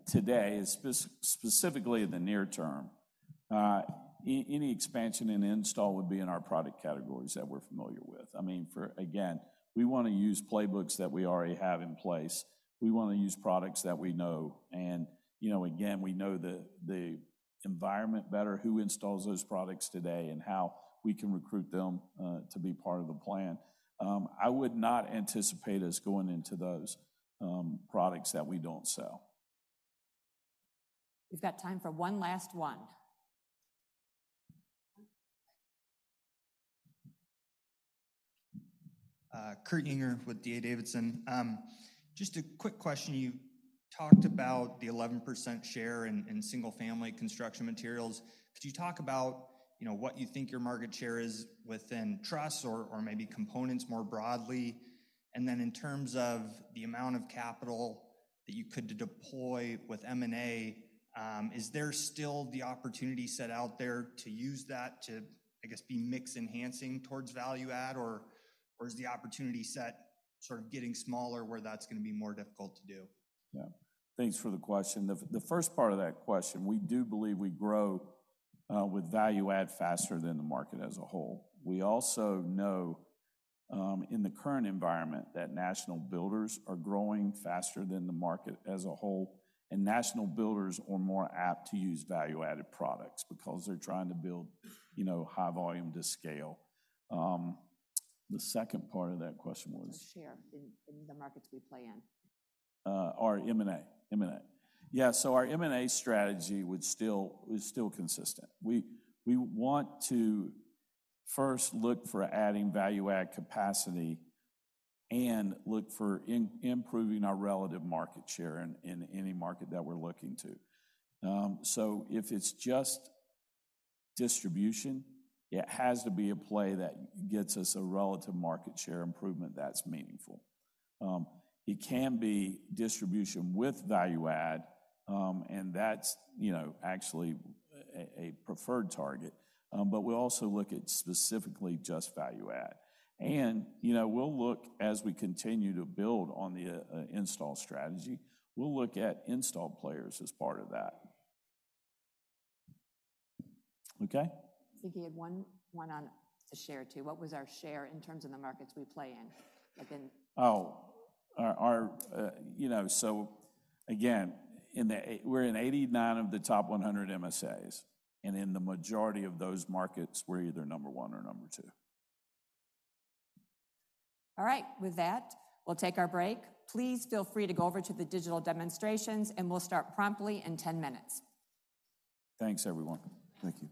Today, specifically in the near term, any expansion in install would be in our product categories that we're familiar with. I mean, for... Again, we want to use playbooks that we already have in place. We want to use products that we know, and, you know, again, we know the environment better, who installs those products today, and how we can recruit them to be part of the plan. I would not anticipate us going into those products that we don't sell. We've got time for one last one. Kurt Yinger with D.A. Davidson. Just a quick question. You talked about the 11% share in single-family construction materials. Could you talk about, you know, what you think your market share is within trusses or maybe components more broadly? And then in terms of the amount of capital that you could deploy with M&A, is there still the opportunity set out there to use that to, I guess, be mix enhancing towards value add, or is the opportunity set sort of getting smaller, where that's gonna be more difficult to do? Yeah. Thanks for the question. The first part of that question, we do believe we grow with value add faster than the market as a whole. We also know, in the current environment, that national builders are growing faster than the market as a whole, and national builders are more apt to use value-added products because they're trying to build, you know, high volume to scale. The second part of that question was? The share in the markets we play in. Our M&A. M&A. Yeah, so our M&A strategy would still, is still consistent. We, we want to first look for adding value add capacity and look for improving our relative market share in, in any market that we're looking to. So if it's just distribution, it has to be a play that gets us a relative market share improvement that's meaningful. It can be distribution with value add, and that's, you know, actually a, a preferred target. But we also look at specifically just value add. And, you know, we'll look as we continue to build on the install strategy, we'll look at install players as part of that. Okay? I think you had one on the share, too. What was our share in terms of the markets we play in? Like in- You know, so again, we're in 89 of the top 100 MSAs, and in the majority of those markets, we're either number one or number two. All right. With that, we'll take our break. Please feel free to go over to the digital demonstrations, and we'll start promptly in 10 minutes. Thanks, everyone. Thank you.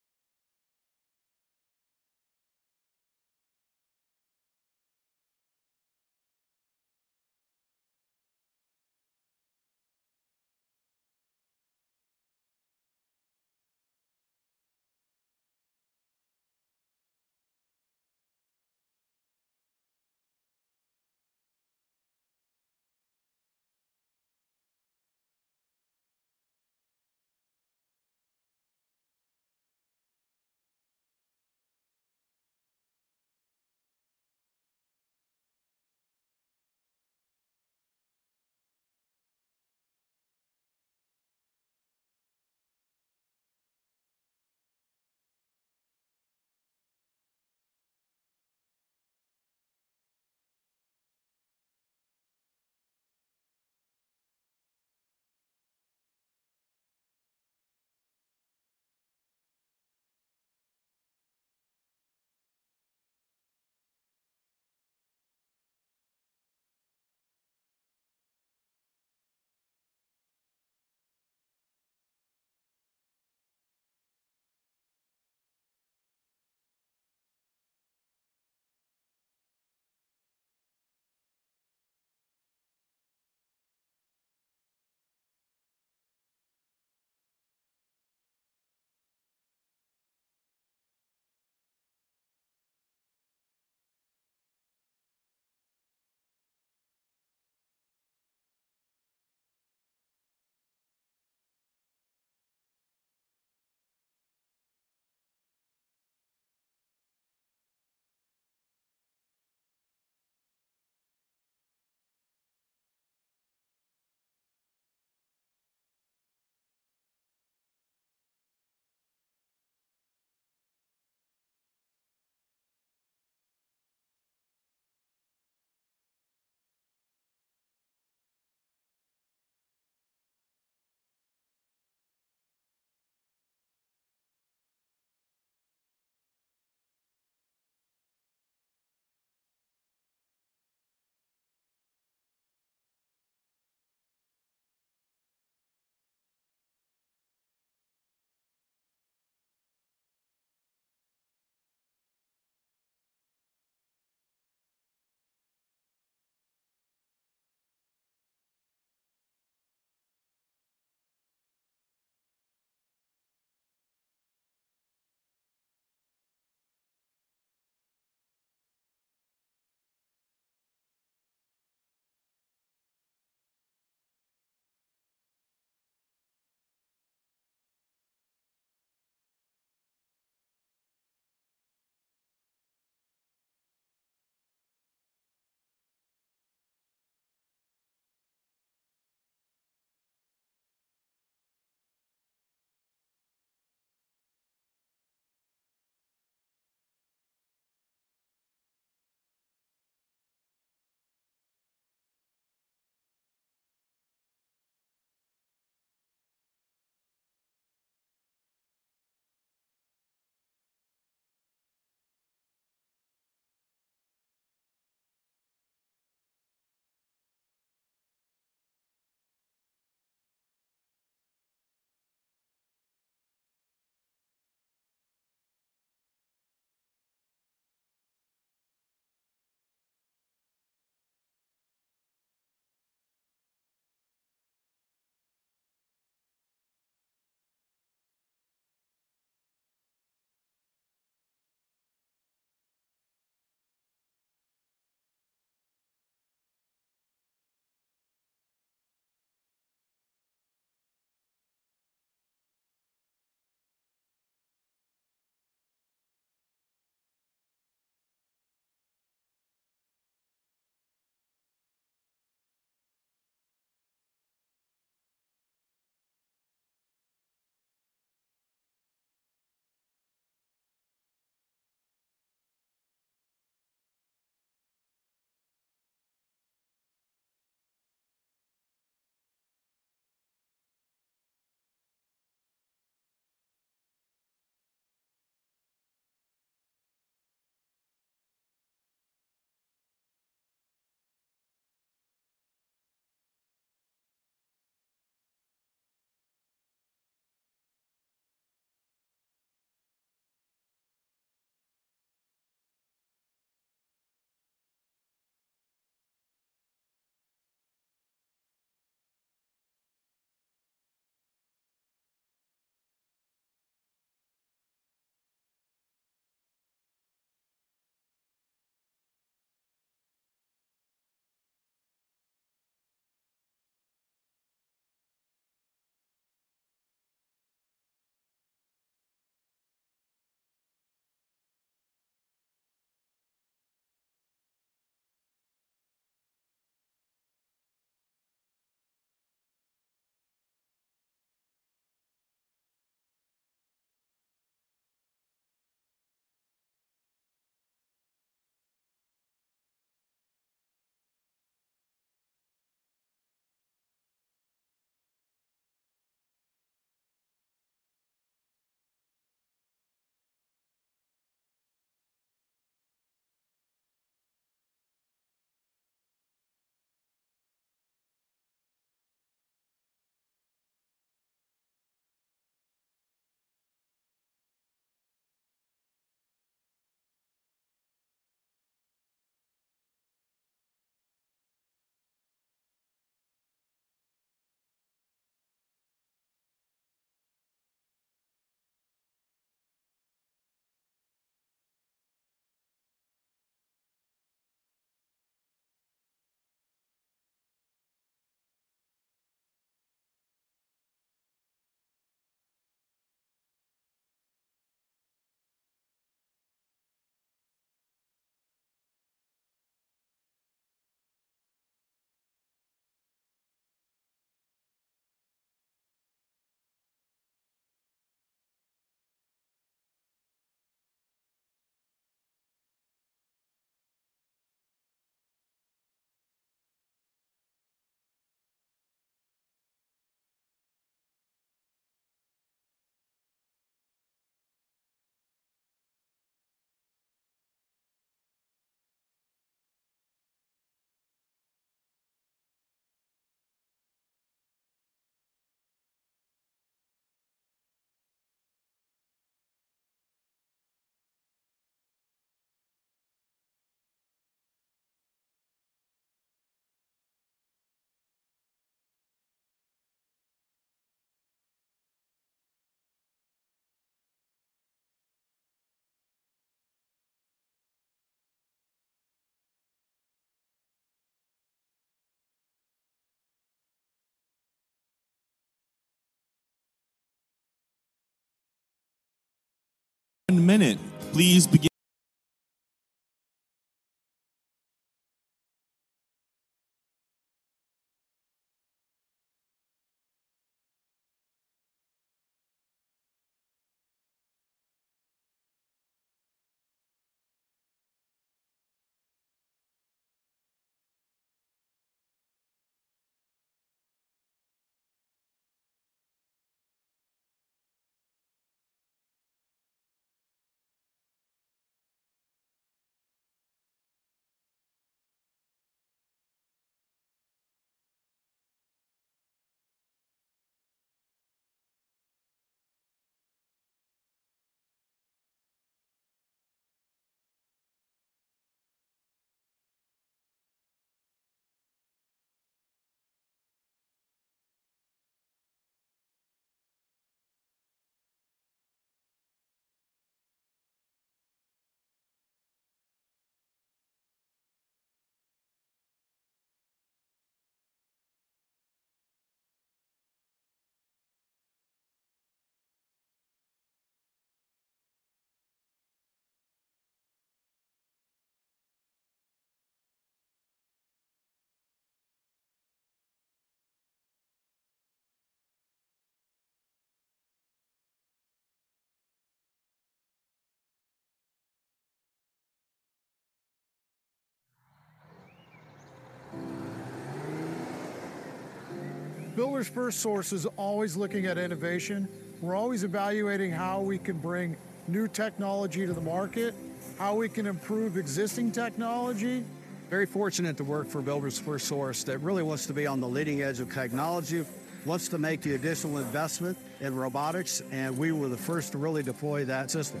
Builders FirstSource is always looking at innovation. We're always evaluating how we can bring new technology to the market, how we can improve existing technology. Very fortunate to work for Builders FirstSource, that really wants to be on the leading edge of technology, wants to make the additional investment in robotics, and we were the first to really deploy that system.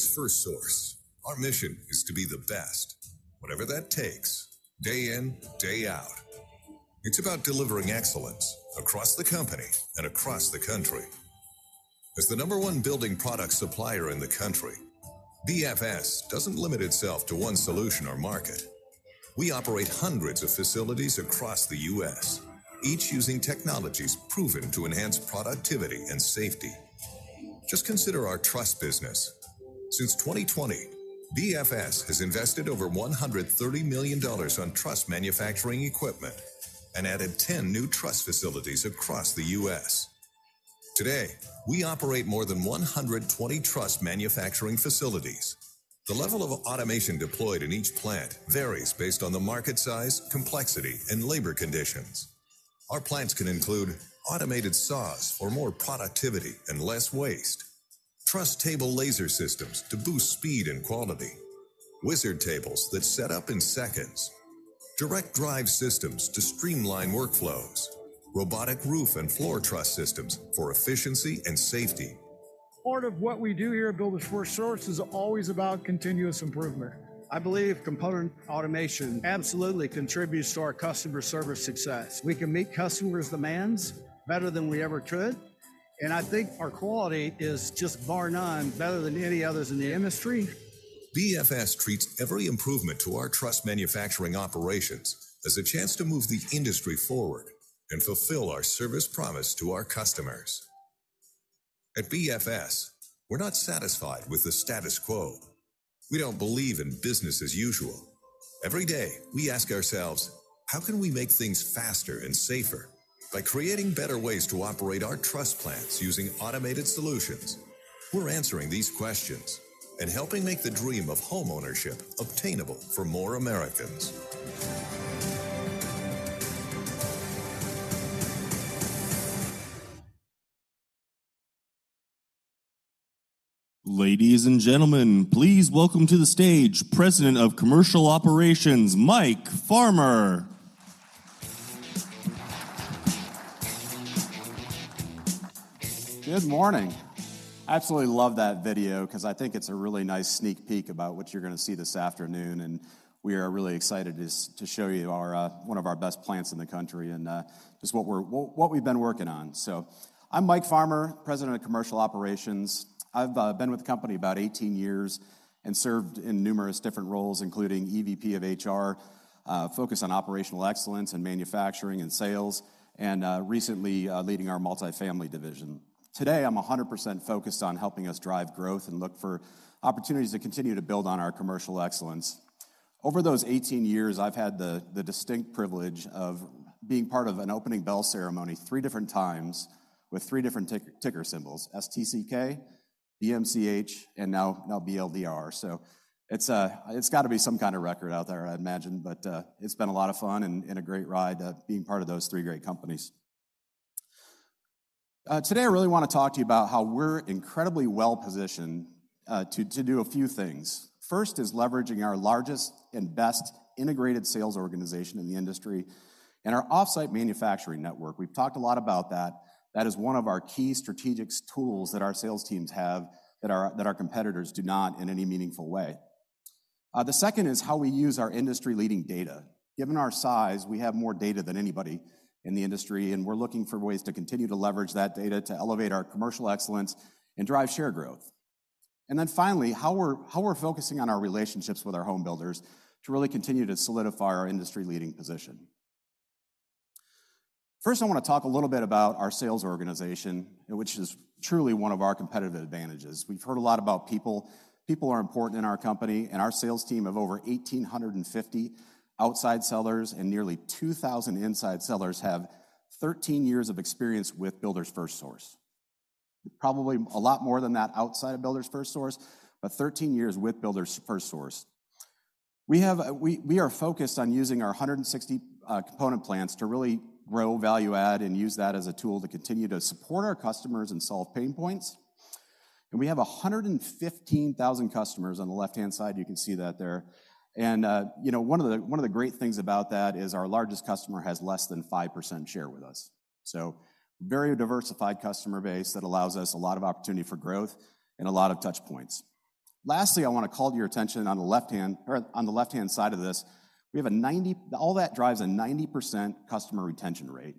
At Builders FirstSource, our mission is to be the best, whatever that takes, day in, day out. It's about delivering excellence across the company and across the country. As the number one building product supplier in the country, BFS doesn't limit itself to one solution or market. We operate hundreds of facilities across the U.S., each using technologies proven to enhance productivity and safety. Just consider our truss business. Since 2020, BFS has invested over $130 million on truss manufacturing equipment and added 10 new truss facilities across the U.S. Today, we operate more than 120 truss manufacturing facilities. The level of automation deployed in each plant varies based on the market size, complexity, and labor conditions. Our plants can include automated saws for more productivity and less waste, truss table laser systems to boost speed and quality, Wizard tables that set up in seconds, direct drive systems to streamline workflows, robotic roof and floor truss systems for efficiency and safety. Part of what we do here at Builders FirstSource is always about continuous improvement. I believe component automation absolutely contributes to our customer service success. We can meet customers' demands better than we ever could, and I think our quality is just bar none better than any others in the industry. BFS treats every improvement to our truss manufacturing operations as a chance to move the industry forward and fulfill our service promise to our customers. At BFS, we're not satisfied with the status quo. We don't believe in business as usual. Every day, we ask ourselves: how can we make things faster and safer? By creating better ways to operate our truss plants using automated solutions, we're answering these questions and helping make the dream of homeownership obtainable for more Americans. Ladies and gentlemen, please welcome to the stage, President of Commercial Operations, Mike Farmer. Good morning! Absolutely love that video, 'cause I think it's a really nice sneak peek about what you're gonna see this afternoon, and we are really excited to show you our one of our best plants in the country, and just what we've been working on. So I'm Mike Farmer, President of Commercial Operations. I've been with the company about 18 years and served in numerous different roles, including EVP of HR, focused on Operational Excellence in manufacturing and sales, and recently leading our multifamily division. Today, I'm 100% focused on helping us drive growth and look for opportunities to continue to build on our Commercial Excellence. Over those 18 years, I've had the distinct privilege of being part of an opening bell ceremony three different times with three different ticker symbols, STCK, BMCH, and now BLDR. So it's gotta be some kind of record out there, I'd imagine. But it's been a lot of fun and a great ride being part of those three great companies. Today, I really wanna talk to you about how we're incredibly well-positioned to do a few things. First is leveraging our largest and best integrated sales organization in the industry and our off-site manufacturing network. We've talked a lot about that. That is one of our key strategic tools that our sales teams have, that our competitors do not in any meaningful way. The second is how we use our industry-leading data. Given our size, we have more data than anybody in the industry, and we're looking for ways to continue to leverage that data to elevate our Commercial Excellence and drive share growth. Finally, how we're focusing on our relationships with our home builders to really continue to solidify our industry-leading position. First, I wanna talk a little bit about our sales organization, which is truly one of our competitive advantages. We've heard a lot about people. People are important in our company, and our sales team of over 1,850 outside sellers and nearly 2,000 inside sellers have 13 years of experience with Builders FirstSource. Probably a lot more than that outside of Builders FirstSource, but 13 years with Builders FirstSource. We are focused on using our 160 component plants to really grow value add and use that as a tool to continue to support our customers and solve pain points. And we have 115,000 customers. On the left-hand side, you can see that there. And, you know, one of the, one of the great things about that is our largest customer has less than 5% share with us. So very diversified customer base that allows us a lot of opportunity for growth and a lot of touch points. Lastly, I wanna call to your attention on the left-hand, or on the left-hand side of this, All that drives a 90% customer retention rate,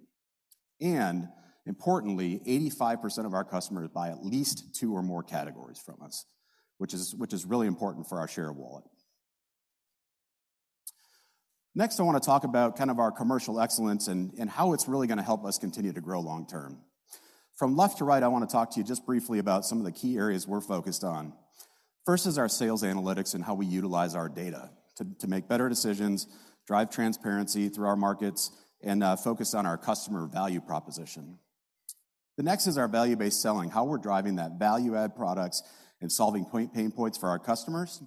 and importantly, 85% of our customers buy at least two or more categories from us, which is, which is really important for our share of wallet. Next, I wanna talk about kind of our Commercial Excellence and, and how it's really gonna help us continue to grow long term. From left to right, I wanna talk to you just briefly about some of the key areas we're focused on. First is our sales analytics and how we utilize our data to, to make better decisions, drive transparency through our markets, and focus on our customer value proposition. The next is our value-based selling, how we're driving that value-add products and solving pain points for our customers.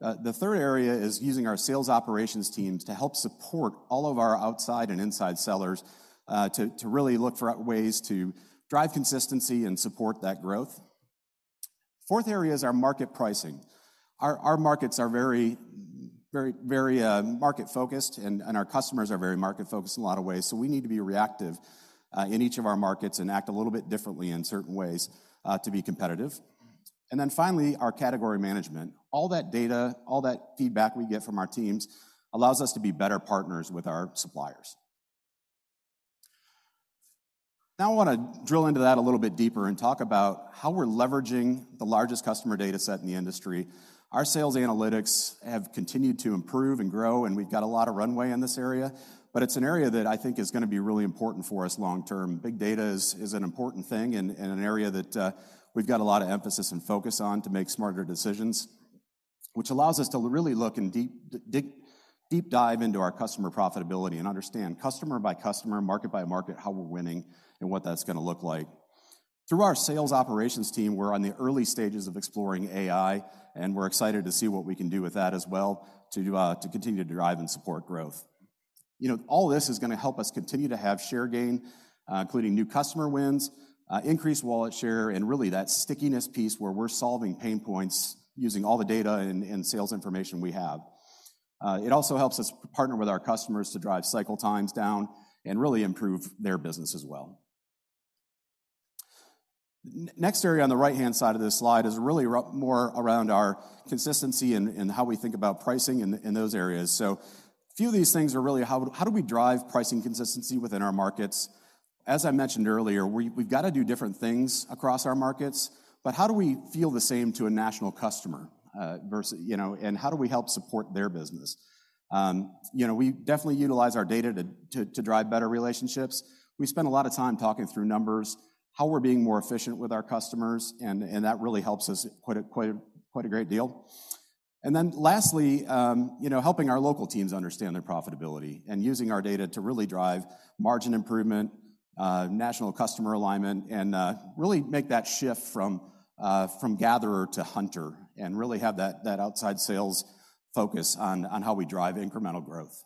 The third area is using our sales operations teams to help support all of our outside and inside sellers, to really look for ways to drive consistency and support that growth. Fourth area is our market pricing. Our markets are very, very, very, market-focused, and our customers are very market-focused in a lot of ways, so we need to be reactive, in each of our markets and act a little bit differently in certain ways, to be competitive. And then finally, our category management. All that data, all that feedback we get from our teams, allows us to be better partners with our suppliers. Now, I wanna drill into that a little bit deeper and talk about how we're leveraging the largest customer data set in the industry. Our sales analytics have continued to improve and grow, and we've got a lot of runway in this area, but it's an area that I think is gonna be really important for us long term. Big data is an important thing and an area that we've got a lot of emphasis and focus on to make smarter decisions, which allows us to really look and deep dive into our customer profitability and understand customer by customer, market by market, how we're winning and what that's gonna look like. Through our sales operations team, we're on the early stages of exploring AI, and we're excited to see what we can do with that as well to continue to drive and support growth. You know, all this is gonna help us continue to have share gain, including new customer wins, increased wallet share, and really, that stickiness piece where we're solving pain points using all the data and sales information we have. It also helps us partner with our customers to drive cycle times down and really improve their business as well. Next area on the right-hand side of this slide is really more around our consistency and how we think about pricing in those areas. So a few of these things are really how do we drive pricing consistency within our markets? As I mentioned earlier, we've got to do different things across our markets, but how do we feel the same to a national customer, versus... you know, and how do we help support their business? You know, we definitely utilize our data to drive better relationships. We spend a lot of time talking through numbers, how we're being more efficient with our customers, and that really helps us quite a great deal. And then lastly, you know, helping our local teams understand their profitability and using our data to really drive margin improvement, national customer alignment, and really make that shift from gatherer to hunter, and really have that outside sales focus on how we drive incremental growth.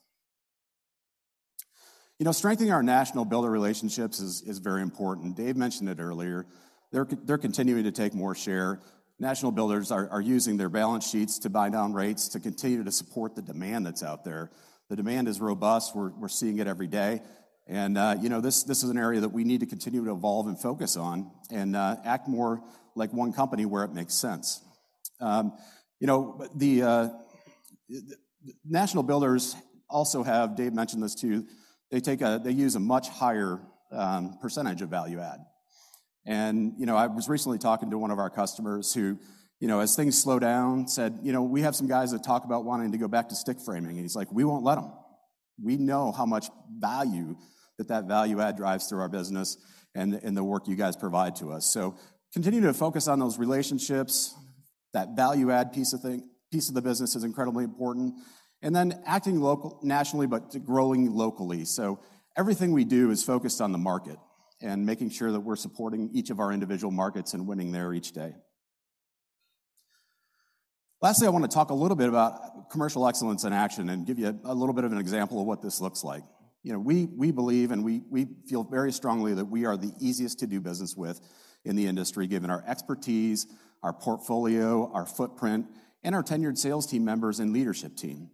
You know, strengthening our national builder relationships is very important. Dave mentioned it earlier. They're continuing to take more share. National builders are using their balance sheets to buy down rates, to continue to support the demand that's out there. The demand is robust. We're seeing it every day, and you know, this is an area that we need to continue to evolve and focus on and act more like one company where it makes sense. You know, the national builders also have, Dave mentioned this, too, they use a much higher percentage of value add. And you know, I was recently talking to one of our customers who, you know, as things slow down, said, "You know, we have some guys that talk about wanting to go back to stick framing." And he's like, "We won't let them. We know how much value that value add drives through our business and the work you guys provide to us." So continue to focus on those relationships. That value add piece of the business is incredibly important. Then acting local nationally, but growing locally. So everything we do is focused on the market and making sure that we're supporting each of our individual markets and winning there each day. Lastly, I wanna talk a little bit about Commercial Excellence in action and give you a little bit of an example of what this looks like. You know, we believe, and we feel very strongly that we are the easiest to do business with in the industry, given our expertise, our portfolio, our footprint, and our tenured sales team members and leadership team.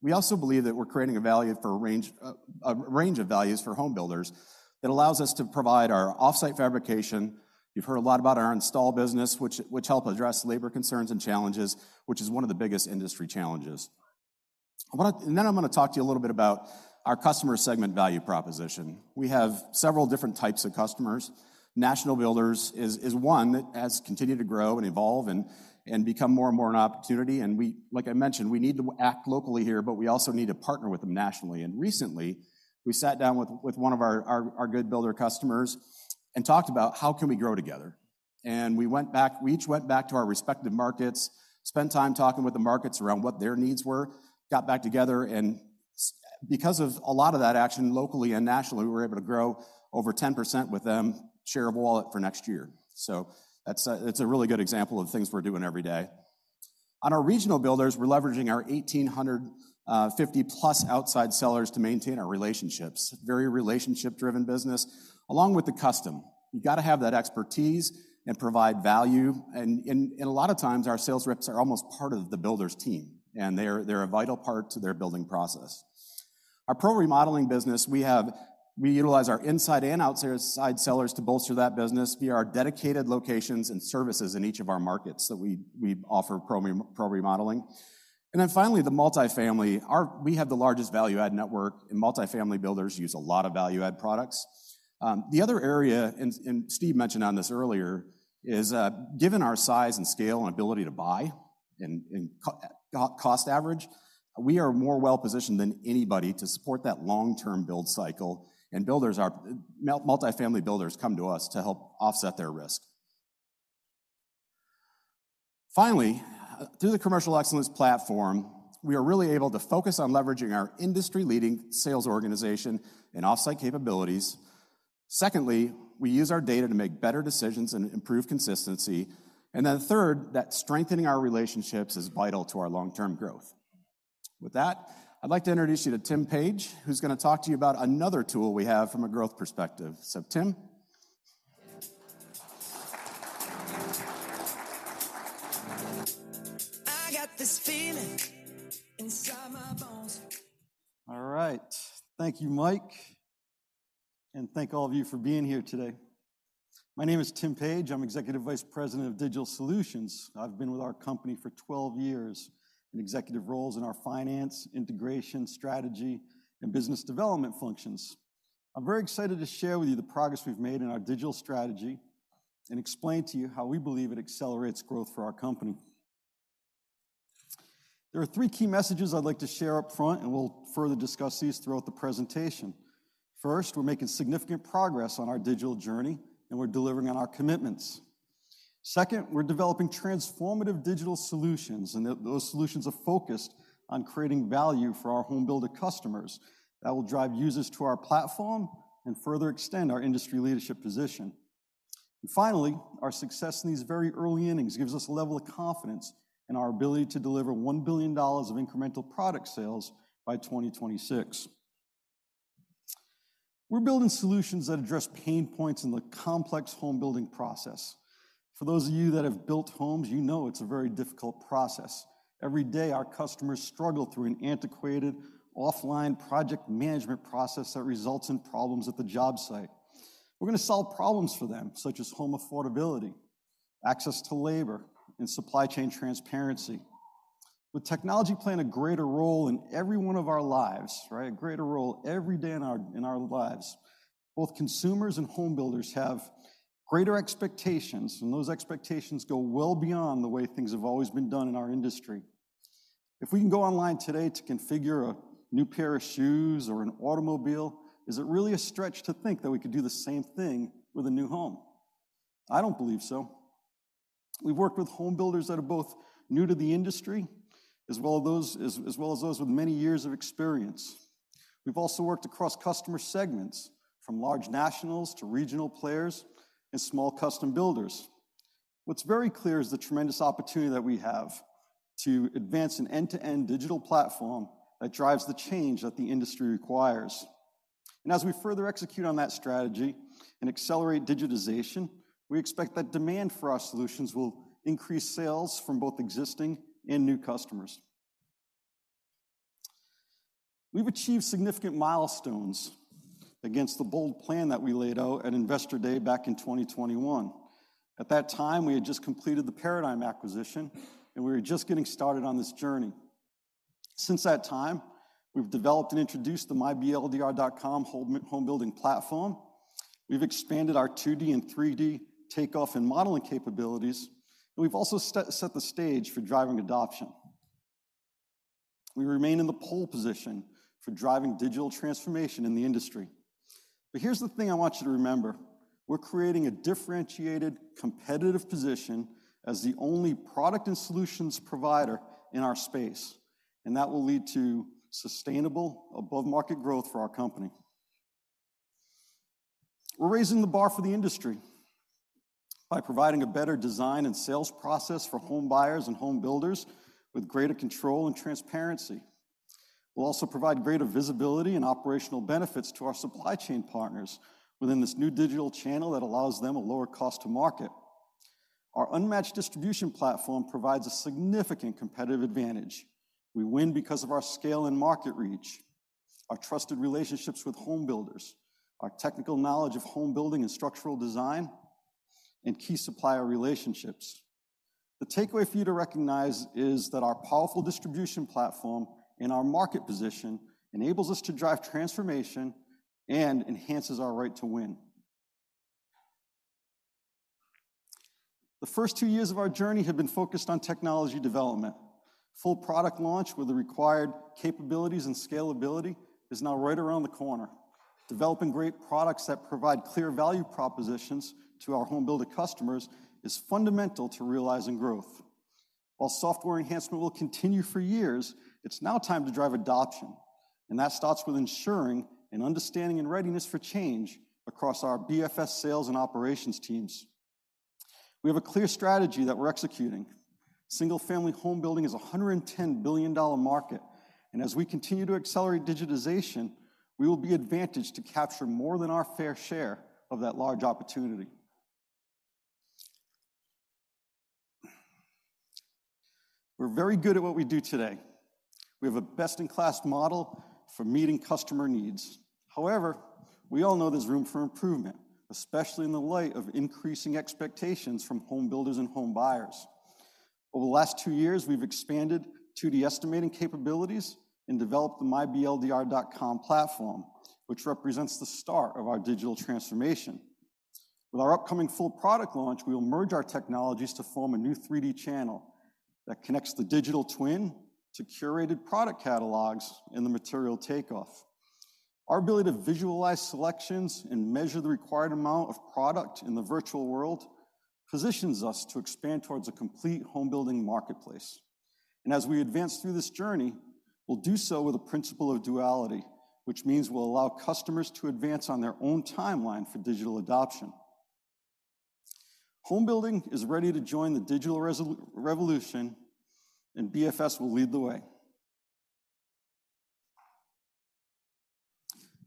We also believe that we're creating a value for a range of values for home builders that allows us to provide our offsite fabrication. You've heard a lot about our install business, which help address labor concerns and challenges, which is one of the biggest industry challenges. I wanna... And then I'm gonna talk to you a little bit about our customer segment value proposition. We have several different types of customers. National builders is one that has continued to grow and evolve and become more and more an opportunity, and we, like I mentioned, we need to act locally here, but we also need to partner with them nationally. And recently, we sat down with one of our good builder customers and talked about: how can we grow together? We each went back to our respective markets, spent time talking with the markets around what their needs were, got back together, and because of a lot of that action, locally and nationally, we were able to grow over 10% with them, share of wallet for next year. So that's a, that's a really good example of things we're doing every day. On our regional builders, we're leveraging our 1,800, 50-plus outside sellers to maintain our relationships, very relationship-driven business, along with the custom. You've gotta have that expertise and provide value, and, and, and a lot of times, our sales reps are almost part of the builder's team, and they're, they're a vital part to their building process. Our pro remodeling business, we utilize our inside and outside sellers to bolster that business via our dedicated locations and services in each of our markets that we offer pro remodeling. And then finally, the multifamily. We have the largest value add network, and multifamily builders use a lot of value add products. The other area, and Steve mentioned on this earlier, is given our size and scale and ability to buy and cost average, we are more well-positioned than anybody to support that long-term build cycle, and multifamily builders come to us to help offset their risk. Finally, through the Commercial Excellence platform, we are really able to focus on leveraging our industry-leading sales organization and offsite capabilities. Secondly, we use our data to make better decisions and improve consistency. And then third, that strengthening our relationships is vital to our long-term growth. With that, I'd like to introduce you to Tim Page, who's gonna talk to you about another tool we have from a growth perspective. So, Tim? I got this feeling inside my bones. All right. Thank you, Mike, and thank all of you for being here today. My name is Tim Page. I'm Executive Vice President of Digital Solutions. I've been with our company for 12 years in executive roles in our finance, integration, strategy, and business development functions. I'm very excited to share with you the progress we've made in our digital strategy and explain to you how we believe it accelerates growth for our company. There are three key messages I'd like to share up front, and we'll further discuss these throughout the presentation. First, we're making significant progress on our digital journey, and we're delivering on our commitments. Second, we're developing transformative digital solutions, and those solutions are focused on creating value for our home builder customers that will drive users to our platform and further extend our industry leadership position. Finally, our success in these very early innings gives us a level of confidence in our ability to deliver $1 billion of incremental product sales by 2026. We're building solutions that address pain points in the complex home building process. For those of you that have built homes, you know it's a very difficult process. Every day, our customers struggle through an antiquated, offline project management process that results in problems at the job site. We're gonna solve problems for them, such as home affordability, access to labor, and supply chain transparency. With technology playing a greater role in every one of our lives, right, a greater role every day in our lives, both consumers and home builders have greater expectations, and those expectations go well beyond the way things have always been done in our industry. If we can go online today to configure a new pair of shoes or an automobile, is it really a stretch to think that we could do the same thing with a new home? I don't believe so. We've worked with home builders that are both new to the industry, as well as those with many years of experience.... We've also worked across customer segments, from large nationals to regional players and small custom builders. What's very clear is the tremendous opportunity that we have to advance an end-to-end digital platform that drives the change that the industry requires. And as we further execute on that strategy and accelerate digitization, we expect that demand for our solutions will increase sales from both existing and new customers. We've achieved significant milestones against the bold plan that we laid out at Investor Day back in 2021. At that time, we had just completed the Paradigm acquisition, and we were just getting started on this journey. Since that time, we've developed and introduced the myBLDR.com home building platform. We've expanded our 2D and 3D takeoff and modeling capabilities, and we've also set the stage for driving adoption. We remain in the pole position for driving digital transformation in the industry. But here's the thing I want you to remember: we're creating a differentiated, competitive position as the only product and solutions provider in our space, and that will lead to sustainable, above-market growth for our company. We're raising the bar for the industry by providing a better design and sales process for home buyers and home builders with greater control and transparency. We'll also provide greater visibility and operational benefits to our supply chain partners within this new digital channel that allows them a lower cost to market. Our unmatched distribution platform provides a significant competitive advantage. We win because of our scale and market reach, our trusted relationships with home builders, our technical knowledge of home building and structural design, and key supplier relationships. The takeaway for you to recognize is that our powerful distribution platform and our market position enables us to drive transformation and enhances our right to win. The first two years of our journey have been focused on technology development. Full product launch with the required capabilities and scalability is now right around the corner. Developing great products that provide clear value propositions to our home builder customers is fundamental to realizing growth. While software enhancement will continue for years, it's now time to drive adoption, and that starts with ensuring and understanding and readiness for change across our BFS sales and operations teams. We have a clear strategy that we're executing. Single-family home building is a $110 billion market, and as we continue to accelerate digitization, we will be advantaged to capture more than our fair share of that large opportunity. We're very good at what we do today. We have a best-in-class model for meeting customer needs. However, we all know there's room for improvement, especially in the light of increasing expectations from home builders and home buyers. Over the last two years, we've expanded to the estimating capabilities and developed the myBLDR.com platform, which represents the start of our digital transformation. With our upcoming full product launch, we will merge our technologies to form a new 3D channel that connects the digital twin to curated product catalogs and the material takeoff. Our ability to visualize selections and measure the required amount of product in the virtual world positions us to expand towards a complete home building marketplace. As we advance through this journey, we'll do so with a principle of duality, which means we'll allow customers to advance on their own timeline for digital adoption. Home building is ready to join the digital revolution, and BFS will lead the way.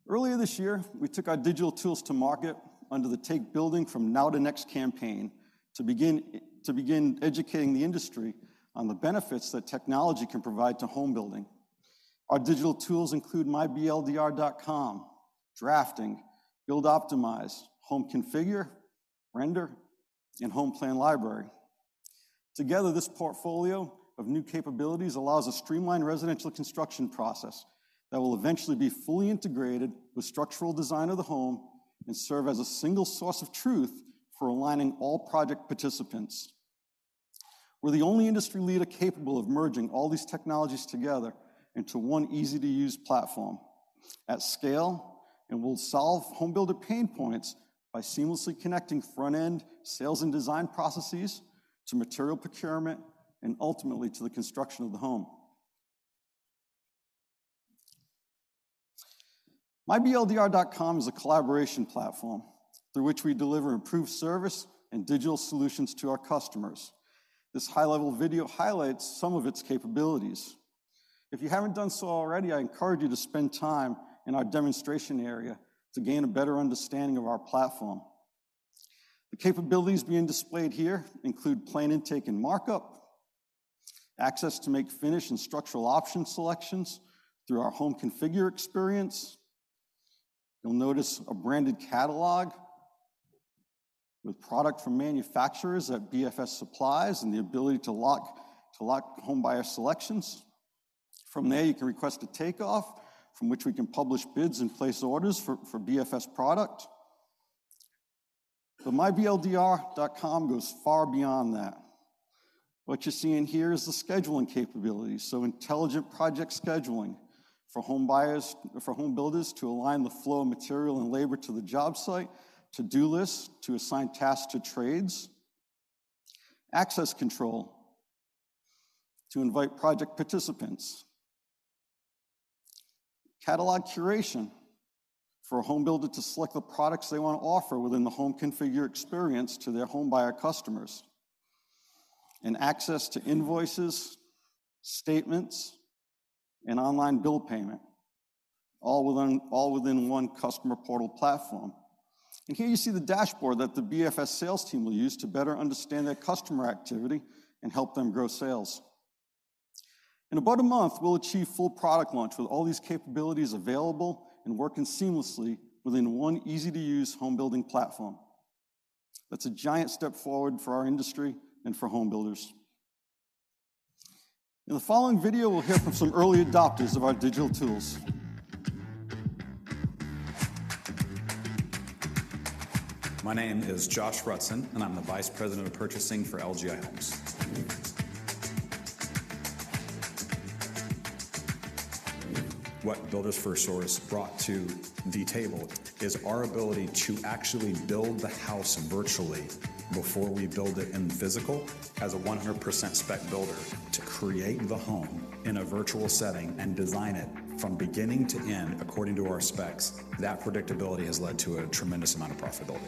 Earlier this year, we took our digital tools to market under the Take Building from Now to Next campaign to begin educating the industry on the benefits that technology can provide to home building. Our digital tools include myBLDR.com, Drafting, Build Optimize, Home Configure, Render, and Home Plan Library. Together, this portfolio of new capabilities allows a streamlined residential construction process that will eventually be fully integrated with structural design of the home and serve as a single source of truth for aligning all project participants. We're the only industry leader capable of merging all these technologies together into one easy-to-use platform at scale, and we'll solve home builder pain points by seamlessly connecting front-end sales and design processes to material procurement, and ultimately, to the construction of the home. myBLDR.com is a collaboration platform through which we deliver improved service and digital solutions to our customers. This high-level video highlights some of its capabilities. If you haven't done so already, I encourage you to spend time in our demonstration area to gain a better understanding of our platform. The capabilities being displayed here include plan intake and markup, access to make, finish, and structural option selections through our Home Configure experience. You'll notice a branded catalog with product from manufacturers that BFS supplies and the ability to lock home buyer selections. From there, you can request a takeoff, from which we can publish bids and place orders for BFS product. But myBLDR.com goes far beyond that. What you're seeing here is the scheduling capabilities, so intelligent project scheduling for home builders to align the flow of material and labor to the job site, to-do lists to assign tasks to trades, access control to invite project participants. Catalog curation, for a home builder to select the products they want to offer within the Home Configure experience to their homebuyer customers. Access to invoices, statements, and online bill payment, all within one customer portal platform. Here you see the dashboard that the BFS sales team will use to better understand their customer activity and help them grow sales. In about a month, we'll achieve full product launch with all these capabilities available and working seamlessly within one easy-to-use home building platform. That's a giant step forward for our industry and for home builders. In the following video, we'll hear from some early adopters of our digital tools. My name is Josh Rutzen, and I'm the Vice President of Purchasing for LGI Homes. What Builders FirstSource brought to the table is our ability to actually build the house virtually before we build it in physical. As a 100% spec builder, to create the home in a virtual setting and design it from beginning to end according to our specs, that predictability has led to a tremendous amount of profitability,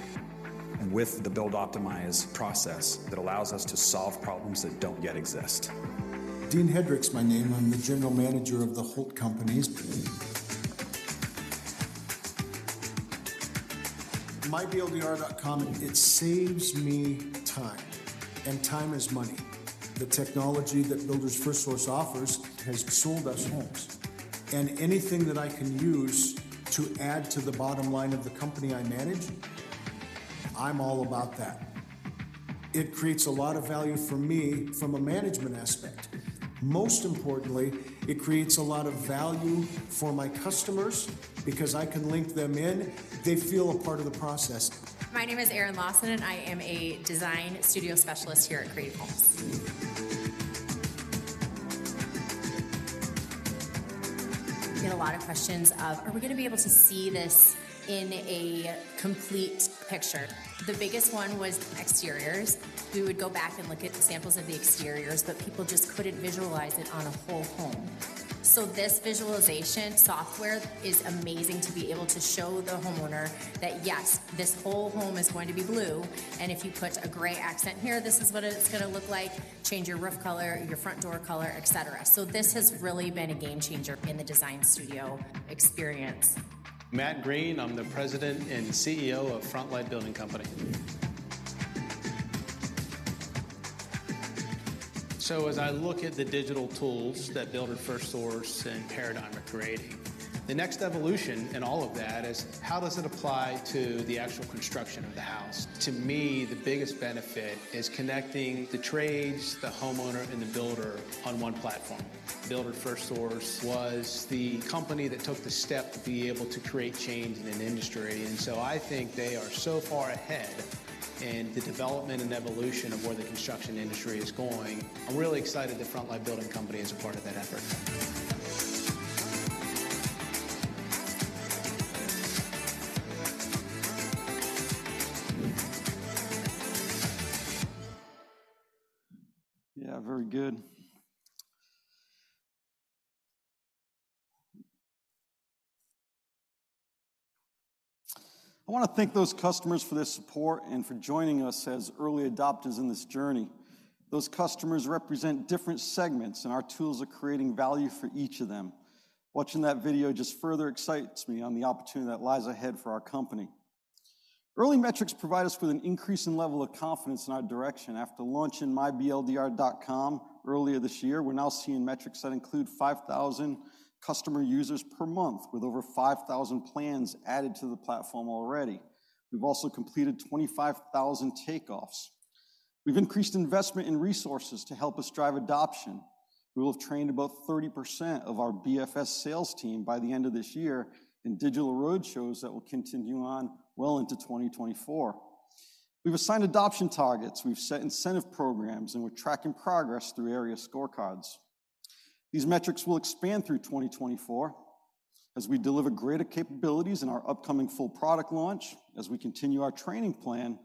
and with the Build Optimize process, that allows us to solve problems that don't yet exist. Dean Hedrick is my name. I'm the General Manager of The Holt Companies. myBLDR.com, it saves me time, and time is money. The technology that Builders FirstSource offers has sold us homes, and anything that I can use to add to the bottom line of the company I manage, I'm all about that. It creates a lot of value for me from a management aspect. Most importantly, it creates a lot of value for my customers because I can link them in. They feel a part of the process. My name is Erin Lawson, and I am a Design Studio Specialist here at Grayhawk Homes. We get a lot of questions of, "Are we gonna be able to see this in a complete picture?" The biggest one was exteriors. We would go back and look at samples of the exteriors, but people just couldn't visualize it on a whole home. So this visualization software is amazing to be able to show the homeowner that, yes, this whole home is going to be blue, and if you put a gray accent here, this is what it's gonna look like, change your roof color, your front door color, et cetera. So this has really been a game changer in the design studio experience. Matt Green, I'm the President and CEO of Front Light Building Company. So as I look at the digital tools that Builders FirstSource and Paradigm are creating, the next evolution in all of that is: how does it apply to the actual construction of the house? To me, the biggest benefit is connecting the trades, the homeowner, and the builder on one platform. Builders FirstSource was the company that took the step to be able to create change in an industry, and so I think they are so far ahead in the development and evolution of where the construction industry is going. I'm really excited that Front Light Building Company is a part of that effort. Yeah, very good. I want to thank those customers for their support and for joining us as early adopters in this journey. Those customers represent different segments, and our tools are creating value for each of them. Watching that video just further excites me on the opportunity that lies ahead for our company. Early metrics provide us with an increasing level of confidence in our direction. After launching myBLDR.com earlier this year, we're now seeing metrics that include 5,000 customer users per month, with over 5,000 plans added to the platform already. We've also completed 25,000 takeoffs. We've increased investment in resources to help us drive adoption. We will have trained about 30% of our BFS sales team by the end of this year in digital roadshows that will continue on well into 2024. We've assigned adoption targets, we've set incentive programs, and we're tracking progress through area scorecards. These metrics will expand through 2024 as we deliver greater capabilities in our upcoming full product launch, as we continue our training plan,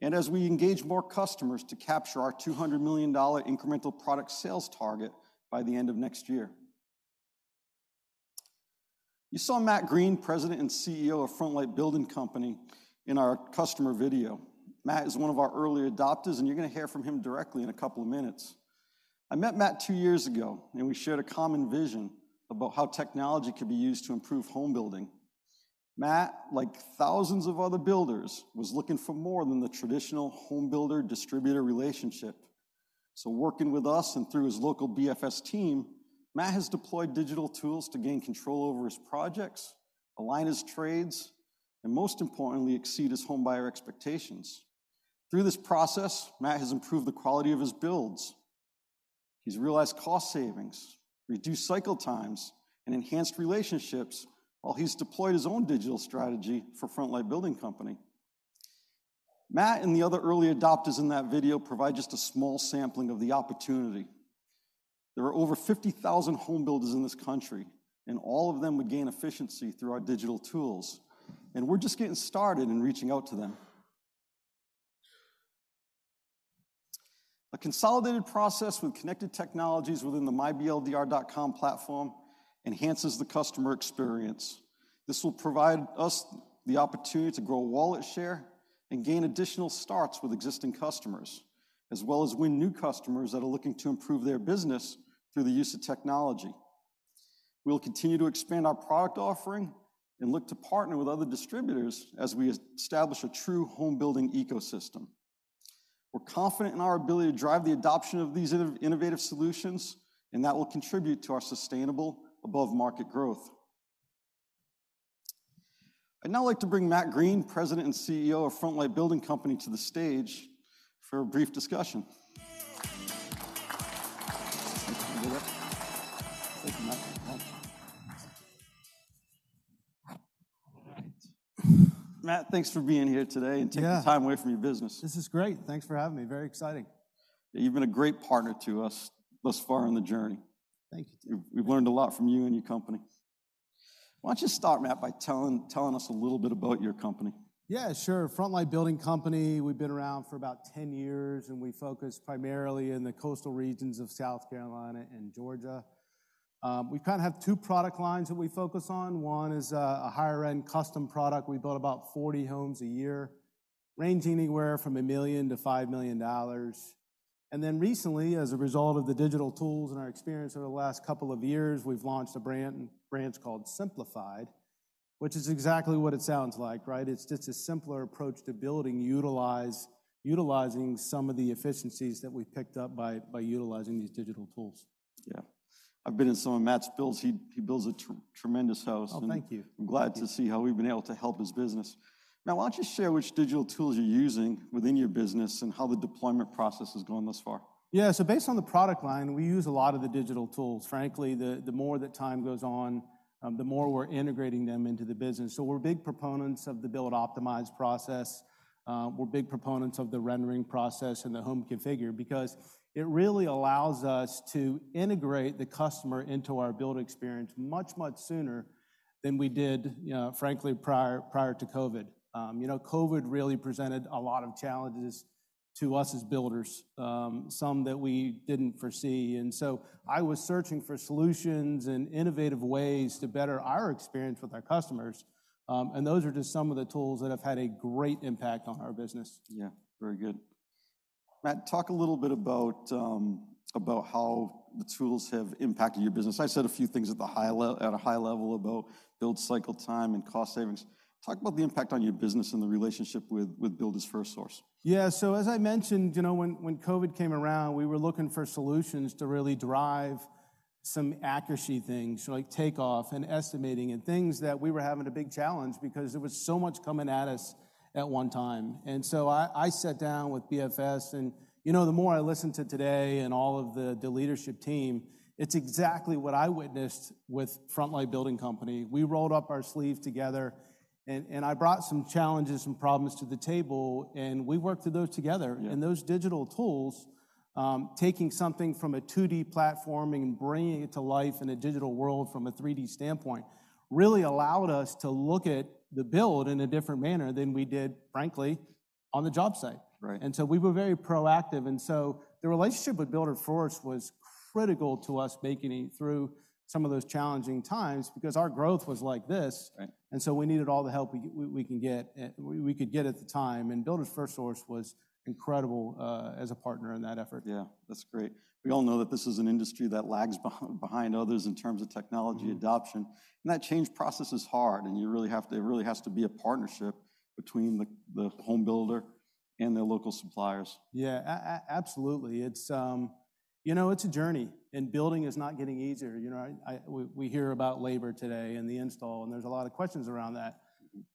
and as we engage more customers to capture our $200 million incremental product sales target by the end of next year. You saw Matt Green, President and CEO of Front Light Building Company, in our customer video. Matt is one of our early adopters, and you're going to hear from him directly in a couple of minutes. I met Matt two years ago, and we shared a common vision about how technology could be used to improve home building. Matt, like thousands of other builders, was looking for more than the traditional home builder-distributor relationship. So working with us and through his local BFS team, Matt has deployed digital tools to gain control over his projects, align his trades, and most importantly, exceed his homebuyer expectations. Through this process, Matt has improved the quality of his builds. He's realized cost savings, reduced cycle times, and enhanced relationships while he's deployed his own digital strategy for Front Light Building Company. Matt and the other early adopters in that video provide just a small sampling of the opportunity. There are over 50,000 home builders in this country, and all of them would gain efficiency through our digital tools, and we're just getting started in reaching out to them. A consolidated process with connected technologies within the myBLDR.com platform enhances the customer experience. This will provide us the opportunity to grow wallet share and gain additional starts with existing customers, as well as win new customers that are looking to improve their business through the use of technology. We'll continue to expand our product offering and look to partner with other distributors as we establish a true home building ecosystem. We're confident in our ability to drive the adoption of these innovative solutions, and that will contribute to our sustainable, above-market growth. I'd now like to bring Matt Green, President and CEO of Front Light Building Company, to the stage for a brief discussion. Thank you, Matt. Thank you, Matt. All right. Matt, thanks for being here today. Yeah. and taking the time away from your business. This is great. Thanks for having me. Very exciting. You've been a great partner to us thus far on the journey. Thank you. We've learned a lot from you and your company. Why don't you start, Matt, by telling us a little bit about your company? Yeah, sure. Front Light Building Company, we've been around for about 10 years, and we focus primarily in the coastal regions of South Carolina and Georgia. We kinda have two product lines that we focus on. One is a higher-end custom product. We build about 40 homes a year, ranging anywhere from $1 million-$5 million. And then recently, as a result of the digital tools and our experience over the last couple of years, we've launched a brand, branch called Simplified, which is exactly what it sounds like, right? It's just a simpler approach to building, utilizing some of the efficiencies that we picked up by utilizing these digital tools. Yeah. I've been in some of Matt's builds. He builds a tremendous house. Oh, thank you. I'm glad to see how we've been able to help his business. Now, why don't you share which digital tools you're using within your business and how the deployment process has gone thus far? Yeah. So based on the product line, we use a lot of the digital tools. Frankly, the more that time goes on, the more we're integrating them into the business. So we're big proponents of the Build Optimize process, we're big proponents of the Render process and the Home Configure, because it really allows us to integrate the customer into our build experience much, much sooner than we did, frankly, prior to COVID. You know, COVID really presented a lot of challenges to us as builders, some that we didn't foresee, and so I was searching for solutions and innovative ways to better our experience with our customers. And those are just some of the tools that have had a great impact on our business. Yeah. Very good. Matt, talk a little bit about how the tools have impacted your business. I said a few things at a high level about build cycle time and cost savings. Talk about the impact on your business and the relationship with Builders FirstSource. Yeah, so as I mentioned, you know, when COVID came around, we were looking for solutions to really drive some accuracy things, like takeoff and estimating, and things that we were having a big challenge because there was so much coming at us at one time. And so I sat down with BFS and, you know, the more I listened to today and all of the, the leadership team, it's exactly what I witnessed with Front Light Building Company. We rolled up our sleeves together, and I brought some challenges and problems to the table, and we worked through those together. Yeah. Those digital tools, taking something from a 2D platform and bringing it to life in a digital world from a 3D standpoint, really allowed us to look at the build in a different manner than we did, frankly, on the job site. Right. And so we were very proactive, and so the relationship with Builders FirstSource was critical to us making it through some of those challenging times, because our growth was like this- Right. And so we needed all the help we could get at the time, and Builders FirstSource was incredible as a partner in that effort. Yeah. That's great. We all know that this is an industry that lags behind others in terms of technology adoption, and that change process is hard, and it really has to be a partnership between the home builder and their local suppliers. Yeah, absolutely. It's, you know, it's a journey, and building is not getting easier. You know, we hear about labor today and the install, and there's a lot of questions around that.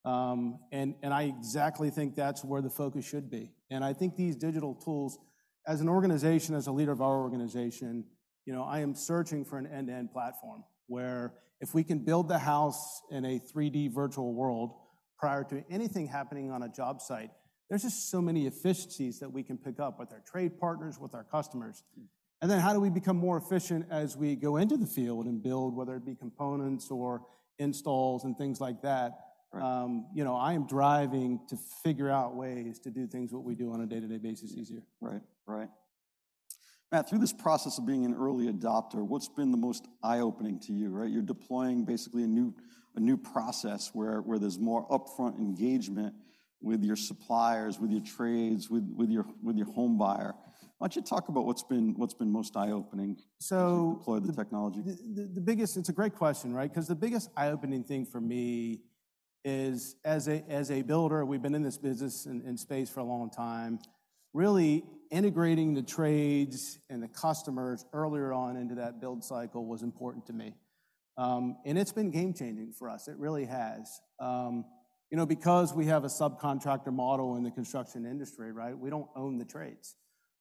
And I exactly think that's where the focus should be, and I think these digital tools, as an organization, as a leader of our organization, you know, I am searching for an end-to-end platform, where if we can build the house in a 3D virtual world prior to anything happening on a job site, there's just so many efficiencies that we can pick up with our trade partners, with our customers. Mm. And then, how do we become more efficient as we go into the field and build, whether it be components or installs and things like that? Right. You know, I am driving to figure out ways to do things what we do on a day-to-day basis easier. Right. Right. Matt, through this process of being an early adopter, what's been the most eye-opening to you, right? You're deploying basically a new process where there's more upfront engagement with your suppliers, with your trades, with your home buyer. Why don't you talk about what's been most eye-opening- So- as you deploy the technology? The biggest, it's a great question, right? Because the biggest eye-opening thing for me is, as a builder, we've been in this business and space for a long time. Really integrating the trades and the customers earlier on into that build cycle was important to me. And it's been game-changing for us. It really has. You know, because we have a subcontractor model in the construction industry, right, we don't own the trades.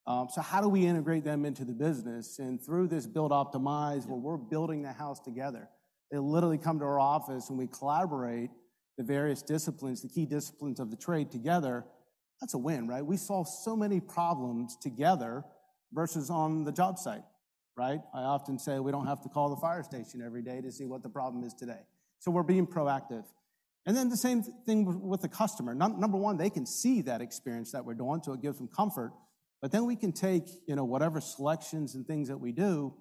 So how do we integrate them into the business? And through this Build Optimize- Yeah... well, we're building the house together. They literally come to our office and we collaborate the various disciplines, the key disciplines of the trade together. That's a win, right? We solve so many problems together versus on the job site. Right? I often say we don't have to call the fire station every day to see what the problem is today. So we're being proactive. And then the same thing with the customer. Number one, they can see that experience that we're going to, it gives them comfort, but then we can take, you know, whatever selections and things that we do,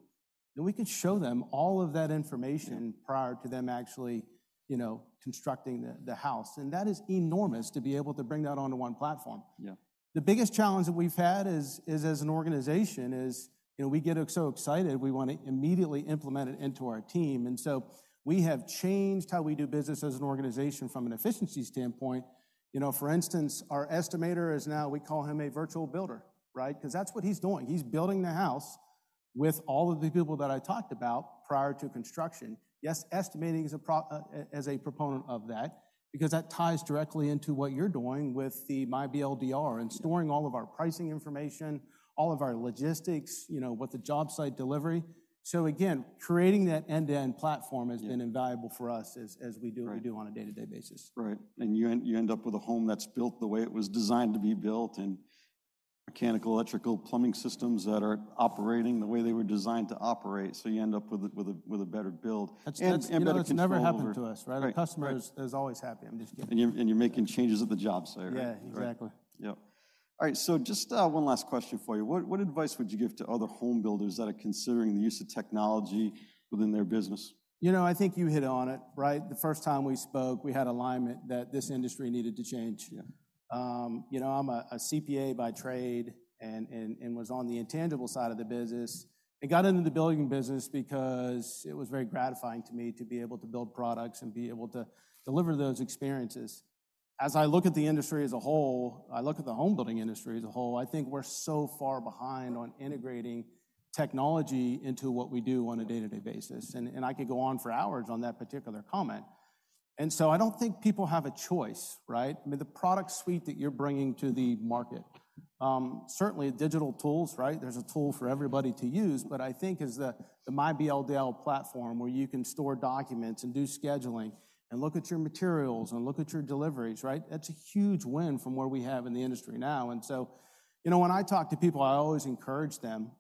and we can show them all of that information prior to them actually, you know, constructing the house. And that is enormous to be able to bring that onto one platform. Yeah. The biggest challenge that we've had is as an organization, you know, we get so excited, we wanna immediately implement it into our team, and so we have changed how we do business as an organization from an efficiency standpoint. You know, for instance, our estimator is now, we call him a virtual builder, right? 'Cause that's what he's doing. He's building the house with all of the people that I talked about prior to construction. Yes, estimating is a proponent of that, because that ties directly into what you're doing with the myBLDR- Yeah and storing all of our pricing information, all of our logistics, you know, with the job site delivery. So again, creating that end-to-end platform- Yeah has been invaluable for us as we do- Right what we do on a day-to-day basis. Right. And you end up with a home that's built the way it was designed to be built, and mechanical, electrical, plumbing systems that are operating the way they were designed to operate, so you end up with a better build. That's- And better control over- You know, that's never happened to us, right? Right. The customer is always happy. I'm just giving- You're making changes at the job site, right? Yeah, exactly. Yep. All right, so just, one last question for you. What, what advice would you give to other home builders that are considering the use of technology within their business? You know, I think you hit on it, right? The first time we spoke, we had alignment that this industry needed to change. Yeah. You know, I'm a CPA by trade and was on the intangible side of the business, and got into the building business because it was very gratifying to me to be able to build products and be able to deliver those experiences. As I look at the industry as a whole, I look at the home building industry as a whole, I think we're so far behind on integrating technology into what we do on a day-to-day basis, and I could go on for hours on that particular comment. And so I don't think people have a choice, right? I mean, the product suite that you're bringing to the market, certainly digital tools, right? There's a tool for everybody to use, but I think is the, the myBLDR platform, where you can store documents, and do scheduling, and look at your materials, and look at your deliveries, right? That's a huge win from where we have in the industry now. And so, you know, when I talk to people, I always encourage them.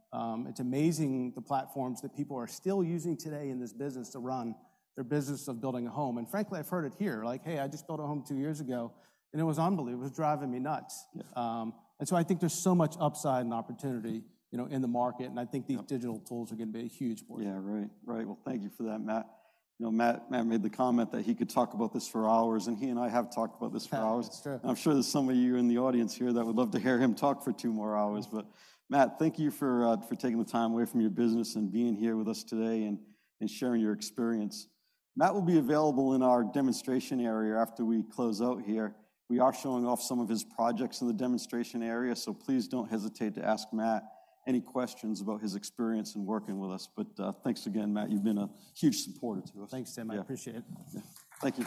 It's amazing the platforms that people are still using today in this business to run their business of building a home. And frankly, I've heard it here, like, "Hey, I just built a home two years ago, and it was unbelievable. It was driving me nuts. Yeah. I think there's so much upside and opportunity, you know, in the market, and I think- Yep These digital tools are gonna be a huge force. Yeah. Right. Right. Well, thank you for that, Matt. You know, Matt, Matt made the comment that he could talk about this for hours, and he and I have talked about this for hours. It's true. I'm sure there's some of you in the audience here that would love to hear him talk for two more hours. But Matt, thank you for taking the time away from your business and being here with us today and sharing your experience. Matt will be available in our demonstration area after we close out here. We are showing off some of his projects in the demonstration area, so please don't hesitate to ask Matt any questions about his experience in working with us. But, thanks again, Matt. You've been a huge supporter to us. Thanks, Tim. Yeah. I appreciate it. Yeah. Thank you.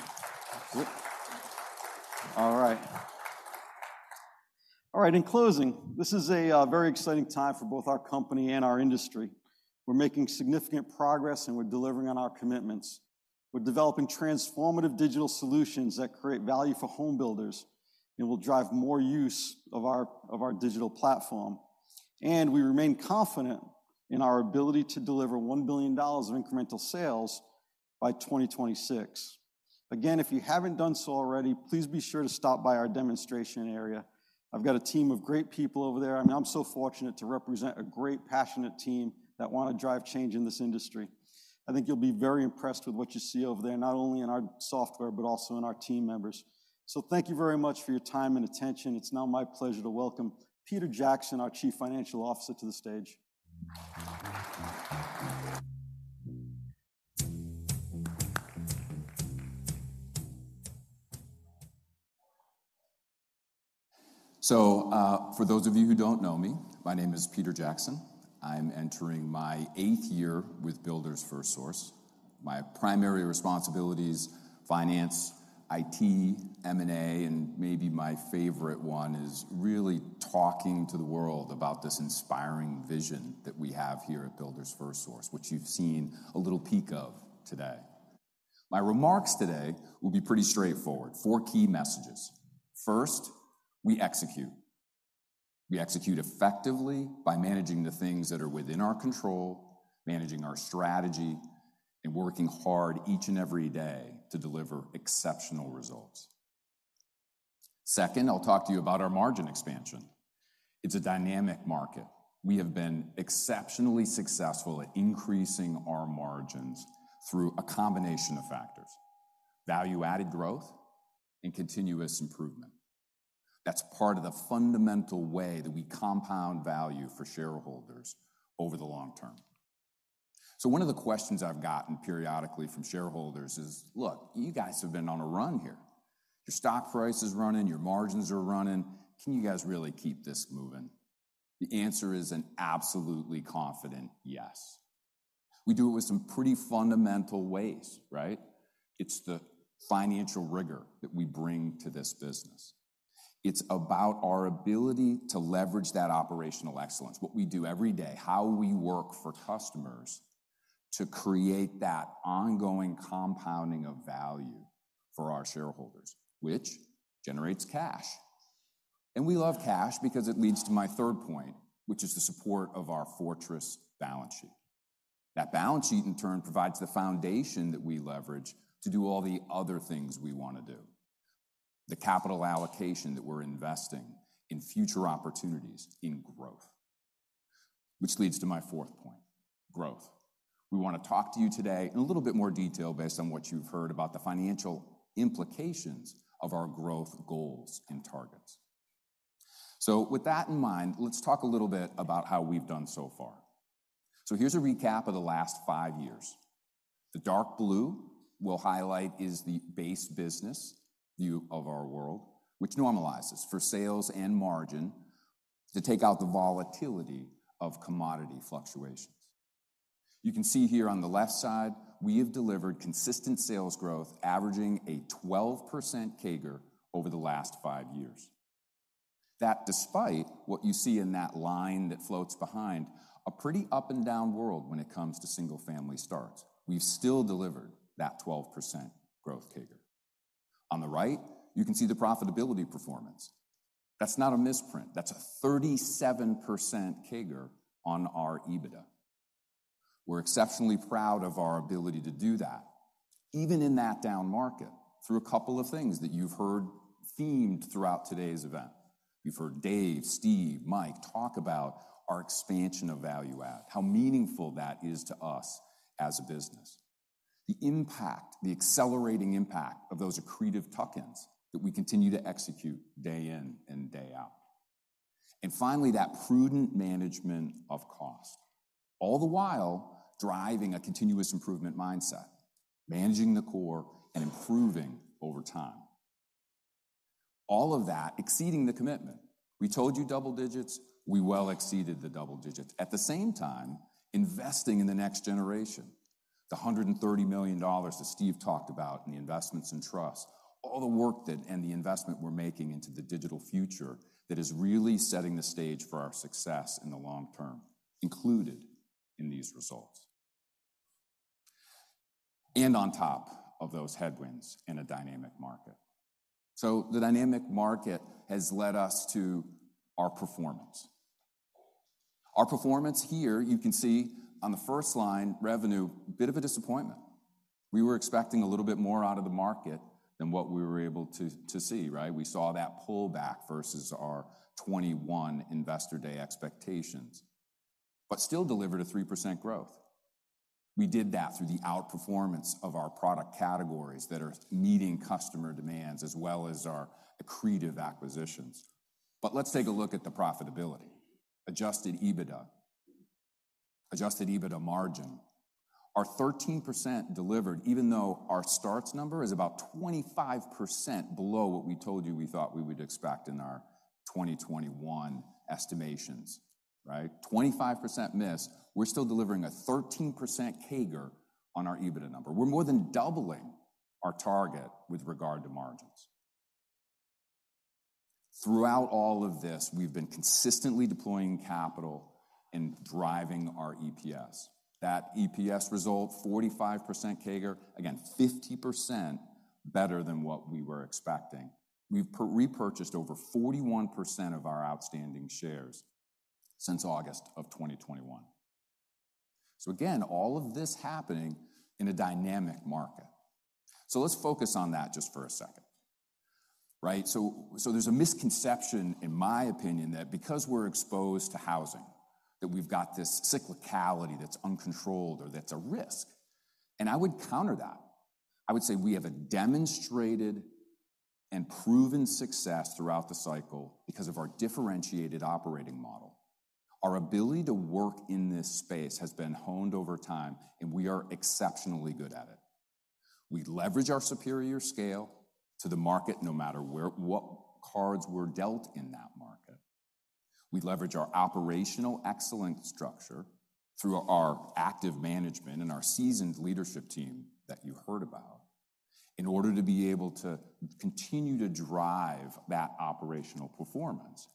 All right. All right, in closing, this is a very exciting time for both our company and our industry. We're making significant progress, and we're delivering on our commitments. We're developing transformative digital solutions that create value for home builders and will drive more use of our, of our digital platform. And we remain confident in our ability to deliver $1 billion of incremental sales by 2026. Again, if you haven't done so already, please be sure to stop by our demonstration area. I've got a team of great people over there. I mean, I'm so fortunate to represent a great, passionate team that wanna drive change in this industry. I think you'll be very impressed with what you see over there, not only in our software, but also in our team members. So thank you very much for your time and attention. It's now my pleasure to welcome Peter Jackson, our Chief Financial Officer, to the stage. So, for those of you who don't know me, my name is Peter Jackson. I'm entering my eighth year with Builders FirstSource. My primary responsibilities: finance, IT, M&A, and maybe my favorite one is really talking to the world about this inspiring vision that we have here at Builders FirstSource, which you've seen a little peek of today. My remarks today will be pretty straightforward, four key messages. First, we execute. We execute effectively by managing the things that are within our control, managing our strategy, and working hard each and every day to deliver exceptional results. Second, I'll talk to you about our margin expansion. It's a dynamic market. We have been exceptionally successful at increasing our margins through a combination of factors: value-added growth and continuous improvement. That's part of the fundamental way that we compound value for shareholders over the long term. So one of the questions I've gotten periodically from shareholders is, "Look, you guys have been on a run here. Your stock price is running, your margins are running. Can you guys really keep this moving?" The answer is an absolutely confident yes. We do it with some pretty fundamental ways, right? It's the financial rigor that we bring to this business. It's about our ability to leverage that Operational Excellence, what we do every day, how we work for customers to create that ongoing compounding of value for our shareholders, which generates cash... And we love cash because it leads to my third point, which is the support of our fortress balance sheet. That balance sheet, in turn, provides the foundation that we leverage to do all the other things we want to do. The capital allocation that we're investing in future opportunities in growth, which leads to my fourth point, growth. We want to talk to you today in a little bit more detail, based on what you've heard about the financial implications of our growth goals and targets. With that in mind, let's talk a little bit about how we've done so far. Here's a recap of the last five years. The dark blue will highlight is the base business view of our world, which normalizes for sales and margin to take out the volatility of commodity fluctuations. You can see here on the left side, we have delivered consistent sales growth, averaging a 12% CAGR over the last five years. That despite what you see in that line that floats behind, a pretty up and down world when it comes to single-family starts. We've still delivered that 12% growth CAGR. On the right, you can see the profitability performance. That's not a misprint. That's a 37% CAGR on our EBITDA. We're exceptionally proud of our ability to do that, even in that down market, through a couple of things that you've heard themed throughout today's event. You've heard Dave, Steve, Mike, talk about our expansion of value add, how meaningful that is to us as a business. The impact, the accelerating impact of those accretive tuck-ins that we continue to execute day in and day out. And finally, that prudent management of cost, all the while driving a continuous improvement mindset, managing the core and improving over time. All of that exceeding the commitment. We told you double digits, we well exceeded the double digits. At the same time, investing in the next generation, the $130 million that Steve talked about in the investments and trust, all the work that, and the investment we're making into the digital future, that is really setting the stage for our success in the long term, included in these results. On top of those headwinds in a dynamic market. The dynamic market has led us to our performance. Our performance here, you can see on the first line, revenue, bit of a disappointment. We were expecting a little bit more out of the market than what we were able to, to see, right? We saw that pullback versus our 2021 Investor Day expectations, but still delivered a 3% growth. We did that through the outperformance of our product categories that are meeting customer demands, as well as our accretive acquisitions. But let's take a look at the profitability. Adjusted EBITDA. Adjusted EBITDA margin, our 13% delivered, even though our starts number is about 25 below what we told you we thought we would expect in our 2021 estimations, right? 25% miss, we're still delivering a 13% CAGR on our EBITDA number. We're more than doubling our target with regard to margins. Throughout all of this, we've been consistently deploying capital and driving our EPS. That EPS result, 45% CAGR, again, 50% better than what we were expecting. We've repurchased over 41% of our outstanding shares since August of 2021. So again, all of this happening in a dynamic market. So let's focus on that just for a second. Right, so, so there's a misconception, in my opinion, that because we're exposed to housing, that we've got this cyclicality that's uncontrolled or that's a risk, and I would counter that. I would say we have a demonstrated and proven success throughout the cycle because of our differentiated operating model. Our ability to work in this space has been honed over time, and we are exceptionally good at it. We leverage our superior scale to the market, no matter where, what cards we're dealt in that market. We leverage our Operational Excellence structure through our active management and our seasoned leadership team that you heard about, in order to be able to continue to drive that operational performance.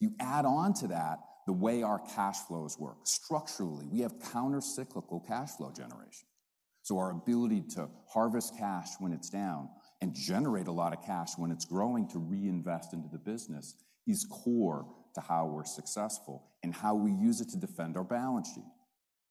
You add on to that the way our cash flows work. Structurally, we have countercyclical cash flow generation, so our ability to harvest cash when it's down and generate a lot of cash when it's growing to reinvest into the business is core to how we're successful and how we use it to defend our balance sheet.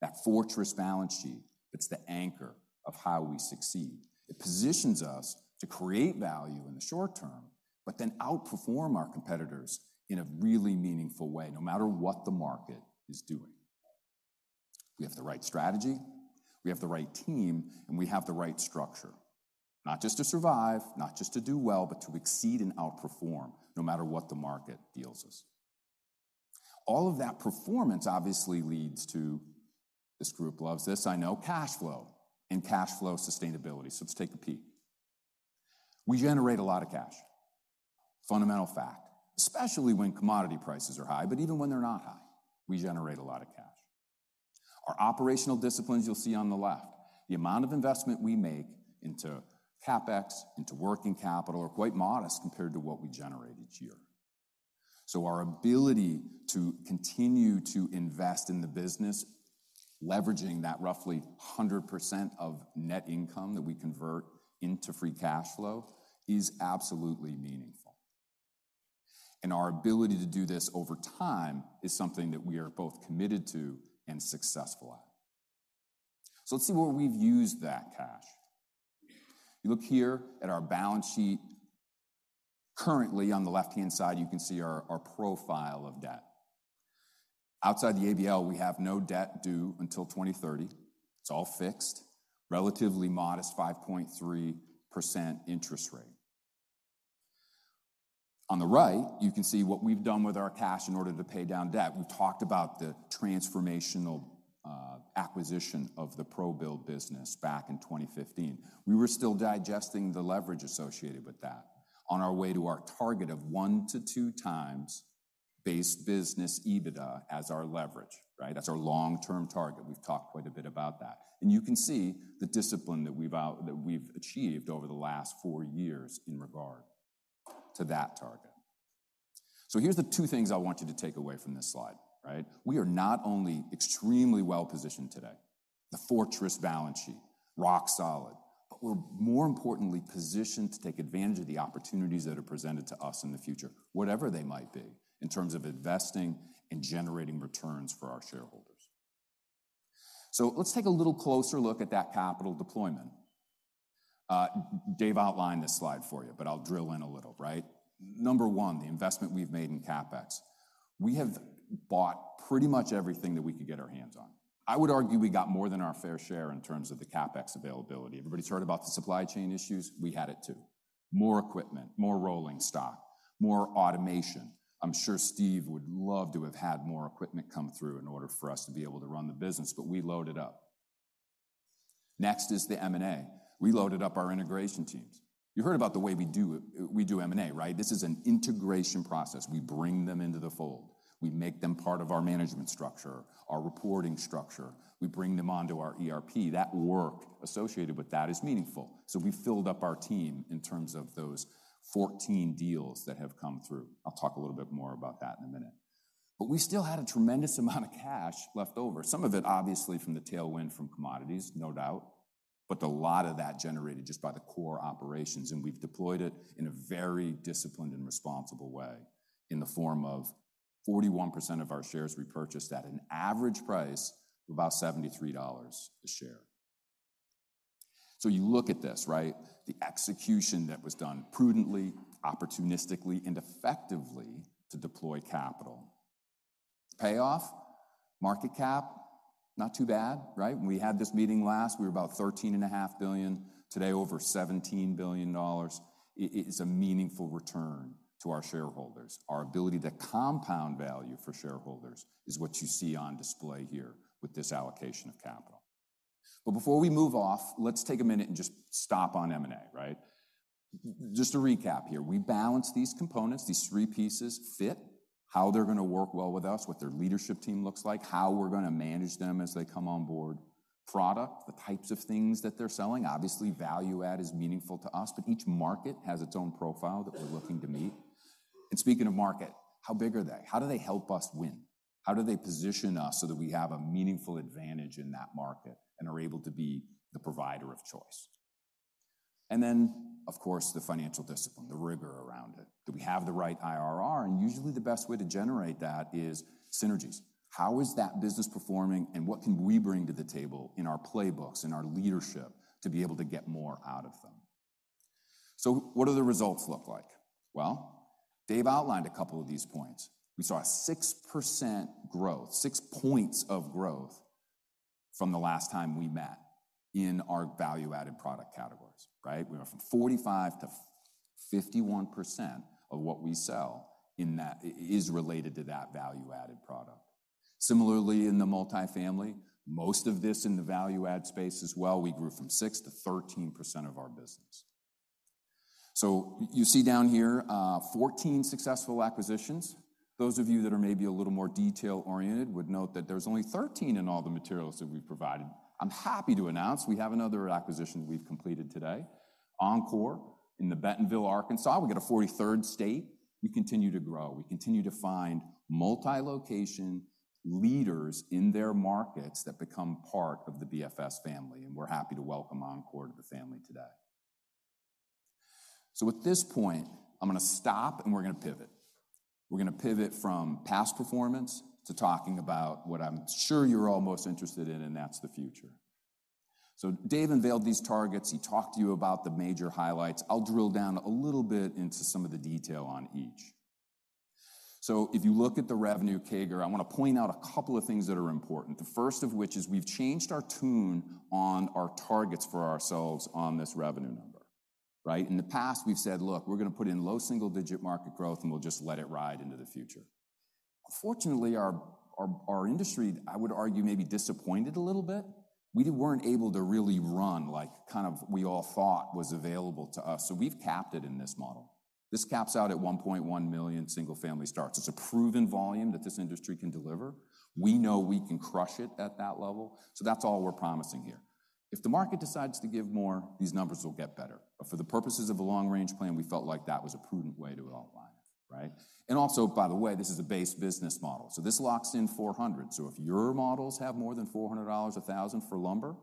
That fortress balance sheet, it's the anchor of how we succeed. It positions us to create value in the short term, but then outperform our competitors in a really meaningful way, no matter what the market is doing. We have the right strategy, we have the right team, and we have the right structure. Not just to survive, not just to do well, but to exceed and outperform, no matter what the market deals us. All of that performance obviously leads to... This group loves this, I know, cash flow and cash flow sustainability. So let's take a peek. We generate a lot of cash, fundamental fact, especially when commodity prices are high, but even when they're not high, we generate a lot of cash. Our operational disciplines, you'll see on the left, the amount of investment we make into CapEx, into working capital, are quite modest compared to what we generate each year. So our ability to continue to invest in the business, leveraging that roughly 100% of net income that we convert into free cash flow is absolutely meaningful. And our ability to do this over time is something that we are both committed to and successful at. So let's see where we've used that cash. You look here at our balance sheet. Currently, on the left-hand side, you can see our, our profile of debt. Outside the ABL, we have no debt due until 2030. It's all fixed, relatively modest, 5.3% interest rate. On the right, you can see what we've done with our cash in order to pay down debt. We've talked about the transformational acquisition of the ProBuild business back in 2015. We were still digesting the leverage associated with that on our way to our target of 1-2 times base business EBITDA as our leverage, right? That's our long-term target. We've talked quite a bit about that. And you can see the discipline that we've achieved over the last four years in regard to that target. So here's the two things I want you to take away from this slide, right? We are not only extremely well-positioned today, the fortress balance sheet, rock solid, but we're more importantly positioned to take advantage of the opportunities that are presented to us in the future, whatever they might be, in terms of investing and generating returns for our shareholders. So let's take a little closer look at that capital deployment. Dave outlined this slide for you, but I'll drill in a little, right? Number one, the investment we've made in CapEx. We have bought pretty much everything that we could get our hands on. I would argue we got more than our fair share in terms of the CapEx availability. Everybody's heard about the supply chain issues? We had it, too. More equipment, more rolling stock, more automation. I'm sure Steve would love to have had more equipment come through in order for us to be able to run the business, but we loaded up. Next is the M&A. We loaded up our integration teams. You heard about the way we do, we do M&A, right? This is an integration process. We bring them into the fold. We make them part of our management structure, our reporting structure. We bring them onto our ERP. That work associated with that is meaningful. So we filled up our team in terms of those 14 deals that have come through. I'll talk a little bit more about that in a minute. But we still had a tremendous amount of cash left over, some of it obviously from the tailwind from commodities, no doubt, but a lot of that generated just by the core operations, and we've deployed it in a very disciplined and responsible way in the form of 41% of our shares repurchased at an average price of about $73 a share. So you look at this, right? The execution that was done prudently, opportunistically, and effectively to deploy capital. Payoff, market cap, not too bad, right? When we had this meeting last, we were about $13.5 billion. Today, over $17 billion. It, it is a meaningful return to our shareholders. Our ability to compound value for shareholders is what you see on display here with this allocation of capital. But before we move off, let's take a minute and just stop on M&A, right? Just to recap here, we balance these components, these three pieces fit, how they're gonna work well with us, what their leadership team looks like, how we're gonna manage them as they come on board. Product, the types of things that they're selling. Obviously, value add is meaningful to us, but each market has its own profile that we're looking to meet. And speaking of market, how big are they? How do they help us win? How do they position us so that we have a meaningful advantage in that market and are able to be the provider of choice? And then, of course, the financial discipline, the rigor around it. Do we have the right IRR? And usually, the best way to generate that is synergies. How is that business performing, and what can we bring to the table in our playbooks and our leadership to be able to get more out of them? So what do the results look like? Well, Dave outlined a couple of these points. We saw 6% growth, 6 points of growth from the last time we met in our value-added product categories, right? We went from 45%-51% of what we sell in that is related to that value-added product. Similarly, in the multifamily, most of this in the value add space as well, we grew from 6%-13% of our business. So you see down here, 14 successful acquisitions. Those of you that are maybe a little more detail-oriented would note that there's only 13 in all the materials that we've provided. I'm happy to announce we have another acquisition we've completed today. Encore in the Bentonville, Arkansas. We've got a 43rd state. We continue to grow. We continue to find multi-location leaders in their markets that become part of the BFS family, and we're happy to welcome Encore to the family today. So at this point, I'm gonna stop, and we're gonna pivot. We're gonna pivot from past performance to talking about what I'm sure you're all most interested in, and that's the future. So Dave unveiled these targets. He talked to you about the major highlights. I'll drill down a little bit into some of the detail on each. So if you look at the revenue CAGR, I want to point out a couple of things that are important. The first of which is we've changed our tune on our targets for ourselves on this revenue number, right? In the past, we've said, "Look, we're gonna put in low single-digit market growth, and we'll just let it ride into the future." Unfortunately, our industry, I would argue, may be disappointed a little bit. We weren't able to really run like kind of we all thought was available to us, so we've capped it in this model. This caps out at 1.1 million single-family starts. It's a proven volume that this industry can deliver. We know we can crush it at that level, so that's all we're promising here. If the market decides to give more, these numbers will get better. But for the purposes of a long-range plan, we felt like that was a prudent way to align.... Right? And also, by the way, this is a base business model, so this locks in 400. So if your models have more than $400 a thousand for lumber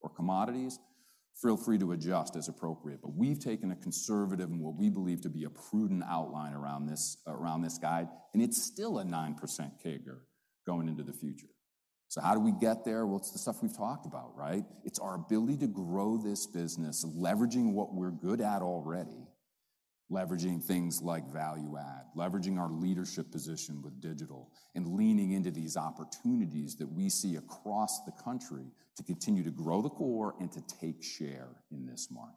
or commodities, feel free to adjust as appropriate. But we've taken a conservative and what we believe to be a prudent outline around this, around this guide, and it's still a 9% CAGR going into the future. So how do we get there? Well, it's the stuff we've talked about, right? It's our ability to grow this business, leveraging what we're good at already, leveraging things like value add, leveraging our leadership position with digital, and leaning into these opportunities that we see across the country to continue to grow the core and to take share in this market.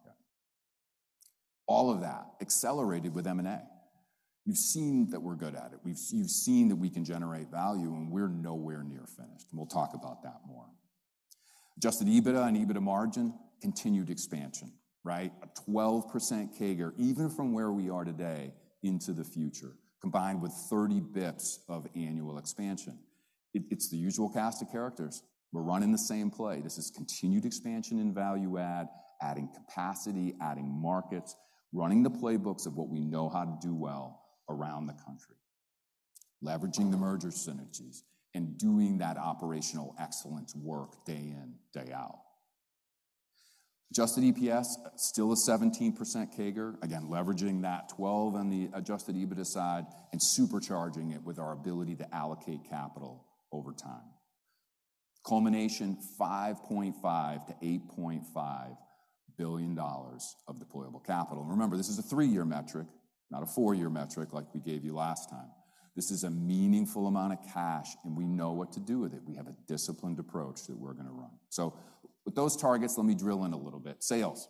All of that accelerated with M&A. You've seen that we're good at it. We've. You've seen that we can generate value, and we're nowhere near finished, and we'll talk about that more. Adjusted EBITDA and EBITDA margin, continued expansion, right? A 12% CAGR, even from where we are today into the future, combined with 30 basis points of annual expansion. It, it's the usual cast of characters. We're running the same play. This is continued expansion in value add, adding capacity, adding markets, running the playbooks of what we know how to do well around the country, leveraging the merger synergies and doing that Operational Excellence work day in, day out. Adjusted EPS, still a 17% CAGR, again, leveraging that 12 on the adjusted EBITDA side and supercharging it with our ability to allocate capital over time. Culmination, $5.5 billion-$8.5 billion of deployable capital. And remember, this is a three-year metric, not a four-year metric like we gave you last time. This is a meaningful amount of cash, and we know what to do with it. We have a disciplined approach that we're gonna run. So with those targets, let me drill in a little bit. Sales.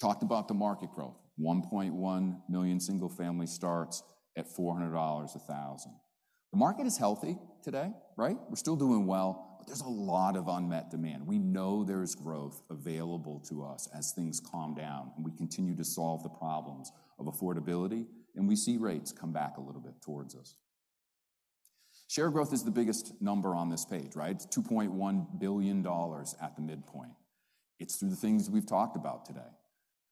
Talked about the market growth, 1.1 million single-family starts at $400 a thousand. The market is healthy today, right? We're still doing well, but there's a lot of unmet demand. We know there's growth available to us as things calm down, and we continue to solve the problems of affordability, and we see rates come back a little bit towards us. Share growth is the biggest number on this page, right? It's $2.1 billion at the midpoint. It's through the things we've talked about today.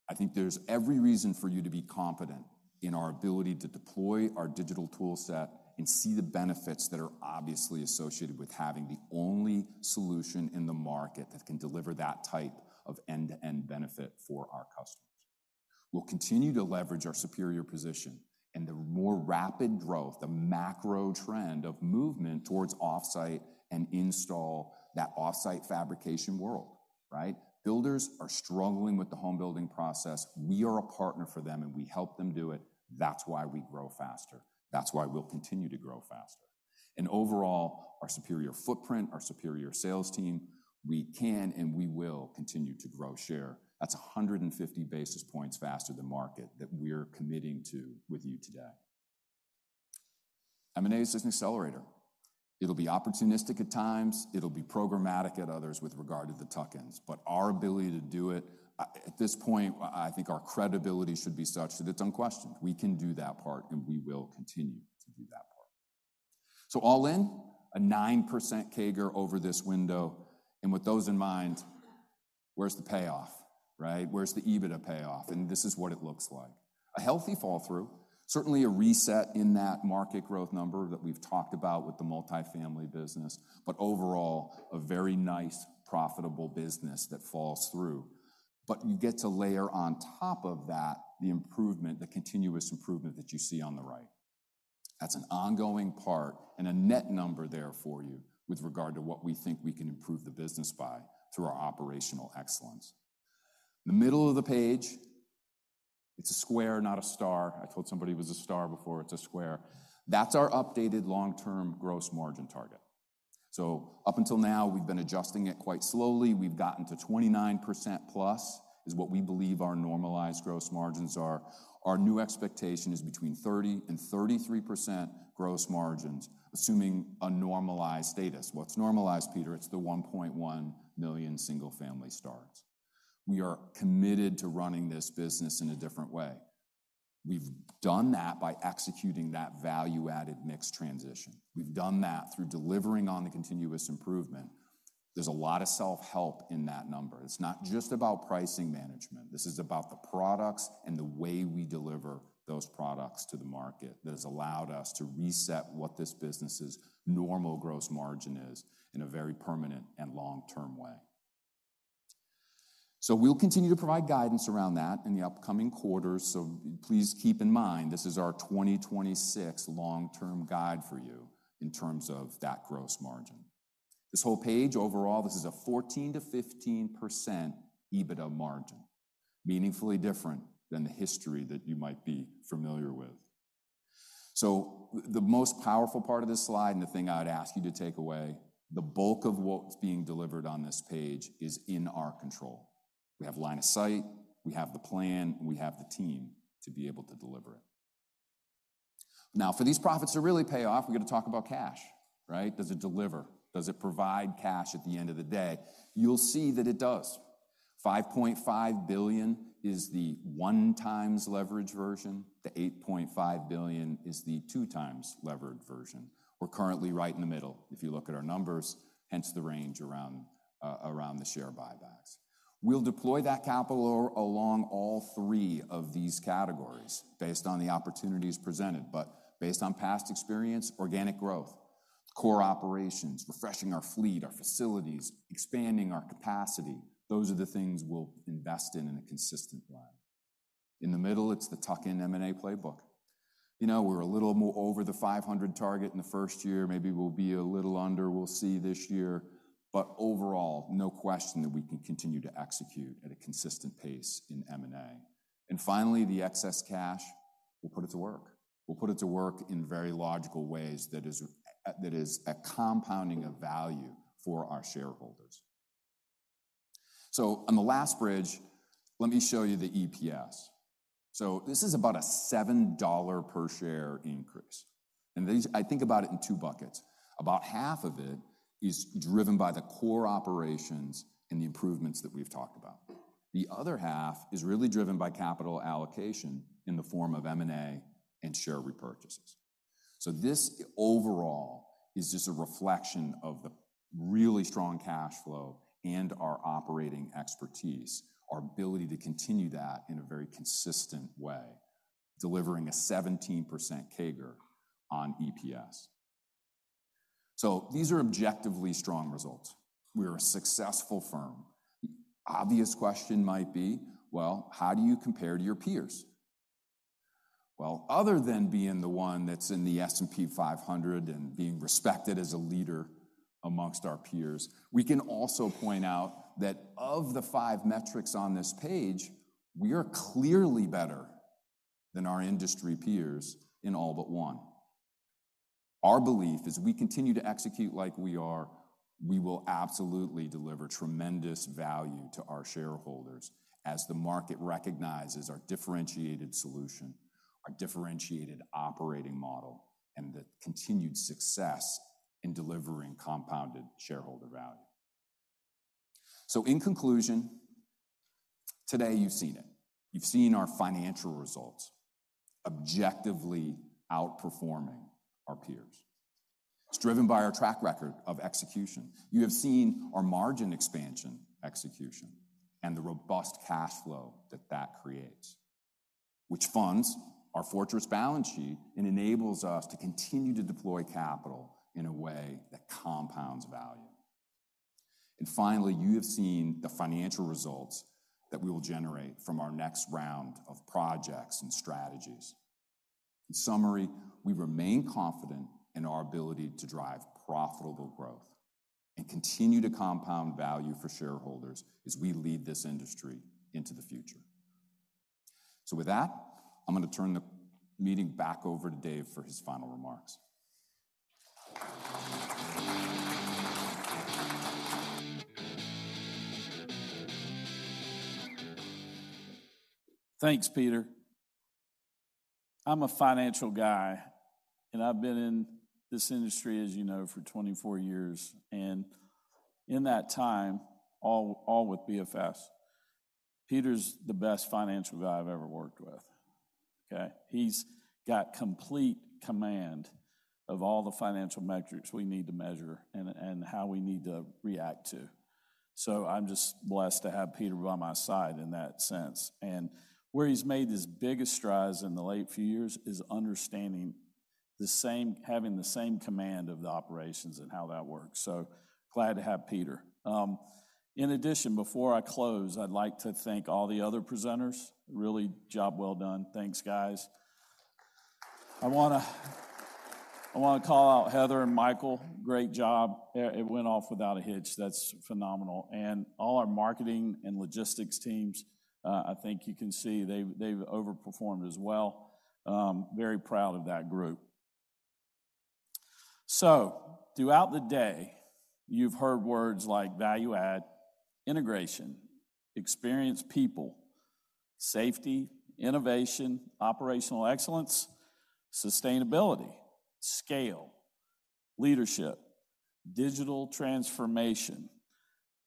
I think there's every reason for you to be confident in our ability to deploy our digital toolset and see the benefits that are obviously associated with having the only solution in the market that can deliver that type of end-to-end benefit for our customers. We'll continue to leverage our superior position and the more rapid growth, the macro trend of movement towards off-site and install that off-site fabrication world, right? Builders are struggling with the home building process. We are a partner for them, and we help them do it. That's why we grow faster. That's why we'll continue to grow faster. And overall, our superior footprint, our superior sales team, we can and we will continue to grow share. That's 150 basis points faster than market that we are committing to with you today. M&A is an accelerator. It'll be opportunistic at times, it'll be programmatic at others with regard to the tuck-ins. But our ability to do it at this point, I think our credibility should be such that it's unquestioned. We can do that part, and we will continue to do that part. So all in, a 9% CAGR over this window, and with those in mind, where's the payoff, right? Where's the EBITDA payoff? And this is what it looks like. A healthy fall-through, certainly a reset in that market growth number that we've talked about with the multifamily business, but overall, a very nice, profitable business that falls through. But you get to layer on top of that the improvement, the continuous improvement that you see on the right. That's an ongoing part and a net number there for you with regard to what we think we can improve the business by through our Operational Excellence. The middle of the page, it's a square, not a star. I told somebody it was a star before, it's a square. That's our updated long-term gross margin target. So up until now, we've been adjusting it quite slowly. We've gotten to 29%+, is what we believe our normalized gross margins are. Our new expectation is between 30% and 33% gross margins, assuming a normalized status. What's normalized, Peter? It's the 1.1 million single-family starts. We are committed to running this business in a different way. We've done that by executing that value-added mix transition. We've done that through delivering on the continuous improvement. There's a lot of self-help in that number. It's not just about pricing management. This is about the products and the way we deliver those products to the market that has allowed us to reset what this business's normal gross margin is in a very permanent and long-term way. So we'll continue to provide guidance around that in the upcoming quarters, so please keep in mind, this is our 2026 long-term guide for you in terms of that gross margin. This whole page, overall, this is a 14%-15% EBITDA margin, meaningfully different than the history that you might be familiar with. So the most powerful part of this slide, and the thing I'd ask you to take away, the bulk of what's being delivered on this page is in our control. We have line of sight, we have the plan, and we have the team to be able to deliver it. Now, for these profits to really pay off, we're gonna talk about cash, right? Does it deliver? Does it provide cash at the end of the day? You'll see that it does. $5.5 billion is the 1x leverage version, the $8.5 billion is the 2x levered version. We're currently right in the middle if you look at our numbers, hence the range around the share buybacks. We'll deploy that capital or along all three of these categories based on the opportunities presented, but based on past experience, organic growth, core operations, refreshing our fleet, our facilities, expanding our capacity, those are the things we'll invest in in a consistent way. In the middle, it's the tuck-in M&A playbook. You know, we're a little more over the 500 target in the first year. Maybe we'll be a little under, we'll see this year, but overall, no question that we can continue to execute at a consistent pace in M&A. And finally, the excess cash, we'll put it to work. We'll put it to work in very logical ways that is a compounding of value for our shareholders. So on the last bridge, let me show you the EPS. So this is about a $7 per share increase, and this, I think about it in two buckets. About half of it is driven by the core operations and the improvements that we've talked about. The other half is really driven by capital allocation in the form of M&A and share repurchases. So this overall is just a reflection of the really strong cash flow and our operating expertise, our ability to continue that in a very consistent way, delivering a 17% CAGR on EPS. So these are objectively strong results. We're a successful firm. Obvious question might be: well, how do you compare to your peers? Well, other than being the one that's in the S&P 500 and being respected as a leader amongst our peers, we can also point out that of the five metrics on this page, we are clearly better than our industry peers in all but one. Our belief is we continue to execute like we are, we will absolutely deliver tremendous value to our shareholders as the market recognizes our differentiated solution, our differentiated operating model, and the continued success in delivering compounded shareholder value. So in conclusion, today you've seen it. You've seen our financial results objectively outperforming our peers. It's driven by our track record of execution. You have seen our margin expansion execution and the robust cash flow that that creates, which funds our fortress balance sheet and enables us to continue to deploy capital in a way that compounds value. And finally, you have seen the financial results that we will generate from our next round of projects and strategies. In summary, we remain confident in our ability to drive profitable growth and continue to compound value for shareholders as we lead this industry into the future. With that, I'm gonna turn the meeting back over to Dave for his final remarks. Thanks, Peter. I'm a financial guy, and I've been in this industry, as you know, for 24 years, and in that time, all, all with BFS. Peter's the best financial guy I've ever worked with, okay? He's got complete command of all the financial metrics we need to measure and how we need to react to. So I'm just blessed to have Peter by my side in that sense, and where he's made his biggest strides in the late few years is understanding the same, having the same command of the operations and how that works. So glad to have Peter. In addition, before I close, I'd like to thank all the other presenters. Really, job well done. Thanks, guys. I wanna call out Heather and Michael. Great job. It went off without a hitch. That's phenomenal. All our marketing and logistics teams, I think you can see they've overperformed as well. Very proud of that group. Throughout the day, you've heard words like value add, integration, experienced people, safety, innovation, Operational Excellence, sustainability, scale, leadership, digital transformation,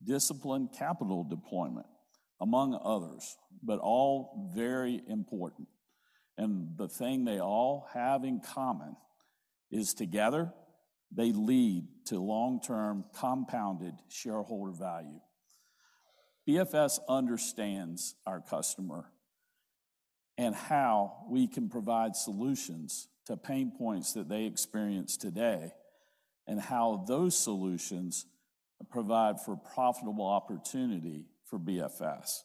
disciplined capital deployment, among others, but all very important. The thing they all have in common is together, they lead to long-term compounded shareholder value. BFS understands our customer and how we can provide solutions to pain points that they experience today, and how those solutions provide for profitable opportunity for BFS.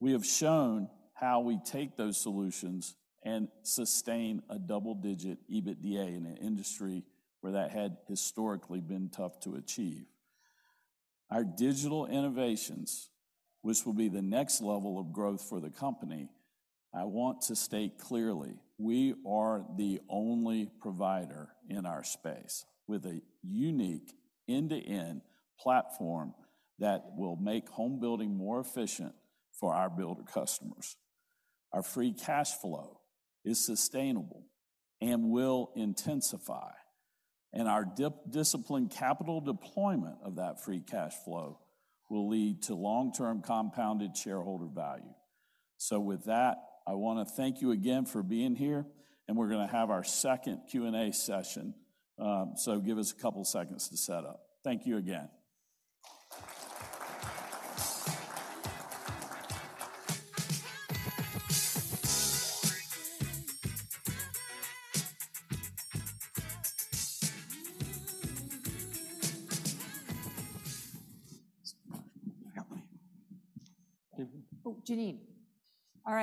We have shown how we take those solutions and sustain a double-digit EBITDA in an industry where that had historically been tough to achieve. Our digital innovations, which will be the next level of growth for the company, I want to state clearly, we are the only provider in our space with a unique end-to-end platform that will make home building more efficient for our builder customers. Our free cash flow is sustainable and will intensify... and our disciplined capital deployment of that free cash flow will lead to long-term compounded shareholder value. With that, I want to thank you again for being here, and we're going to have our second Q&A session. So give us a couple seconds to set up. Thank you again.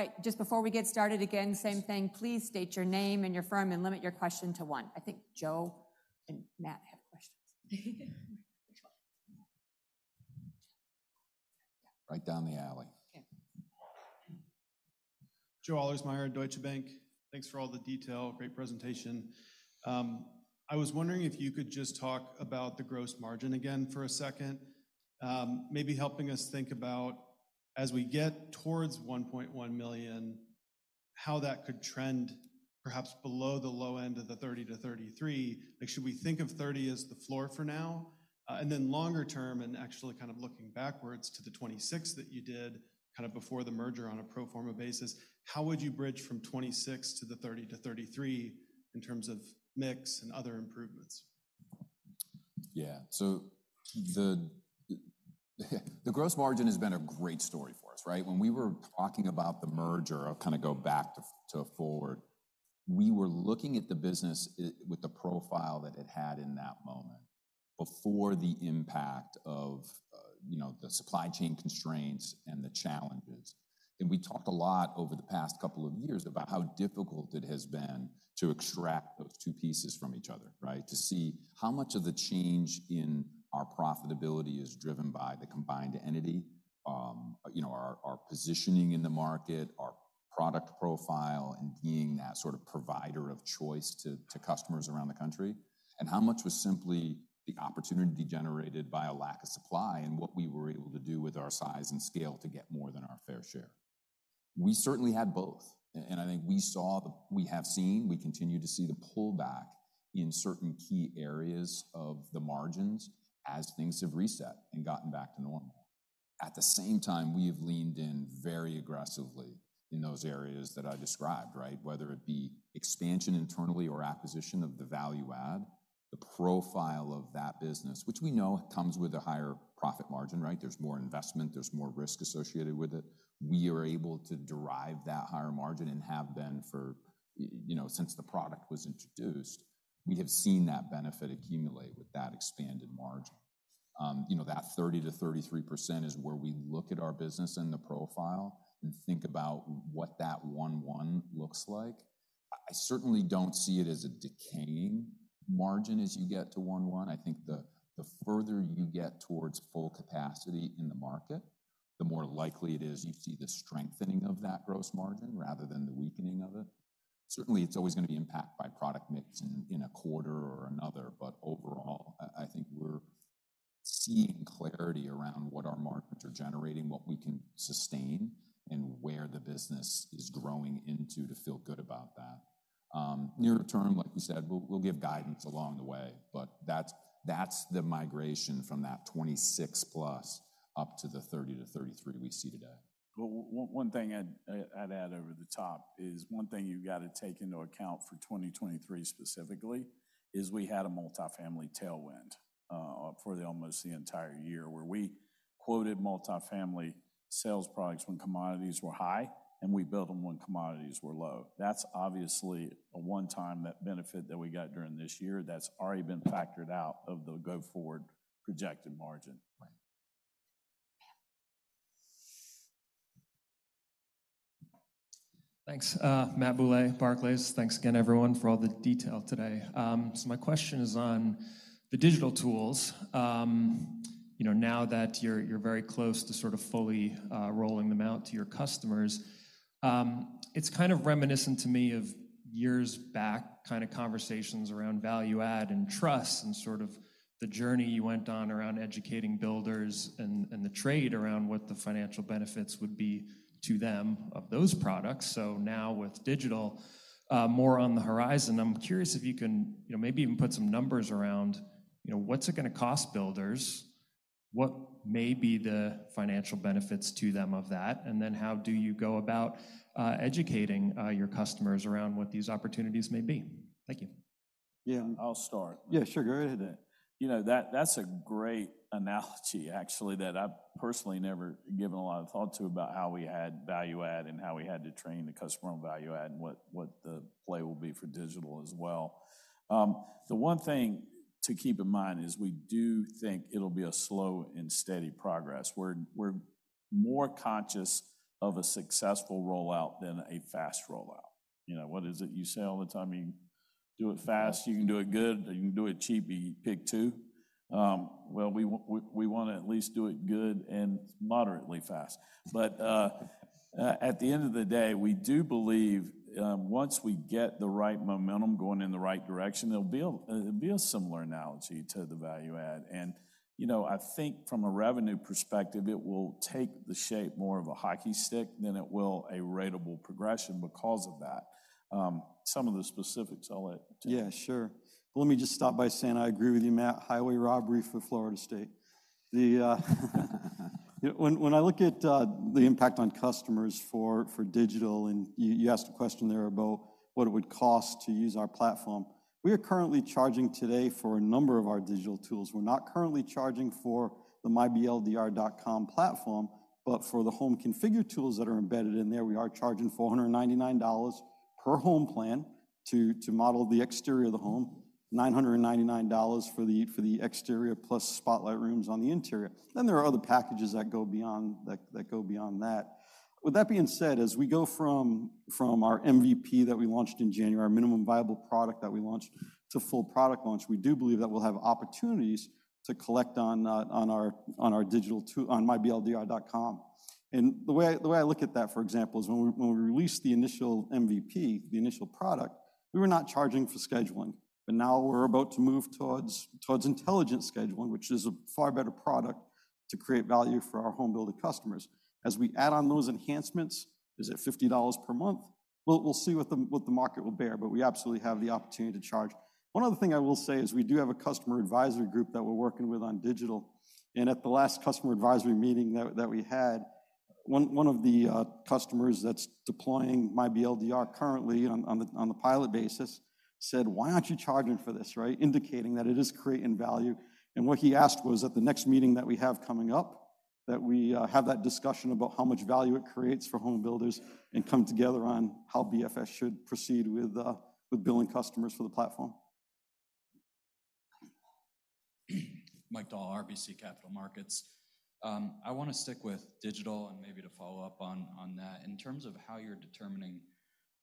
Oh, Janine. All right, just before we get started again, same thing, please state your name and your firm, and limit your question to one. I think Joe and Matt have questions. Right down the alley. Yeah. Joe Ahlersmeyer at Deutsche Bank. Thanks for all the detail. Great presentation. I was wondering if you could just talk about the gross margin again for a second. Maybe helping us think about as we get towards $1.1 million, how that could trend perhaps below the low end of the 30%-33%. Like, should we think of 30% as the floor for now? And then longer term, and actually kind of looking backwards to the 26% that you did, kind of before the merger on a pro forma basis, how would you bridge from 26% to the 30%-33% in terms of mix and other improvements? Yeah. So the gross margin has been a great story for us, right? When we were talking about the merger, I'll kind of go back to forward. We were looking at the business with the profile that it had in that moment, before the impact of, you know, the supply chain constraints and the challenges. And we talked a lot over the past couple of years about how difficult it has been to extract those two pieces from each other, right? To see how much of the change in our profitability is driven by the combined entity, you know, our, our positioning in the market, our product profile, and being that sort of provider of choice to, to customers around the country, and how much was simply the opportunity generated by a lack of supply, and what we were able to do with our size and scale to get more than our fair share. We certainly had both, and, and I think we have seen, we continue to see the pullback in certain key areas of the margins as things have reset and gotten back to normal. At the same time, we have leaned in very aggressively in those areas that I described, right? Whether it be expansion internally or acquisition of the value add, the profile of that business, which we know comes with a higher profit margin, right? There's more investment, there's more risk associated with it. We are able to derive that higher margin and have been for, you know, since the product was introduced. We have seen that benefit accumulate with that expanded margin. You know, that 30%-33% is where we look at our business and the profile and think about what that one one looks like. I certainly don't see it as a decaying margin as you get to one one. I think the further you get towards full capacity in the market, the more likely it is you see the strengthening of that gross margin rather than the weakening of it. Certainly, it's always going to be impacted by product mix in a quarter or another, but overall, I think we're seeing clarity around what our markets are generating, what we can sustain, and where the business is growing into to feel good about that. Near term, like we said, we'll give guidance along the way, but that's the migration from that 26+ up to the 30-33 we see today. Well, one thing I'd add over the top is one thing you've got to take into account for 2023 specifically, is we had a multifamily tailwind for almost the entire year, where we quoted multifamily sales products when commodities were high, and we built them when commodities were low. That's obviously a one-time benefit that we got during this year that's already been factored out of the go-forward projected margin. Right. Thanks. Matt Bouley, Barclays. Thanks again, everyone, for all the detail today. So my question is on the digital tools. You know, now that you're very close to sort of fully rolling them out to your customers, it's kind of reminiscent to me of years back kind of conversations around value add and truss, and sort of the journey you went on around educating builders and the trade around what the financial benefits would be to them of those products. So now with digital more on the horizon, I'm curious if you can, you know, maybe even put some numbers around, you know, what's it going to cost builders? What may be the financial benefits to them of that, and then how do you go about educating your customers around what these opportunities may be? Thank you. Yeah. I'll start. Yeah, sure. Go ahead then. You know, that, that's a great analogy, actually, that I've personally never given a lot of thought to, about how we add value add, and how we had to train the customer on value add, and what, what the play will be for digital as well. The one thing to keep in mind is we do think it'll be a slow and steady progress. We're, we're more conscious of a successful rollout than a fast rollout. You know, what is it you say all the time? You do it fast, you can do it good, or you can do it cheap, you pick two. Well, we want to at least do it good and moderately fast. But, at the end of the day, we do believe, once we get the right momentum going in the right direction, there'll be a, it'll be a similar-... analogy to the value add. You know, I think from a revenue perspective, it will take the shape more of a hockey stick than it will a ratable progression because of that. Some of the specifics, I'll let Tim- Yeah, sure. Let me just stop by saying I agree with you, Matt, highway robbery for Florida State. The, you know, when, when I look at, the impact on customers for, for digital, and you, you asked a question there about what it would cost to use our platform. We are currently charging today for a number of our digital tools. We're not currently charging for the myBLDR.com platform, but for the Home Configure tools that are embedded in there, we are charging $499 per home plan to, to model the exterior of the home, $999 for the, for the exterior, plus Spotlight rooms on the interior. Then there are other packages that go beyond, that, that go beyond that. With that being said, as we go from our MVP that we launched in January, our minimum viable product that we launched, to full product launch, we do believe that we'll have opportunities to collect on our digital tool, on myBLDR.com. And the way I look at that, for example, is when we released the initial MVP, the initial product, we were not charging for scheduling, but now we're about to move towards intelligent scheduling, which is a far better product to create value for our home builder customers. As we add on those enhancements, is it $50 per month? We'll see what the market will bear, but we absolutely have the opportunity to charge. One other thing I will say is we do have a customer advisory group that we're working with on digital, and at the last customer advisory meeting that we had, one of the customers that's deploying myBLDR currently on a pilot basis, said: "Why aren't you charging for this?" Right? Indicating that it is creating value. And what he asked was at the next meeting that we have coming up, that we have that discussion about how much value it creates for home builders and come together on how BFS should proceed with billing customers for the platform. Mike Dahl, RBC Capital Markets. I wanna stick with digital and maybe to follow up on, on that. In terms of how you're determining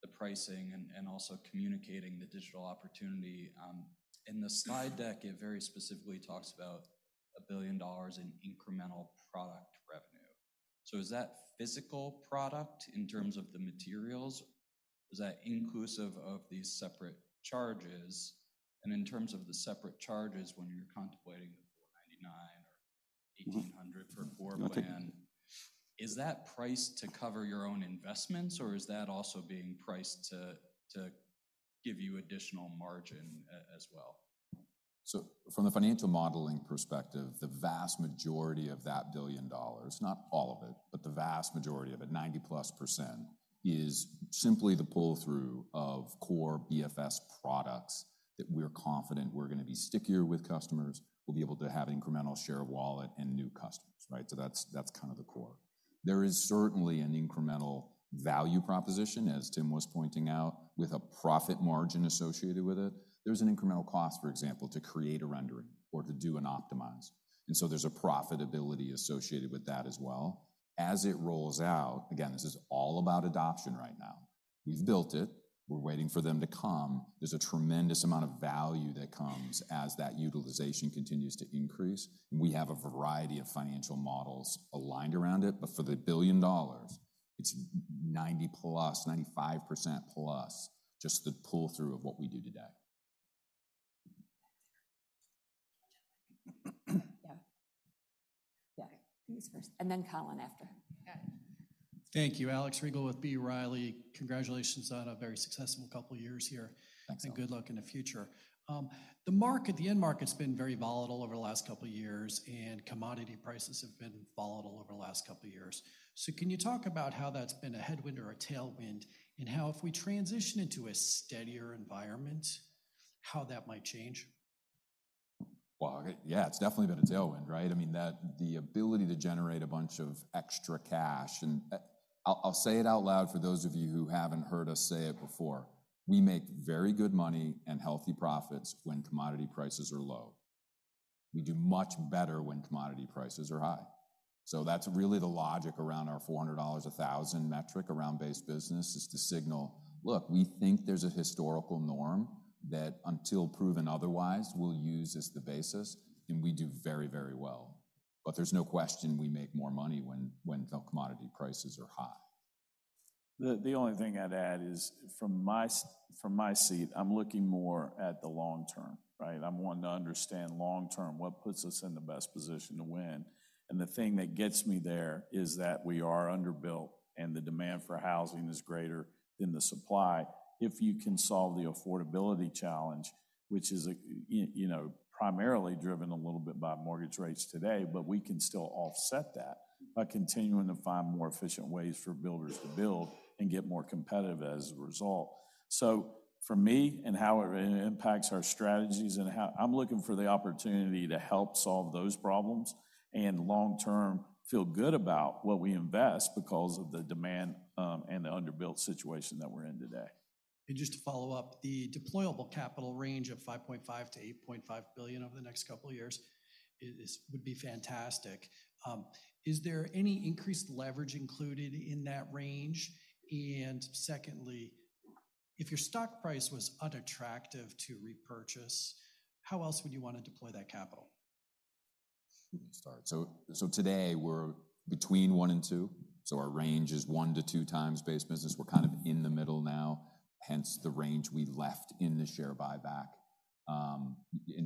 the pricing and, and also communicating the digital opportunity, in the slide deck, it very specifically talks about $1 billion in incremental product revenue. So is that physical product in terms of the materials, is that inclusive of these separate charges? And in terms of the separate charges, when you're contemplating the $499 or $1,800 for a core plan, is that priced to cover your own investments, or is that also being priced to, to give you additional margin as well? So from the financial modeling perspective, the vast majority of that $1 billion, not all of it, but the vast majority of it, 90%+, is simply the pull-through of core BFS products that we're confident were gonna be stickier with customers, we'll be able to have incremental share of wallet and new customers, right? So that's, that's kind of the core. There is certainly an incremental value proposition, as Tim was pointing out, with a profit margin associated with it. There's an incremental cost, for example, to create a rendering or to do an optimize, and so there's a profitability associated with that as well. As it rolls out, again, this is all about adoption right now. We've built it, we're waiting for them to come. There's a tremendous amount of value that comes as that utilization continues to increase, and we have a variety of financial models aligned around it, but for the $1 billion, it's 90+, 95%+, just the pull-through of what we do today. Yeah. Yeah, he's first, and then Collin after. Thank you. Alex Rygiel with B. Riley. Congratulations on a very successful couple of years here- Thanks a lot. and good luck in the future. The market, the end market's been very volatile over the last couple of years, and commodity prices have been volatile over the last couple of years. So can you talk about how that's been a headwind or a tailwind, and how, if we transition into a steadier environment, how that might change? Well, yeah, it's definitely been a tailwind, right? I mean, that—the ability to generate a bunch of extra cash, and, I'll say it out loud for those of you who haven't heard us say it before: we make very good money and healthy profits when commodity prices are low. We do much better when commodity prices are high. So that's really the logic around our $400, 1,000 metric around base business, is to signal, "Look, we think there's a historical norm that, until proven otherwise, we'll use as the basis," and we do very, very well. But there's no question we make more money when the commodity prices are high. The only thing I'd add is, from my seat, I'm looking more at the long term, right? I'm wanting to understand long term, what puts us in the best position to win. And the thing that gets me there is that we are underbuilt, and the demand for housing is greater than the supply. If you can solve the affordability challenge, which is, you know, primarily driven a little bit by mortgage rates today, but we can still offset that by continuing to find more efficient ways for builders to build and get more competitive as a result. So for me, and how it impacts our strategies and how... I'm looking for the opportunity to help solve those problems, and long term, feel good about what we invest because of the demand, and the underbuilt situation that we're in today. Just to follow up, the deployable capital range of $5.5 billion-$8.5 billion over the next couple of years is, would be fantastic. Is there any increased leverage included in that range? And secondly, if your stock price was unattractive to repurchase, how else would you want to deploy that capital?... start. So today we're between 1 and 2, so our range is 1-2 times base business. We're kind of in the middle now, hence the range we left in the share buyback.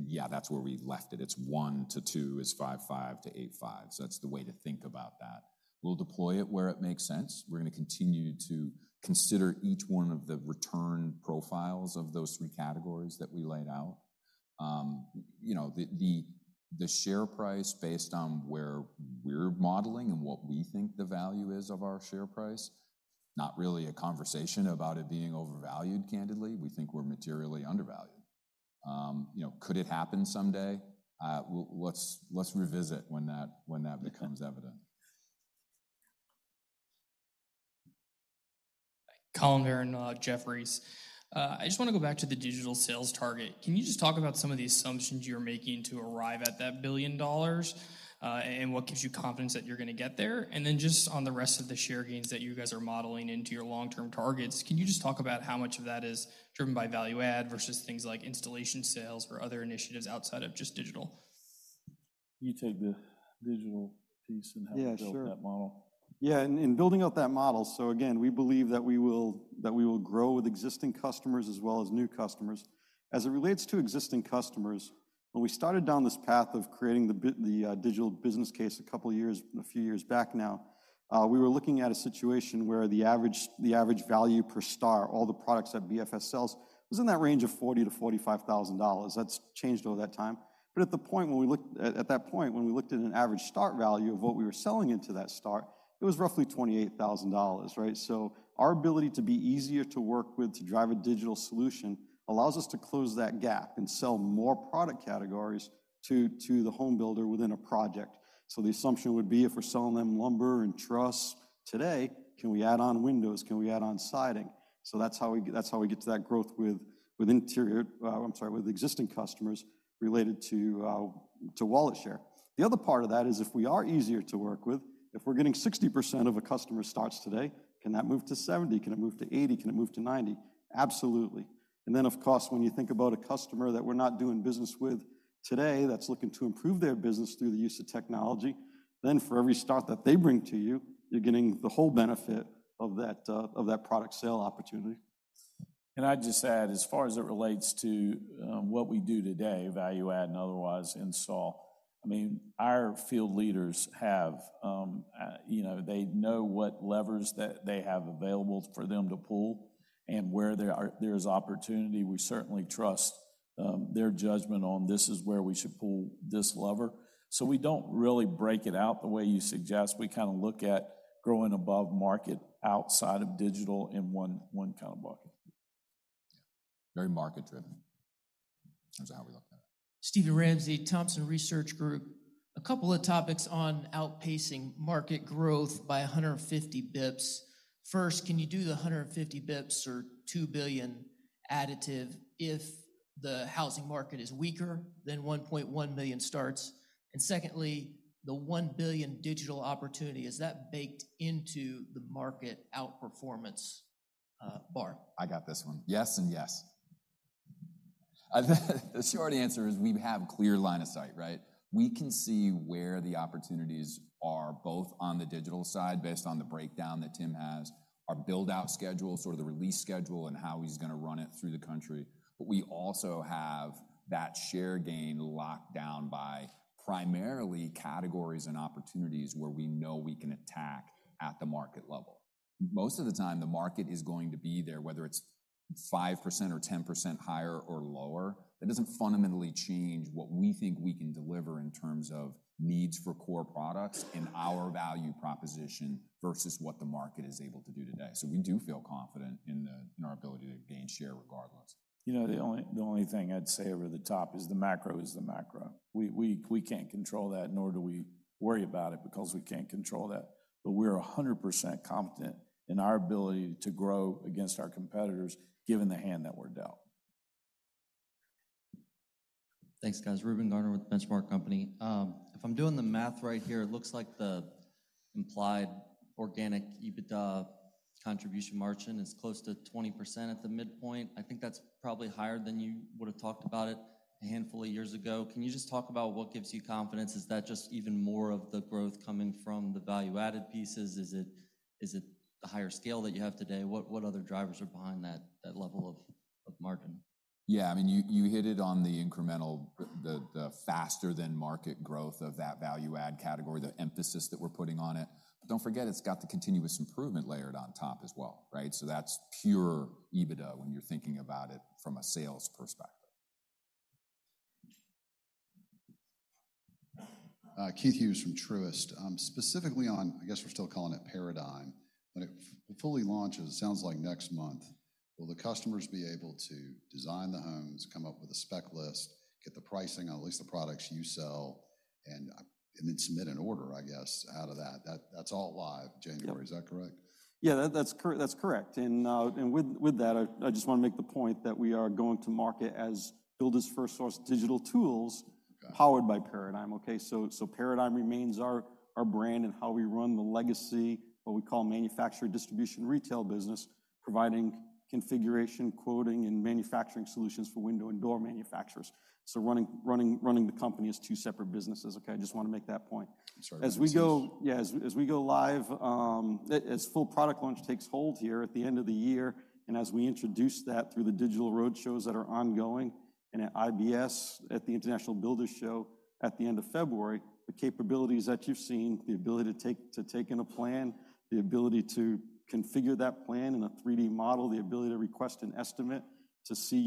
Yeah, that's where we left it. It's 1-2, is 5.5-8.5, so that's the way to think about that. We'll deploy it where it makes sense. We're going to continue to consider each one of the return profiles of those three categories that we laid out. You know, the share price based on where we're modeling and what we think the value is of our share price, not really a conversation about it being overvalued, candidly. We think we're materially undervalued. You know, could it happen someday? Let's revisit when that becomes evident. Collin Verron, Jefferies. I just want to go back to the digital sales target. Can you just talk about some of the assumptions you're making to arrive at that $1 billion, and what gives you confidence that you're going to get there? And then just on the rest of the share gains that you guys are modeling into your long-term targets, can you just talk about how much of that is driven by value add versus things like installation sales or other initiatives outside of just digital? You take the digital piece and how- Yeah, sure. We built that model. Yeah, in building out that model, so again, we believe that we will grow with existing customers as well as new customers. As it relates to existing customers, when we started down this path of creating the digital business case a couple years, a few years back now, we were looking at a situation where the average value per start, all the products that BFS sells, was in that range of $40,000-$45,000. That's changed over that time. But at the point when we looked at that point, when we looked at an average start value of what we were selling into that start, it was roughly $28,000, right? So our ability to be easier to work with to drive a digital solution allows us to close that gap and sell more product categories to, to the home builder within a project. So the assumption would be, if we're selling them lumber and truss today, can we add on windows? Can we add on siding? So that's how we get to that growth with, with interior... I'm sorry, with existing customers related to, to wallet share. The other part of that is, if we are easier to work with, if we're getting 60% of a customer starts today, can that move to 70? Can it move to 80? Can it move to 90? Absolutely. And then, of course, when you think about a customer that we're not doing business with today, that's looking to improve their business through the use of technology, then for every start that they bring to you, you're getting the whole benefit of that, of that product sale opportunity. And I'd just add, as far as it relates to what we do today, value add and otherwise, install. I mean, our field leaders have, you know, they know what levers that they have available for them to pull, and where there is opportunity, we certainly trust their judgment on, "This is where we should pull this lever." So we don't really break it out the way you suggest. We kind of look at growing above market outside of digital in one kind of bucket. Yeah, very market driven, in terms of how we look at it. Steven Ramsey, Thompson Research Group. A couple of topics on outpacing market growth by 150 bips. First, can you do the 150 bips or $2 billion additive if the housing market is weaker than 1.1 million starts? And secondly, the $1 billion digital opportunity, is that baked into the market outperformance bar? I got this one. Yes and yes. The short answer is we have clear line of sight, right? We can see where the opportunities are, both on the digital side, based on the breakdown that Tim has, our build-out schedule, sort of the release schedule and how he's going to run it through the country. But we also have that share gain locked down by primarily categories and opportunities where we know we can attack at the market level. Most of the time, the market is going to be there, whether it's 5% or 10% higher or lower. That doesn't fundamentally change what we think we can deliver in terms of needs for core products and our value proposition versus what the market is able to do today. So we do feel confident in our ability to gain share, regardless. You know, the only thing I'd say over the top is the macro is the macro. We can't control that, nor do we worry about it, because we can't control that. But we're 100% confident in our ability to grow against our competitors, given the hand that we're dealt. Thanks, guys. Reuben Garner with The Benchmark Company. If I'm doing the math right here, it looks like the implied organic EBITDA contribution margin is close to 20% at the midpoint. I think that's probably higher than you would have talked about it a handful of years ago. Can you just talk about what gives you confidence? Is that just even more of the growth coming from the value-added pieces? Is it, is it the higher scale that you have today? What, what other drivers are behind that, that level of, of margin? Yeah, I mean, you hit it on the incremental, the faster-than-market growth of that value add category, the emphasis that we're putting on it. But don't forget, it's got the continuous improvement layered on top as well, right? So that's pure EBITDA when you're thinking about it from a sales perspective. Keith Hughes from Truist. Specifically on, I guess we're still calling it Paradigm, when it fully launches, it sounds like next month, will the customers be able to design the homes, come up with a spec list, get the pricing on at least the products you sell, and then submit an order, I guess, out of that? That's all live January- Yep. Is that correct? Yeah, that's correct. And with that, I just want to make the point that we are going to market as Builders FirstSource digital tools- Okay. -powered by Paradigm, okay? So Paradigm means our brand and how we run the legacy, what we call manufacturer distribution retail business, providing configuration, quoting, and manufacturing solutions for window and door manufacturers. So running the company as two separate businesses, okay? I just want to make that point. I'm sorry. As we go live, as full product launch takes hold here at the end of the year, and as we introduce that through the digital roadshows that are ongoing, and at IBS, at the International Builders' Show at the end of February, the capabilities that you're seeing, the ability to take in a plan, the ability to configure that plan in a 3D model, the ability to request an estimate, to see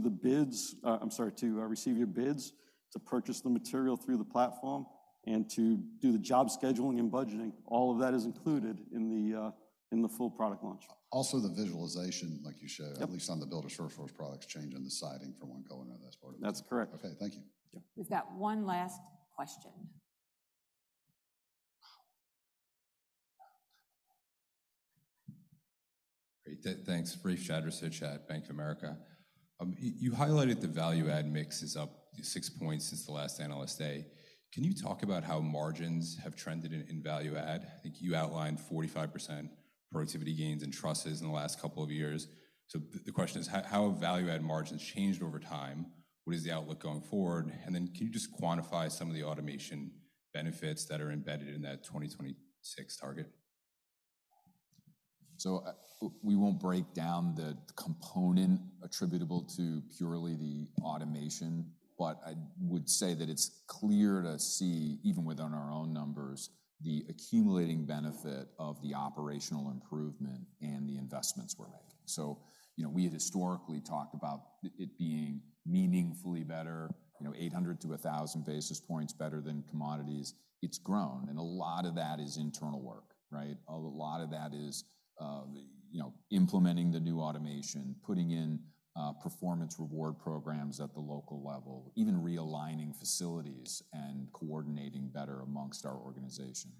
the bids, I'm sorry, to receive your bids, to purchase the material through the platform, and to do the job scheduling and budgeting, all of that is included in the full product launch. Also, the visualization, like you showed- Yep. - at least on the Builders FirstSource products, change on the siding from one color, that's part of it. That's correct. Okay, thank you. Yeah. We've got one last question. Great. Thanks. Rafe Jadrosich, analyst at Bank of America. You highlighted the value add mix is up 6 points since the last analyst day. Can you talk about how margins have trended in value add? I think you outlined 45% productivity gains in trusses in the last couple of years. So the question is: How have value add margins changed over time? What is the outlook going forward? And then can you just quantify some of the automation benefits that are embedded in that 2026 target? So, we won't break down the component attributable to purely the automation, but I would say that it's clear to see, even within our own numbers, the accumulating benefit of the operational improvement and the investments we're making. So, you know, we had historically talked about it, it being meaningfully better, you know, 800-1,000 basis points better than commodities. It's grown, and a lot of that is internal work, right? A lot of that is, you know, implementing the new automation, putting in, performance reward programs at the local level, even realigning facilities and coordinating better amongst our organization.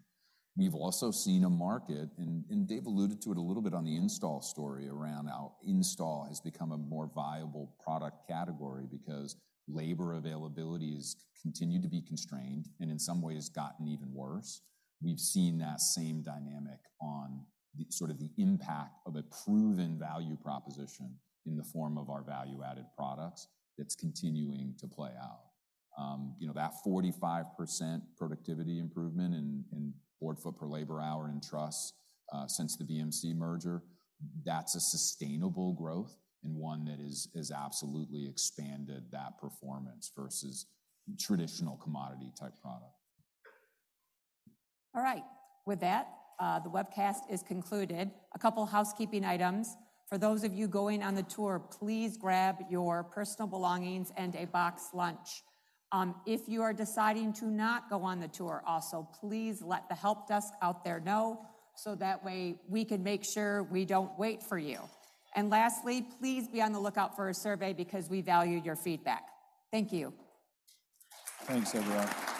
We've also seen a market, and, and Dave alluded to it a little bit on the install story, around how install has become a more viable product category because labor availabilities continue to be constrained, and in some ways, gotten even worse. We've seen that same dynamic on the sort of the impact of a proven value proposition in the form of our value-added products that's continuing to play out. You know, that 45% productivity improvement in board foot per labor hour in truss since the BMC merger, that's a sustainable growth and one that is absolutely expanded that performance versus traditional commodity type product. All right. With that, the webcast is concluded. A couple housekeeping items. For those of you going on the tour, please grab your personal belongings and a boxed lunch. If you are deciding to not go on the tour, also, please let the help desk out there know, so that way, we can make sure we don't wait for you. And lastly, please be on the lookout for a survey because we value your feedback. Thank you. Thanks, everyone.